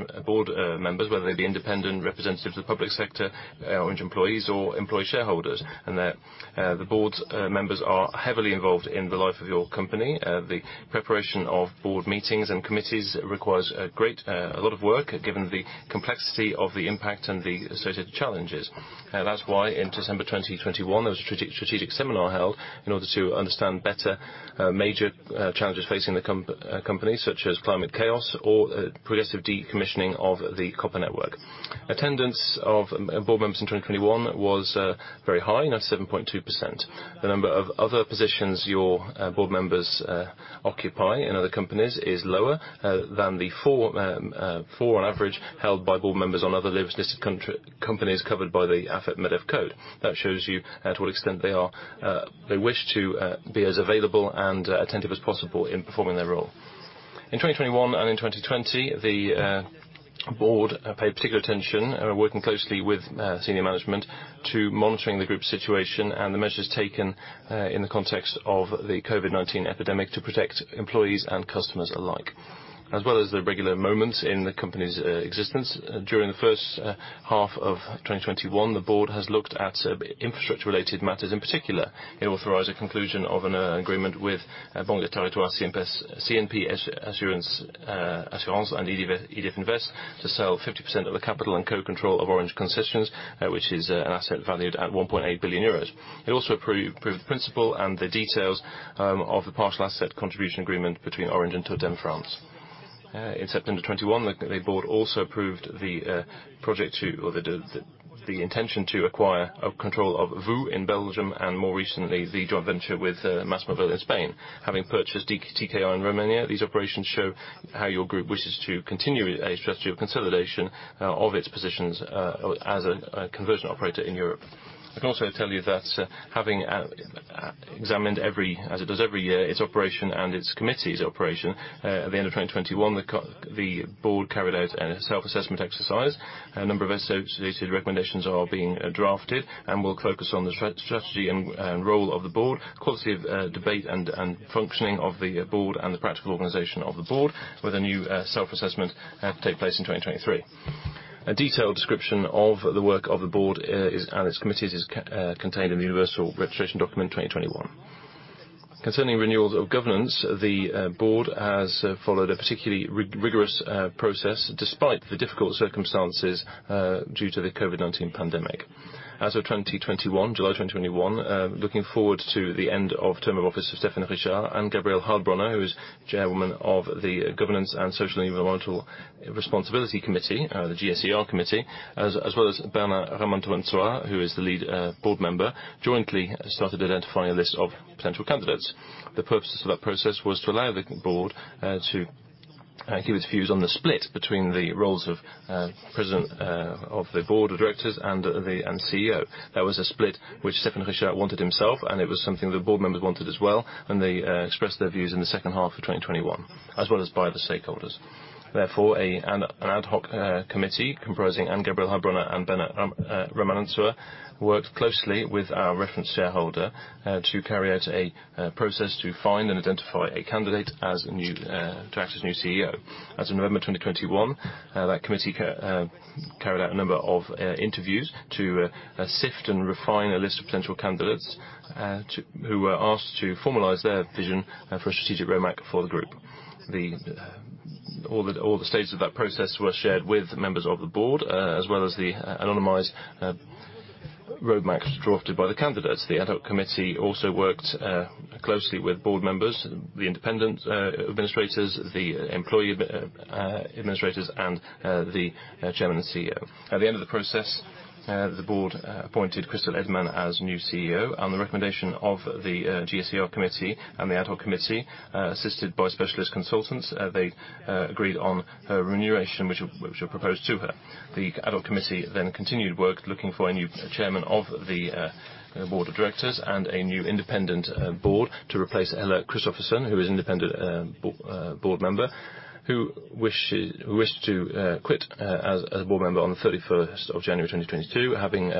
whether they're the independent representatives of the public sector, Orange employees, or employee shareholders. The board members are heavily involved in the life of your company. The preparation of board meetings and committees requires a lot of work, given the complexity of the impact and the associated challenges. That's why in December 2021, there was a strategic seminar held in order to understand better major challenges facing the company, such as climate change or progressive decommissioning of the copper network. Attendance of board members in 2021 was very high, 97.2%. The number of other positions your board members occupy in other companies is lower than the four on average held by board members on other listed companies covered by the Afep-Medef code. That shows you to what extent they wish to be as available and attentive as possible in performing their role. In 2021 and in 2020, the board paid particular attention, working closely with senior management to monitoring the group's situation and the measures taken in the context of the COVID-19 epidemic to protect employees and customers alike. As well as the regular moments in the company's existence, during the first half of 2021, the board has looked at infrastructure related matters. In particular, it authorized the conclusion of an agreement with Banque des Territoires, CNP Assurances, and EDF Invest to sell 50% of the capital and co-control of Orange Concessions, which is an asset valued at 1.8 billion euros. It also approved the principle and the details of the partial asset contribution agreement between Orange and [TotalEnergies]. In September 2021, the board also approved the intention to acquire control of VOO in Belgium and more recently, the joint venture with MásMóvil in Spain. Having purchased TKR in Romania, these operations show how your group wishes to continue a strategy of consolidation of its positions as a converged operator in Europe. I can also tell you that, as it does every year, its operation and its committees' operation, at the end of 2021, the board carried out a self-assessment exercise. A number of associated recommendations are being drafted and will focus on the strategy and role of the board, quality of debate and functioning of the board, and the practical organization of the board with a new self-assessment take place in 2023. A detailed description of the work of the board and its committees is contained in the universal registration document 2021. Concerning renewals of governance, the board has followed a particularly rigorous process, despite the difficult circumstances due to the COVID-19 pandemic. As of 2021, July 2021, looking forward to the end of term of office of Stéphane Richard and Anne-Gabrielle Heilbronner, who is chairwoman of the Governance and Social Environmental Responsibility Committee, the GSER committee, as well as Bernard Ramanantsoa, who is the lead board member, jointly started identifying a list of potential candidates. The purpose of that process was to allow the board to give its views on the split between the roles of president of the board of directors and the CEO. That was a split which Stéphane Richard wanted himself, and it was something the board members wanted as well, and they expressed their views in the second half of 2021, as well as by the stakeholders. Therefore, an ad hoc committee comprising Anne-Gabrielle Heilbronner and Bernard Ramanantsoa worked closely with our reference shareholder to carry out a process to find and identify a candidate to act as new CEO. As of November 2021, that committee carried out a number of interviews to sift and refine a list of potential candidates who were asked to formalize their vision for a strategic roadmap for the group. All the stages of that process were shared with members of the board as well as the anonymized roadmaps drafted by the candidates. The ad hoc committee also worked closely with board members, the independent administrators, the employee administrators and the chairman and CEO. At the end of the process, the board appointed Christel Heydemann as new CEO on the recommendation of the GSER committee and the ad hoc committee, assisted by specialist consultants. They agreed on her remuneration, which were proposed to her. The ad hoc committee then continued work looking for a new chairman of the board of directors and a new independent board member to replace Helle Kristoffersen, who is independent board member, who wished to quit as a board member on the 31st of January 2022, having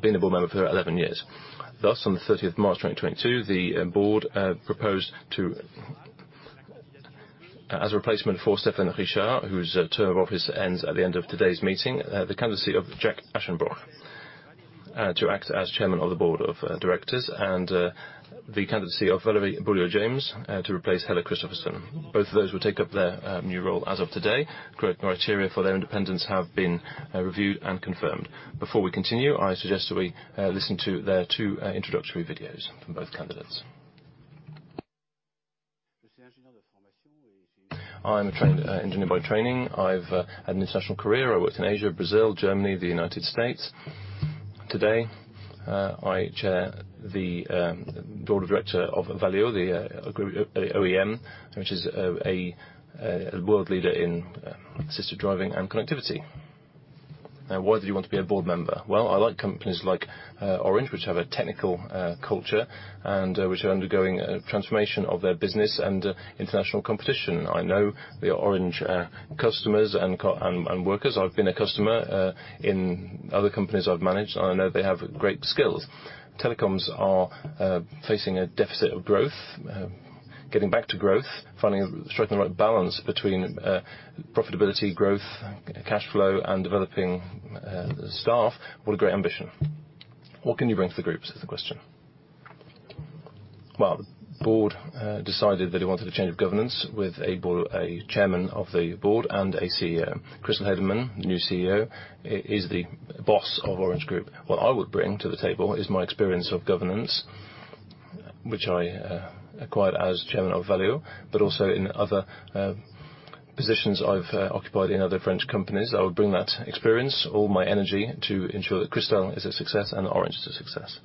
been a board member for 11 years. Thus, on the 30th of March 2022, the board proposed to, as a replacement for Stéphane Richard, whose term of office ends at the end of today's meeting, the candidacy of Jacques Aschenbroich to act as chairman of the board of directors and the candidacy of Valérie Beaulieu-James to replace Helle Kristoffersen. Both of those will take up their new role as of today. Criteria for their independence have been reviewed and confirmed. Before we continue, I suggest that we listen to their two introductory videos from both candidates. I'm a trained engineer by training. I've had an international career. I worked in Asia, Brazil, Germany, the United States. Today, I chair the board of directors of Valeo, the group OEM, which is a world leader in assisted driving and connectivity. Now, why did you want to be a board member? Well, I like companies like Orange, which have a technical culture and which are undergoing a transformation of their business and international competition. I know the Orange customers and workers. I've been a customer in other companies I've managed, and I know they have great skills. Telecoms are facing a deficit of growth, getting back to growth, finding striking the right balance between profitability, growth, cash flow, and developing staff with a great ambition. What can you bring to the group, is the question. Well, the board decided that it wanted a change of governance with a board, a chairman of the board and a CEO. Christel Heydemann, the new CEO, is the boss of Orange Group. What I would bring to the table is my experience of governance, which I acquired as chairman of Valeo, but also in other positions I've occupied in other French companies. I would bring that experience, all my energy to ensure that Christel is a success and Orange is a success.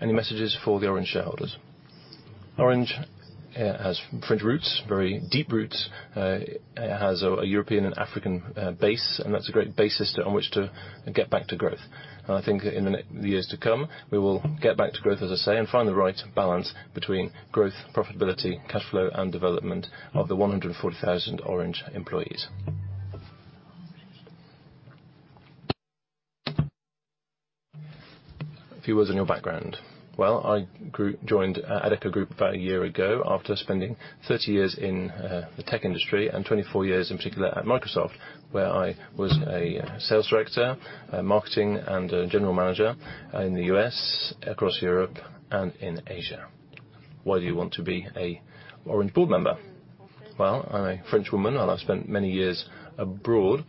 Any messages for the Orange shareholders? Orange has French roots, very deep roots. It has a European and African base, and that's a great basis on which to get back to growth. I think in the years to come, we will get back to growth, as I say, and find the right balance between growth, profitability, cash flow, and development of the 140,000 Orange employees. A few words on your background. Well, I joined Adecco Group about a year ago after spending 30 years in the tech industry and 24 years in particular at Microsoft, where I was a sales director, a marketing and a general manager in the U.S., across Europe and in Asia. Why do you want to be an Orange board member? Well, I'm a French woman, and I've spent many years abroad,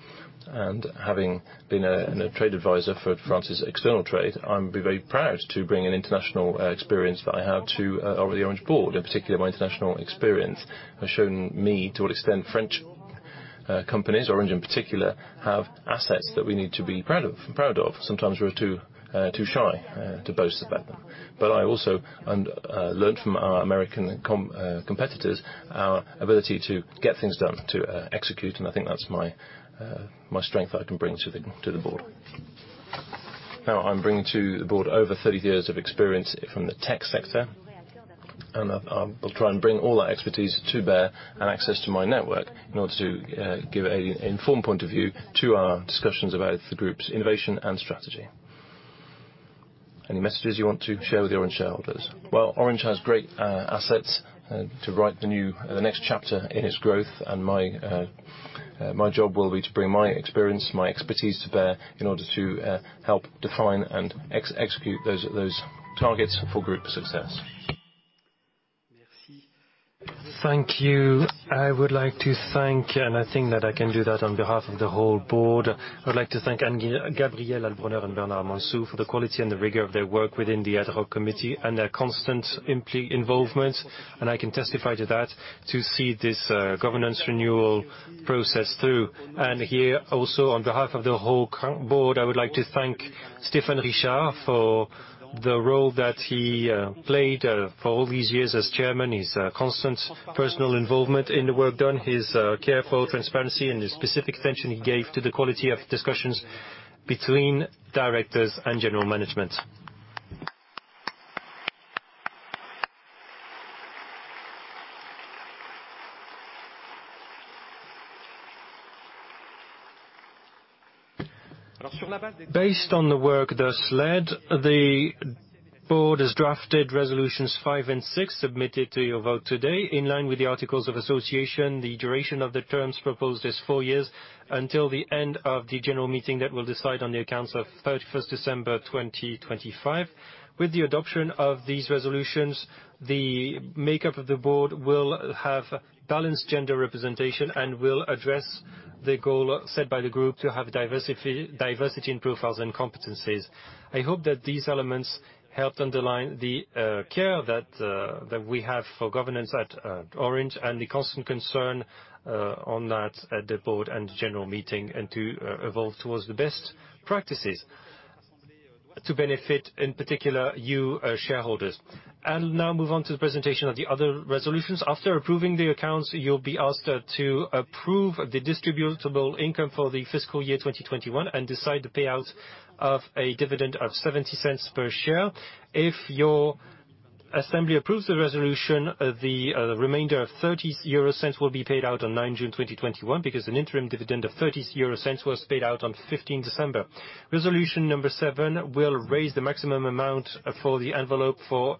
and having been a trade advisor for France's external trade, I'm very proud to bring an international experience that I have to the Orange board. In particular, my international experience has shown me to what extent French companies, Orange in particular, have assets that we need to be proud of. Sometimes we're too shy to boast about them. I also learned from our American competitors our ability to get things done, to execute, and I think that's my strength that I can bring to the board. Now, I'm bringing to the board over 30 years of experience from the tech sector, and I will try and bring all that expertise to bear and access to my network in order to give an informed point of view to our discussions about the group's innovation and strategy. Any messages you want to share with the Orange shareholders? Well, Orange has great assets to write the next chapter in its growth, and my job will be to bring my experience, my expertise to bear in order to help define and execute those targets for group success. Thank you. I would like to thank, and I think that I can do that on behalf of the whole board, I would like to thank Anne-Gabrielle Heilbronner and Bernard Ramanantsoa for the quality and the rigor of their work within the ad hoc committee and their constant involvement, and I can testify to that, to see this governance renewal process through. Here also on behalf of the whole board, I would like to thank Stéphane Richard for the role that he played for all these years as chairman, his constant personal involvement in the work done, his care for transparency, and the specific attention he gave to the quality of discussions between directors and general management. Based on the work thus led, the board has drafted resolutions five and six submitted to your vote today. In line with the articles of association, the duration of the terms proposed is four years until the end of the general meeting that will decide on the accounts of 31st December 2025. With the adoption of these resolutions, the makeup of the board will have balanced gender representation and will address the goal set by the group to have diversity in profiles and competencies. I hope that these elements helped underline the care that we have for governance at Orange and the constant concern on that at the board and general meeting and to evolve towards the best practices to benefit, in particular, you shareholders. I'll now move on to the presentation of the other resolutions. After approving the accounts, you'll be asked to approve the distributable income for the fiscal year 2021 and decide the payout of a dividend of 0.70 per share. If your assembly approves the resolution, the remainder of 0.30 will be paid out on 9 June 2021 because an interim dividend of 0.30 was paid out on 15 December. Resolution number seven will raise the maximum amount for the envelope for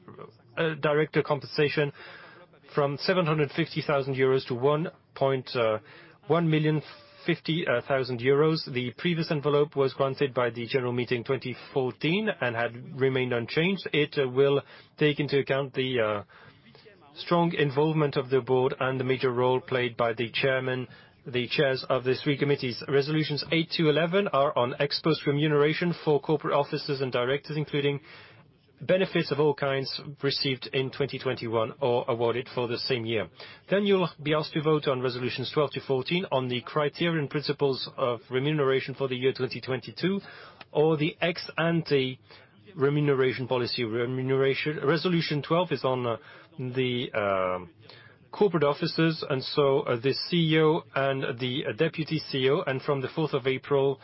a director compensation from 750,000-1,050,000 euros. The previous envelope was granted by the general meeting 2014 and had remained unchanged. It will take into account the strong involvement of the board and the major role played by the chairman, the chairs of the three committees. Resolutions 8-11 are on ex post remuneration for corporate officers and directors, including benefits of all kinds received in 2021 or awarded for the same year. You'll be asked to vote on resolutions 12 to 14 on the criteria and principles of remuneration for the year 2022 or the ex ante remuneration policy. Resolution 12 is on the corporate officers and so the CEO and the deputy CEO, and from the fourth of April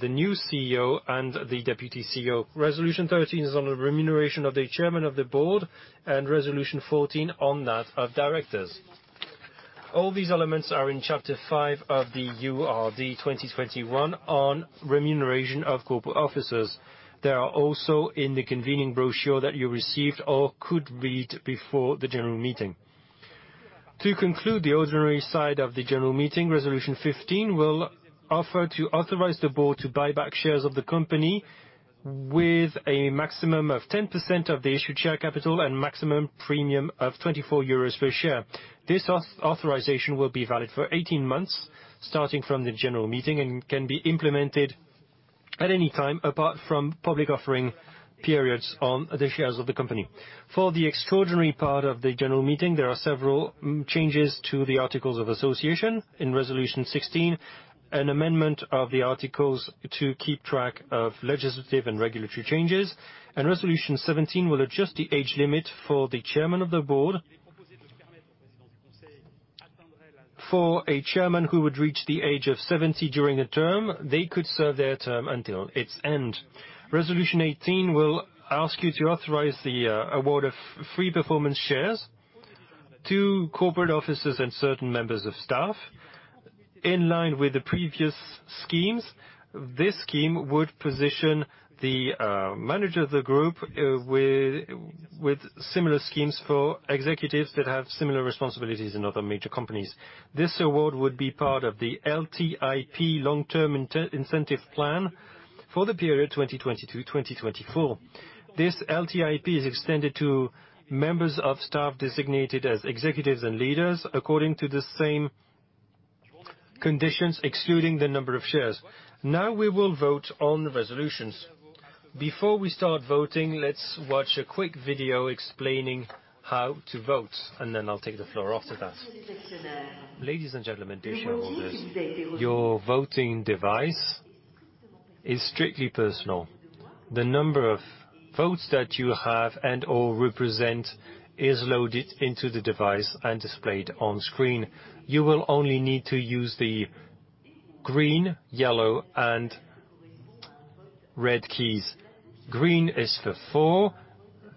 the new CEO and the deputy CEO. Resolution 13 is on the remuneration of the chairman of the board, and resolution 14 on that of directors. All these elements are in chapter five of the URD 2021 on remuneration of corporate officers. They are also in the convening brochure that you received or could read before the general meeting. To conclude the ordinary side of the general meeting, resolution 15 will offer to authorize the board to buy back shares of the company with a maximum of 10% of the issued share capital and maximum premium of 24 euros per share. This authorization will be valid for 18 months, starting from the general meeting, and can be implemented at any time apart from public offering periods on the shares of the company. For the extraordinary part of the general meeting, there are several changes to the articles of association. In resolution 16, an amendment of the articles to keep track of legislative and regulatory changes. Resolution 17 will adjust the age limit for the chairman of the board. For a chairman who would reach the age of 70 during a term, they could serve their term until its end. Resolution 18 will ask you to authorize the award of free performance shares to corporate officers and certain members of staff. In line with the previous schemes, this scheme would position the manager of the group with similar schemes for executives that have similar responsibilities in other major companies. This award would be part of the LTIP long-term incentive plan for the period 2020 to 2024. This LTIP is extended to members of staff designated as executives and leaders according to the same conditions, excluding the number of shares. Now we will vote on the resolutions. Before we start voting, let's watch a quick video explaining how to vote, and then I'll take the floor after that. Ladies and gentlemen, dear shareholders, your voting device is strictly personal. The number of votes that you have and/or represent is loaded into the device and displayed on screen. You will only need to use the green, yellow, and red keys. Green is for,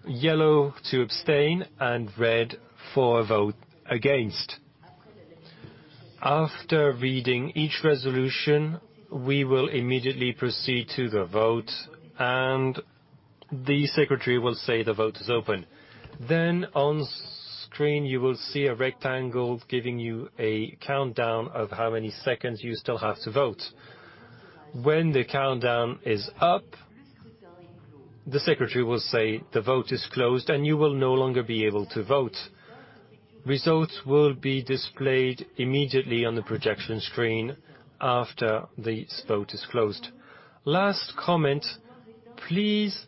yellow to abstain, and red for a vote against. After reading each resolution, we will immediately proceed to the vote, and the secretary will say, "The vote is open." Then on screen, you will see a rectangle giving you a countdown of how many seconds you still have to vote. When the countdown is up, the secretary will say, "The vote is closed," and you will no longer be able to vote. Results will be displayed immediately on the projection screen after this vote is closed. Last comment, please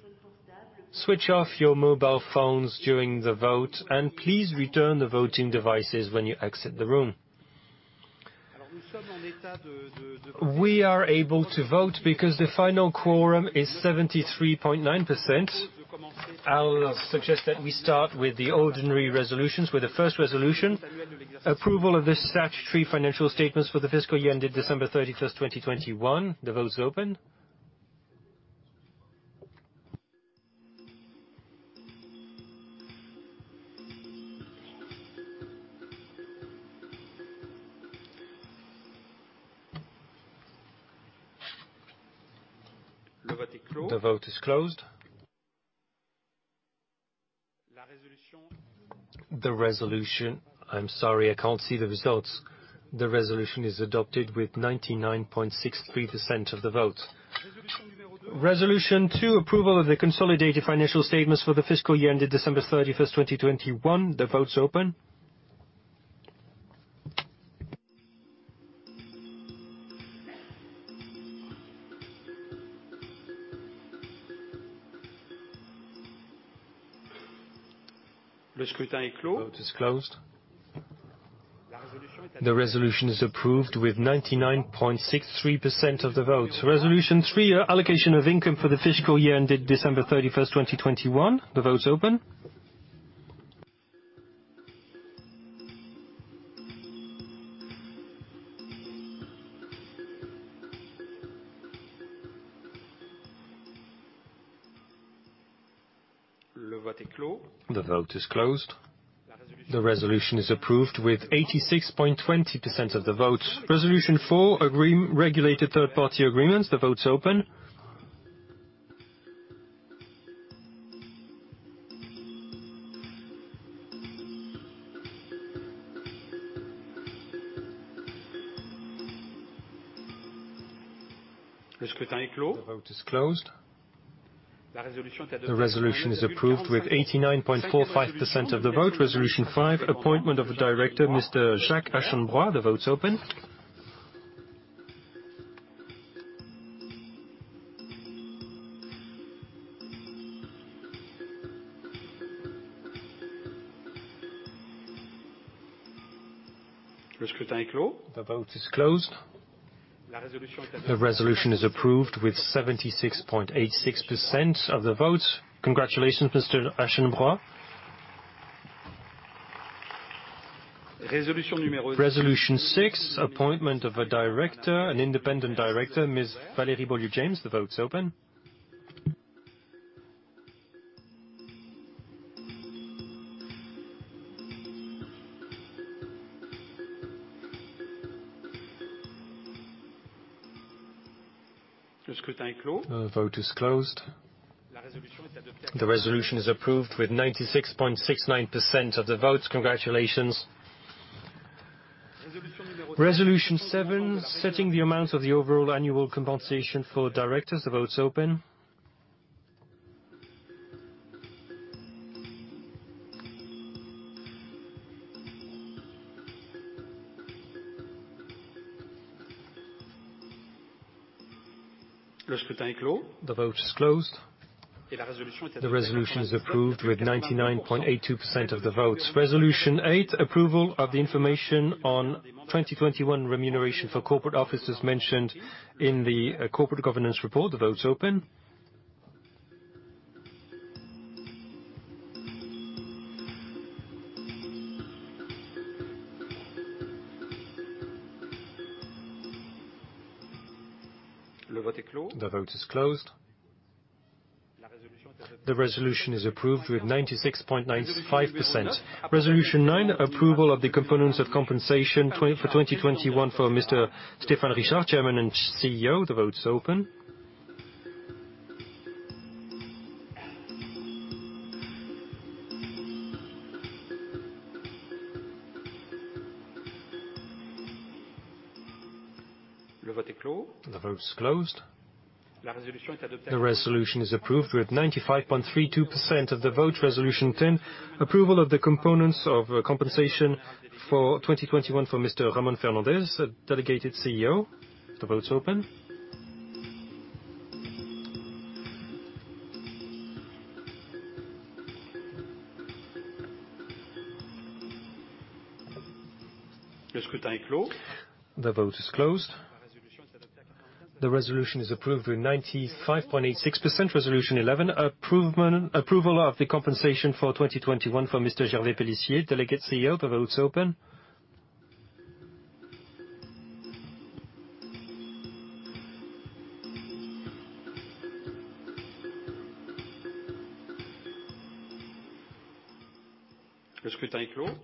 switch off your mobile phones during the vote, and please return the voting devices when you exit the room. We are able to vote because the final quorum is 73.9%. I'll suggest that we start with the ordinary resolutions, with the first resolution, approval of the statutory financial statements for the fiscal year ended December 31st, 2021. The vote is open. The vote is closed. The resolution. I'm sorry, I can't see the results. The resolution is adopted with 99.63% of the vote. Resolution 2, approval of the consolidated financial statements for the fiscal year ended December 31st, 2021. The vote is open. The vote is closed. The resolution is approved with 99.82% of the vote. Resolution 8, approval of the information on 2021 remuneration for corporate officers mentioned in the corporate governance report. The vote is open. The vote is closed. The resolution is approved with 96.95%. Resolution nine, approval of the components of compensation for 2021 for Mr. Stéphane Richard, Chairman and CEO. The vote is open. The vote is closed. The resolution is approved with 95.32% of the vote. Resolution ten, approval of the components of compensation for 2021 for Mr. Ramón Fernández, Delegated CEO. The vote is open. The vote is closed. The resolution is approved with 95.86%. Resolution eleven. Approval of the compensation for 2021 for Mr. Gervais Pellissier, Delegate CEO. The vote is open.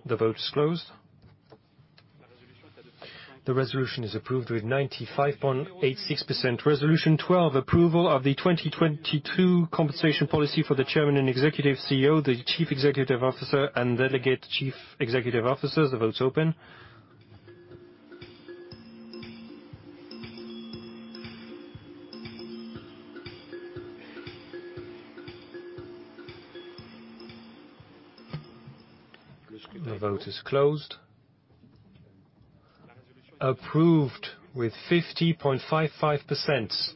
The vote is closed. The resolution is approved with 95.86%. Resolution twelve, approval of the 2022 compensation policy for the chairman and executive CEO, the chief executive officer, and delegate chief executive officer. The vote is open. The vote is closed. Approved with 50.55%.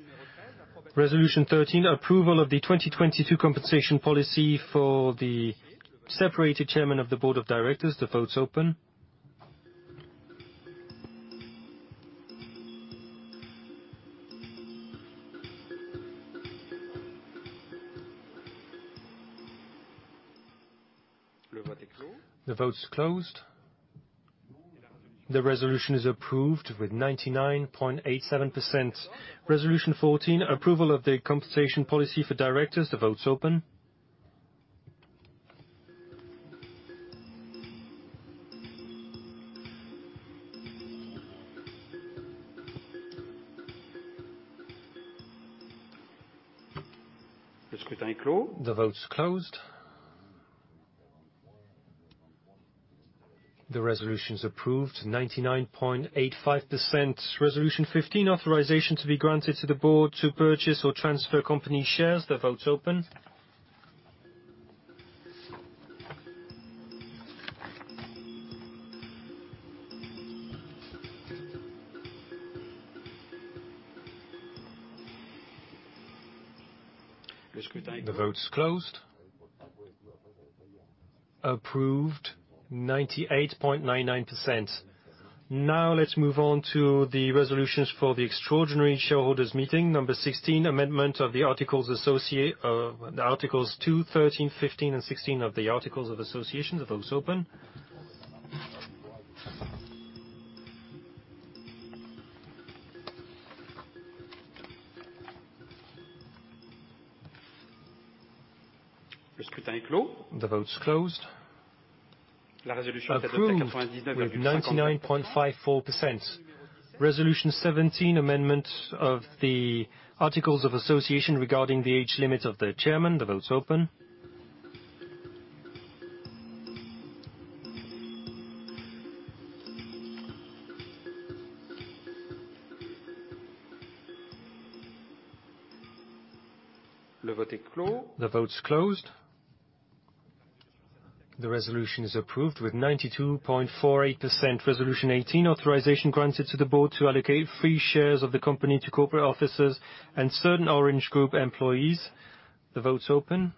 Resolution 13, approval of the 2022 compensation policy for the separated Chairman of the Board of Directors. The vote's open. The vote's closed. The resolution is approved with 99.87%. Resolution 14, approval of the compensation policy for directors. The vote's open. The vote's closed. The resolution's approved, 99.85%. Resolution 15, authorization to be granted to the Board to purchase or transfer company shares. The vote's open. The vote's closed. Approved 98.99%. Now let's move on to the resolutions for the extraordinary shareholders' meeting. Number 16, amendment of the articles 2, 13, 15, and 16 of the articles of association. The vote's open. The vote's closed. Approved with 99.54%. Resolution 17, amendment of the articles of association regarding the age limit of the Chairman. The vote's open. The vote's closed. The resolution is approved with 92.48%. Resolution 18, authorization granted to the board to allocate free shares of the company to corporate officers and certain Orange Group employees. The vote's open.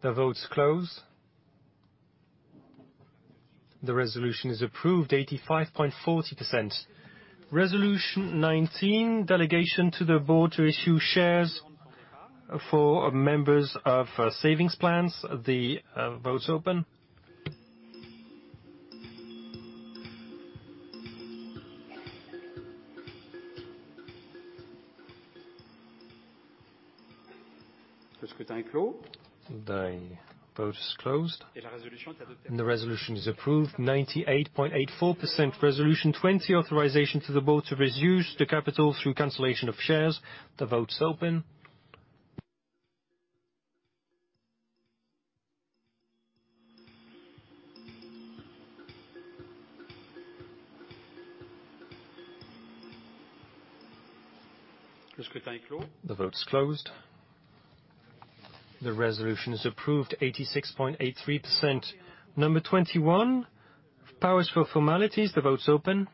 The vote's closed. The resolution is approved 85.40%. Resolution nineteen, delegation to the board to issue shares for members of savings plans. The vote's open. The vote is closed. The resolution is approved 98.84%. Resolution 20, authorization to the board to reduce the capital through cancellation of shares. The vote's open. The vote's closed. The resolution is approved 86.83%. Number 21, powers for formalities. The vote's open.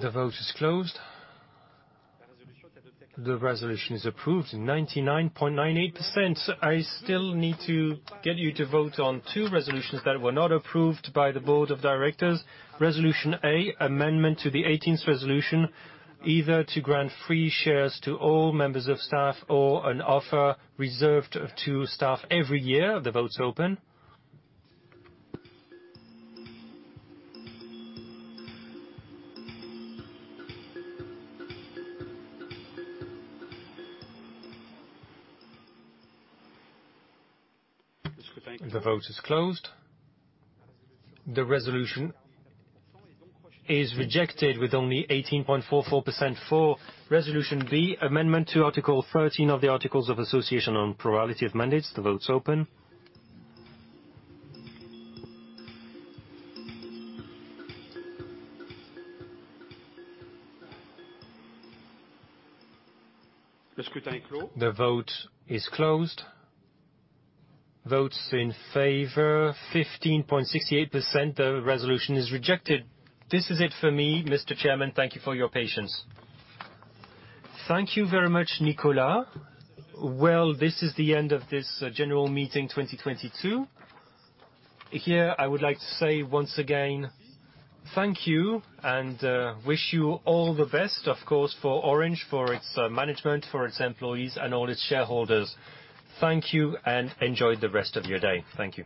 The vote is closed. The resolution is approved 99.98%. I still need to get you to vote on two resolutions that were not approved by the board of directors. Resolution A, amendment to the eighteenth resolution, either to grant free shares to all members of staff or an offer reserved to staff every year. The vote's open. The vote is closed. The resolution is rejected with only 18.44%. Resolution 4, Resolution B, amendment to Article 13 of the articles of association on plurality of mandates. The vote's open. The vote is closed. Votes in favor 15.68%. The resolution is rejected. This is it for me, Mr. Chairman. Thank you for your patience. Thank you very much, Nicolas. Well, this is the end of this general meeting 2022. Here, I would like to say once again, thank you, and wish you all the best, of course, for Orange, for its management, for its employees, and all its shareholders. Thank you, and enjoy the rest of your day. Thank you.